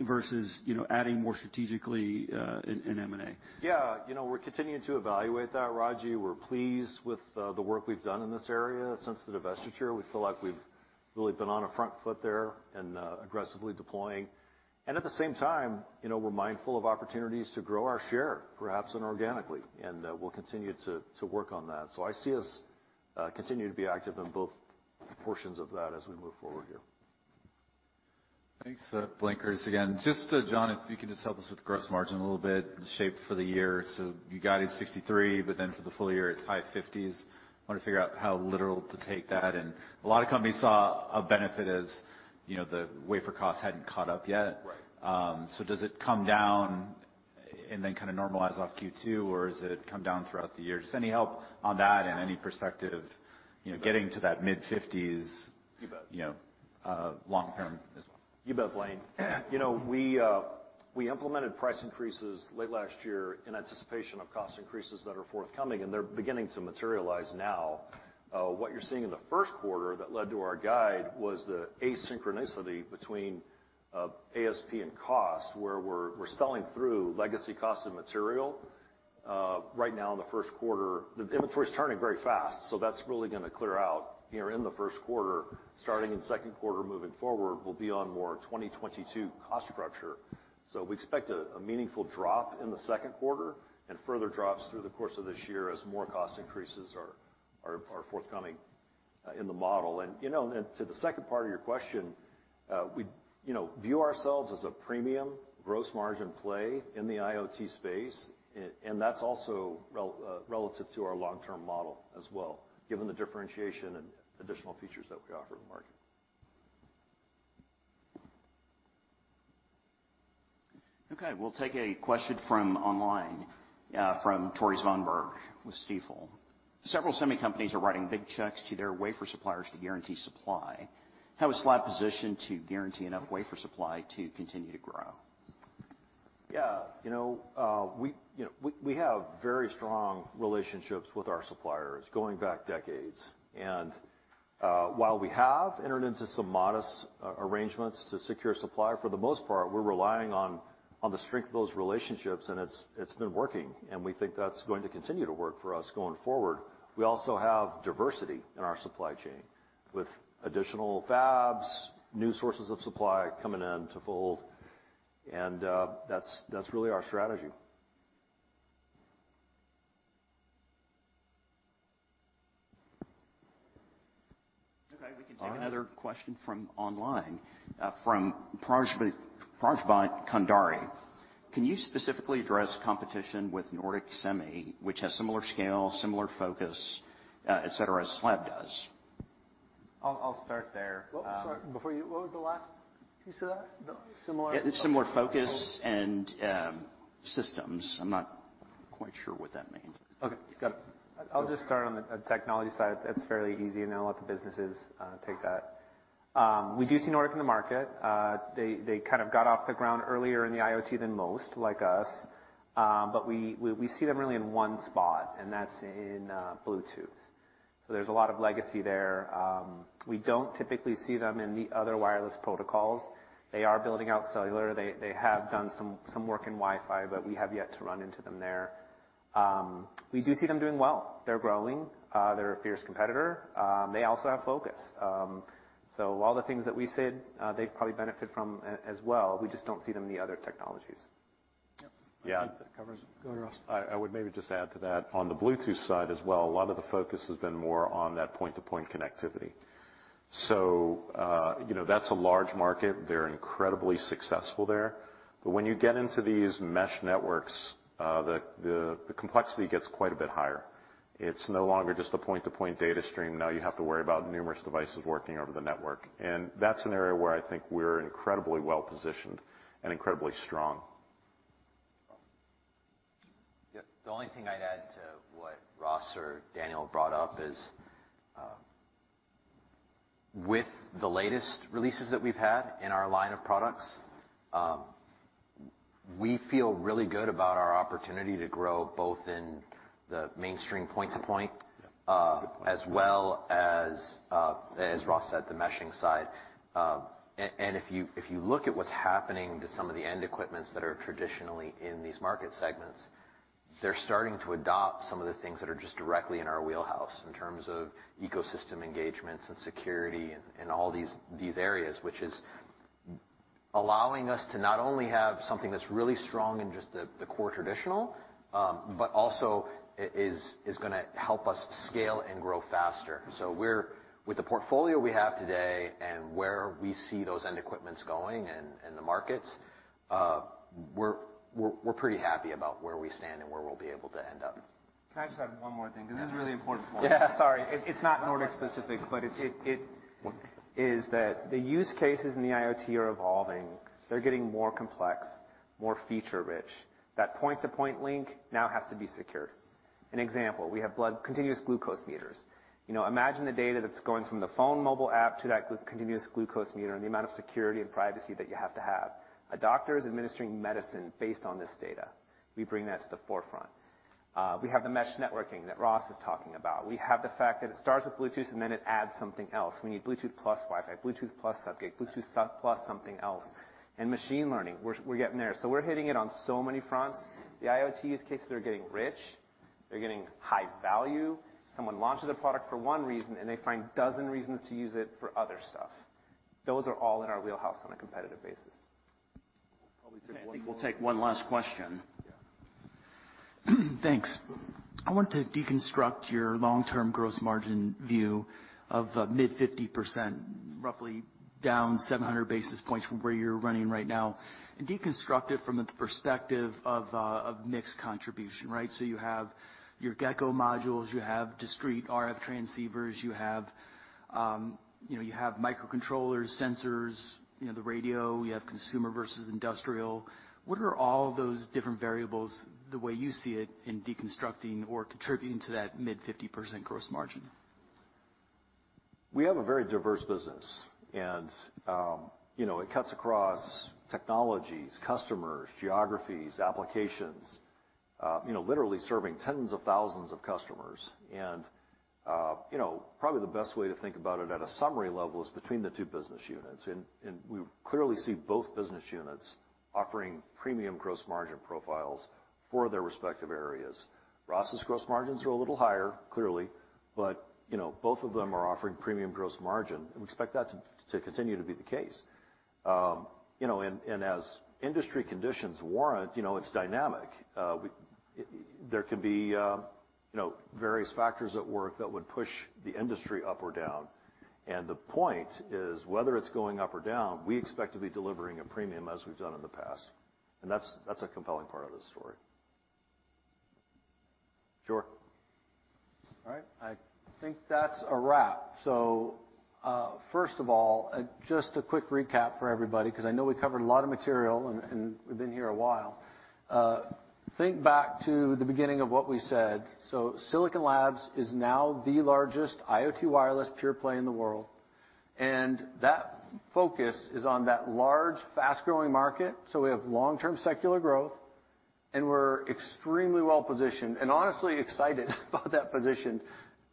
versus, you know, adding more strategically in M&A. Yeah. You know, we're continuing to evaluate that, Raji. We're pleased with the work we've done in this area since the divestiture. We feel like we've really been on a front foot there and aggressively deploying. At the same time, you know, we're mindful of opportunities to grow our share, perhaps inorganically, and we'll continue to work on that. I see us continue to be active in both portions of that as we move forward here. Thanks. Blayne Curtis again. Just, John, if you can just help us with gross margin a little bit and the shape for the year. You guided 63%, but then for the full year it's high 50s%. I want to figure out how literal to take that. A lot of companies saw a benefit as, you know, the wafer costs hadn't caught up yet. Right. does it come down and then kind of normalize off Q2, or does it come down throughout the year? Just any help on that and any perspective, you know, getting to that mid-fifties- You bet. You know, long term as well. You bet, Blayne. You know, we implemented price increases late last year in anticipation of cost increases that are forthcoming, and they're beginning to materialize now. What you're seeing in the first quarter that led to our guide was the asynchronicity between ASP and cost, where we're selling through legacy cost of material. Right now in the first quarter, the inventory is turning very fast, so that's really gonna clear out here in the first quarter. Starting in second quarter, moving forward, we'll be on more 2022 cost structure. We expect a meaningful drop in the second quarter and further drops through the course of this year as more cost increases are forthcoming in the model. You know, to the second part of your question, we, you know, view ourselves as a premium gross margin play in the IoT space, and that's also relative to our long-term model as well, given the differentiation and additional features that we offer the market. Okay, we'll take a question from online, from Tore Svanberg with Stifel. Several semi companies are writing big checks to their wafer suppliers to guarantee supply. How is SLAB positioned to guarantee enough wafer supply to continue to grow? Yeah. You know, we have very strong relationships with our suppliers going back decades. While we have entered into some modest arrangements to secure supply, for the most part, we're relying on the strength of those relationships, and it's been working, and we think that's going to continue to work for us going forward. We also have diversity in our supply chain with additional fabs, new sources of supply coming into the fold, and that's really our strategy. Okay. We can take another question from online, from Prashant Kothari. Can you specifically address competition with Nordic Semi, which has similar scale, similar focus, et cetera, as SLAB does? I'll start there. Oh, sorry, before you, what was the last piece of that? It's similar focus and, systems. I'm not quite sure what that means. Okay. Go ahead. I'll just start on the technology side. That's fairly easy, and then I'll let the businesses take that. We do see Nordic in the market. They kind of got off the ground earlier in the IoT than most, like us. We see them really in one spot, and that's in Bluetooth. There's a lot of legacy there. We don't typically see them in the other wireless protocols. They are building out cellular. They have done some work in Wi-Fi, but we have yet to run into them there. We do see them doing well. They're growing. They're a fierce competitor. They also have focus. All the things that we said they probably benefit from as well. We just don't see them in the other technologies. Yep. Yeah. I think that covers it. Go ahead, Ross. I would maybe just add to that on the Bluetooth side as well, a lot of the focus has been more on that point-to-point connectivity. You know, that's a large market. They're incredibly successful there. When you get into these mesh networks, the complexity gets quite a bit higher. It's no longer just a point-to-point data stream. Now you have to worry about numerous devices working over the network. That's an area where I think we're incredibly well positioned and incredibly strong. Yeah. The only thing I'd add to what Ross or Daniel brought up is. With the latest releases that we've had in our line of products, we feel really good about our opportunity to grow both in the mainstream point-to-point. Good point. As well as Ross said, the meshing side. If you look at what's happening to some of the end equipments that are traditionally in these market segments, they're starting to adopt some of the things that are just directly in our wheelhouse in terms of ecosystem engagements and security and all these areas, which is allowing us to not only have something that's really strong in just the core traditional, but also is gonna help us scale and grow faster. With the portfolio we have today and where we see those end equipments going in the markets, we're pretty happy about where we stand and where we'll be able to end up. Can I just add one more thing? Yeah. This is a really important point. Yeah. Sorry. It's not Nordic specific, but it is that the use cases in the IoT are evolving. They're getting more complex, more feature rich. That point-to-point link now has to be secure. An example, we have blood continuous glucose monitors. You know, imagine the data that's going from the phone mobile app to that continuous glucose monitor and the amount of security and privacy that you have to have. A doctor is administering medicine based on this data. We bring that to the forefront. We have the mesh networking that Ross is talking about. We have the fact that it starts with Bluetooth and then it adds something else. We need Bluetooth plus Wi-Fi, Bluetooth plus Sub-G, Bluetooth Sub-G plus something else. Machine learning, we're getting there. We're hitting it on so many fronts. The IoT use cases are getting rich. They're getting high value. Someone launches a product for one reason, and they find a dozen reasons to use it for other stuff. Those are all in our wheelhouse on a competitive basis. We'll probably take one more. I think we'll take one last question. Yeah. Thanks. I want to deconstruct your long-term gross margin view of mid-50%, roughly down 700 basis points from where you're running right now, and deconstruct it from the perspective of mixed contribution, right? You have your Gecko modules, you have discrete RF transceivers, you have microcontrollers, sensors, you know, the radio, you have consumer versus industrial. What are all those different variables, the way you see it, in deconstructing or contributing to that mid-50% gross margin? We have a very diverse business and, you know, it cuts across technologies, customers, geographies, applications, you know, literally serving tens of thousands of customers. You know, probably the best way to think about it at a summary level is between the two business units. We clearly see both business units offering premium gross margin profiles for their respective areas. Ross's gross margins are a little higher, clearly, but, you know, both of them are offering premium gross margin, and we expect that to continue to be the case. You know, as industry conditions warrant, you know, it's dynamic. There can be, you know, various factors at work that would push the industry up or down. The point is, whether it's going up or down, we expect to be delivering a premium as we've done in the past. That's a compelling part of this story. Sure. All right. I think that's a wrap. First of all, just a quick recap for everybody, 'cause I know we covered a lot of material and we've been here a while. Think back to the beginning of what we said. Silicon Labs is now the largest IoT wireless pure play in the world, and that focus is on that large, fast-growing market. We have long-term secular growth, and we're extremely well-positioned and honestly excited about that position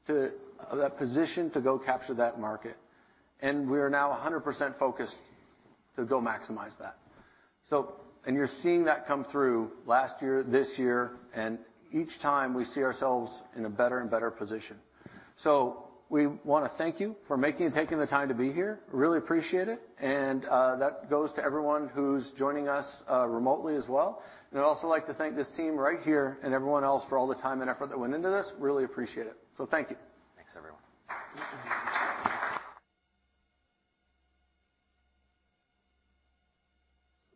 to go capture that market. We're now 100% focused to go maximize that. You're seeing that come through last year, this year, and each time we see ourselves in a better and better position. We wanna thank you for making and taking the time to be here. Really appreciate it. That goes to everyone who's joining us remotely as well. I'd also like to thank this team right here and everyone else for all the time and effort that went into this. Really appreciate it. Thank you. Thanks, everyone.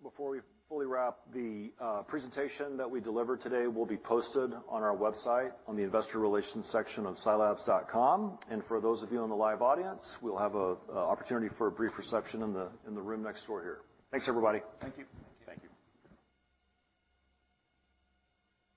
Before we fully wrap, the presentation that we delivered today will be posted on our website on the investor relations section of silabs.com. For those of you in the live audience, we'll have a opportunity for a brief reception in the room next door here. Thanks, everybody. Thank you. Thank you.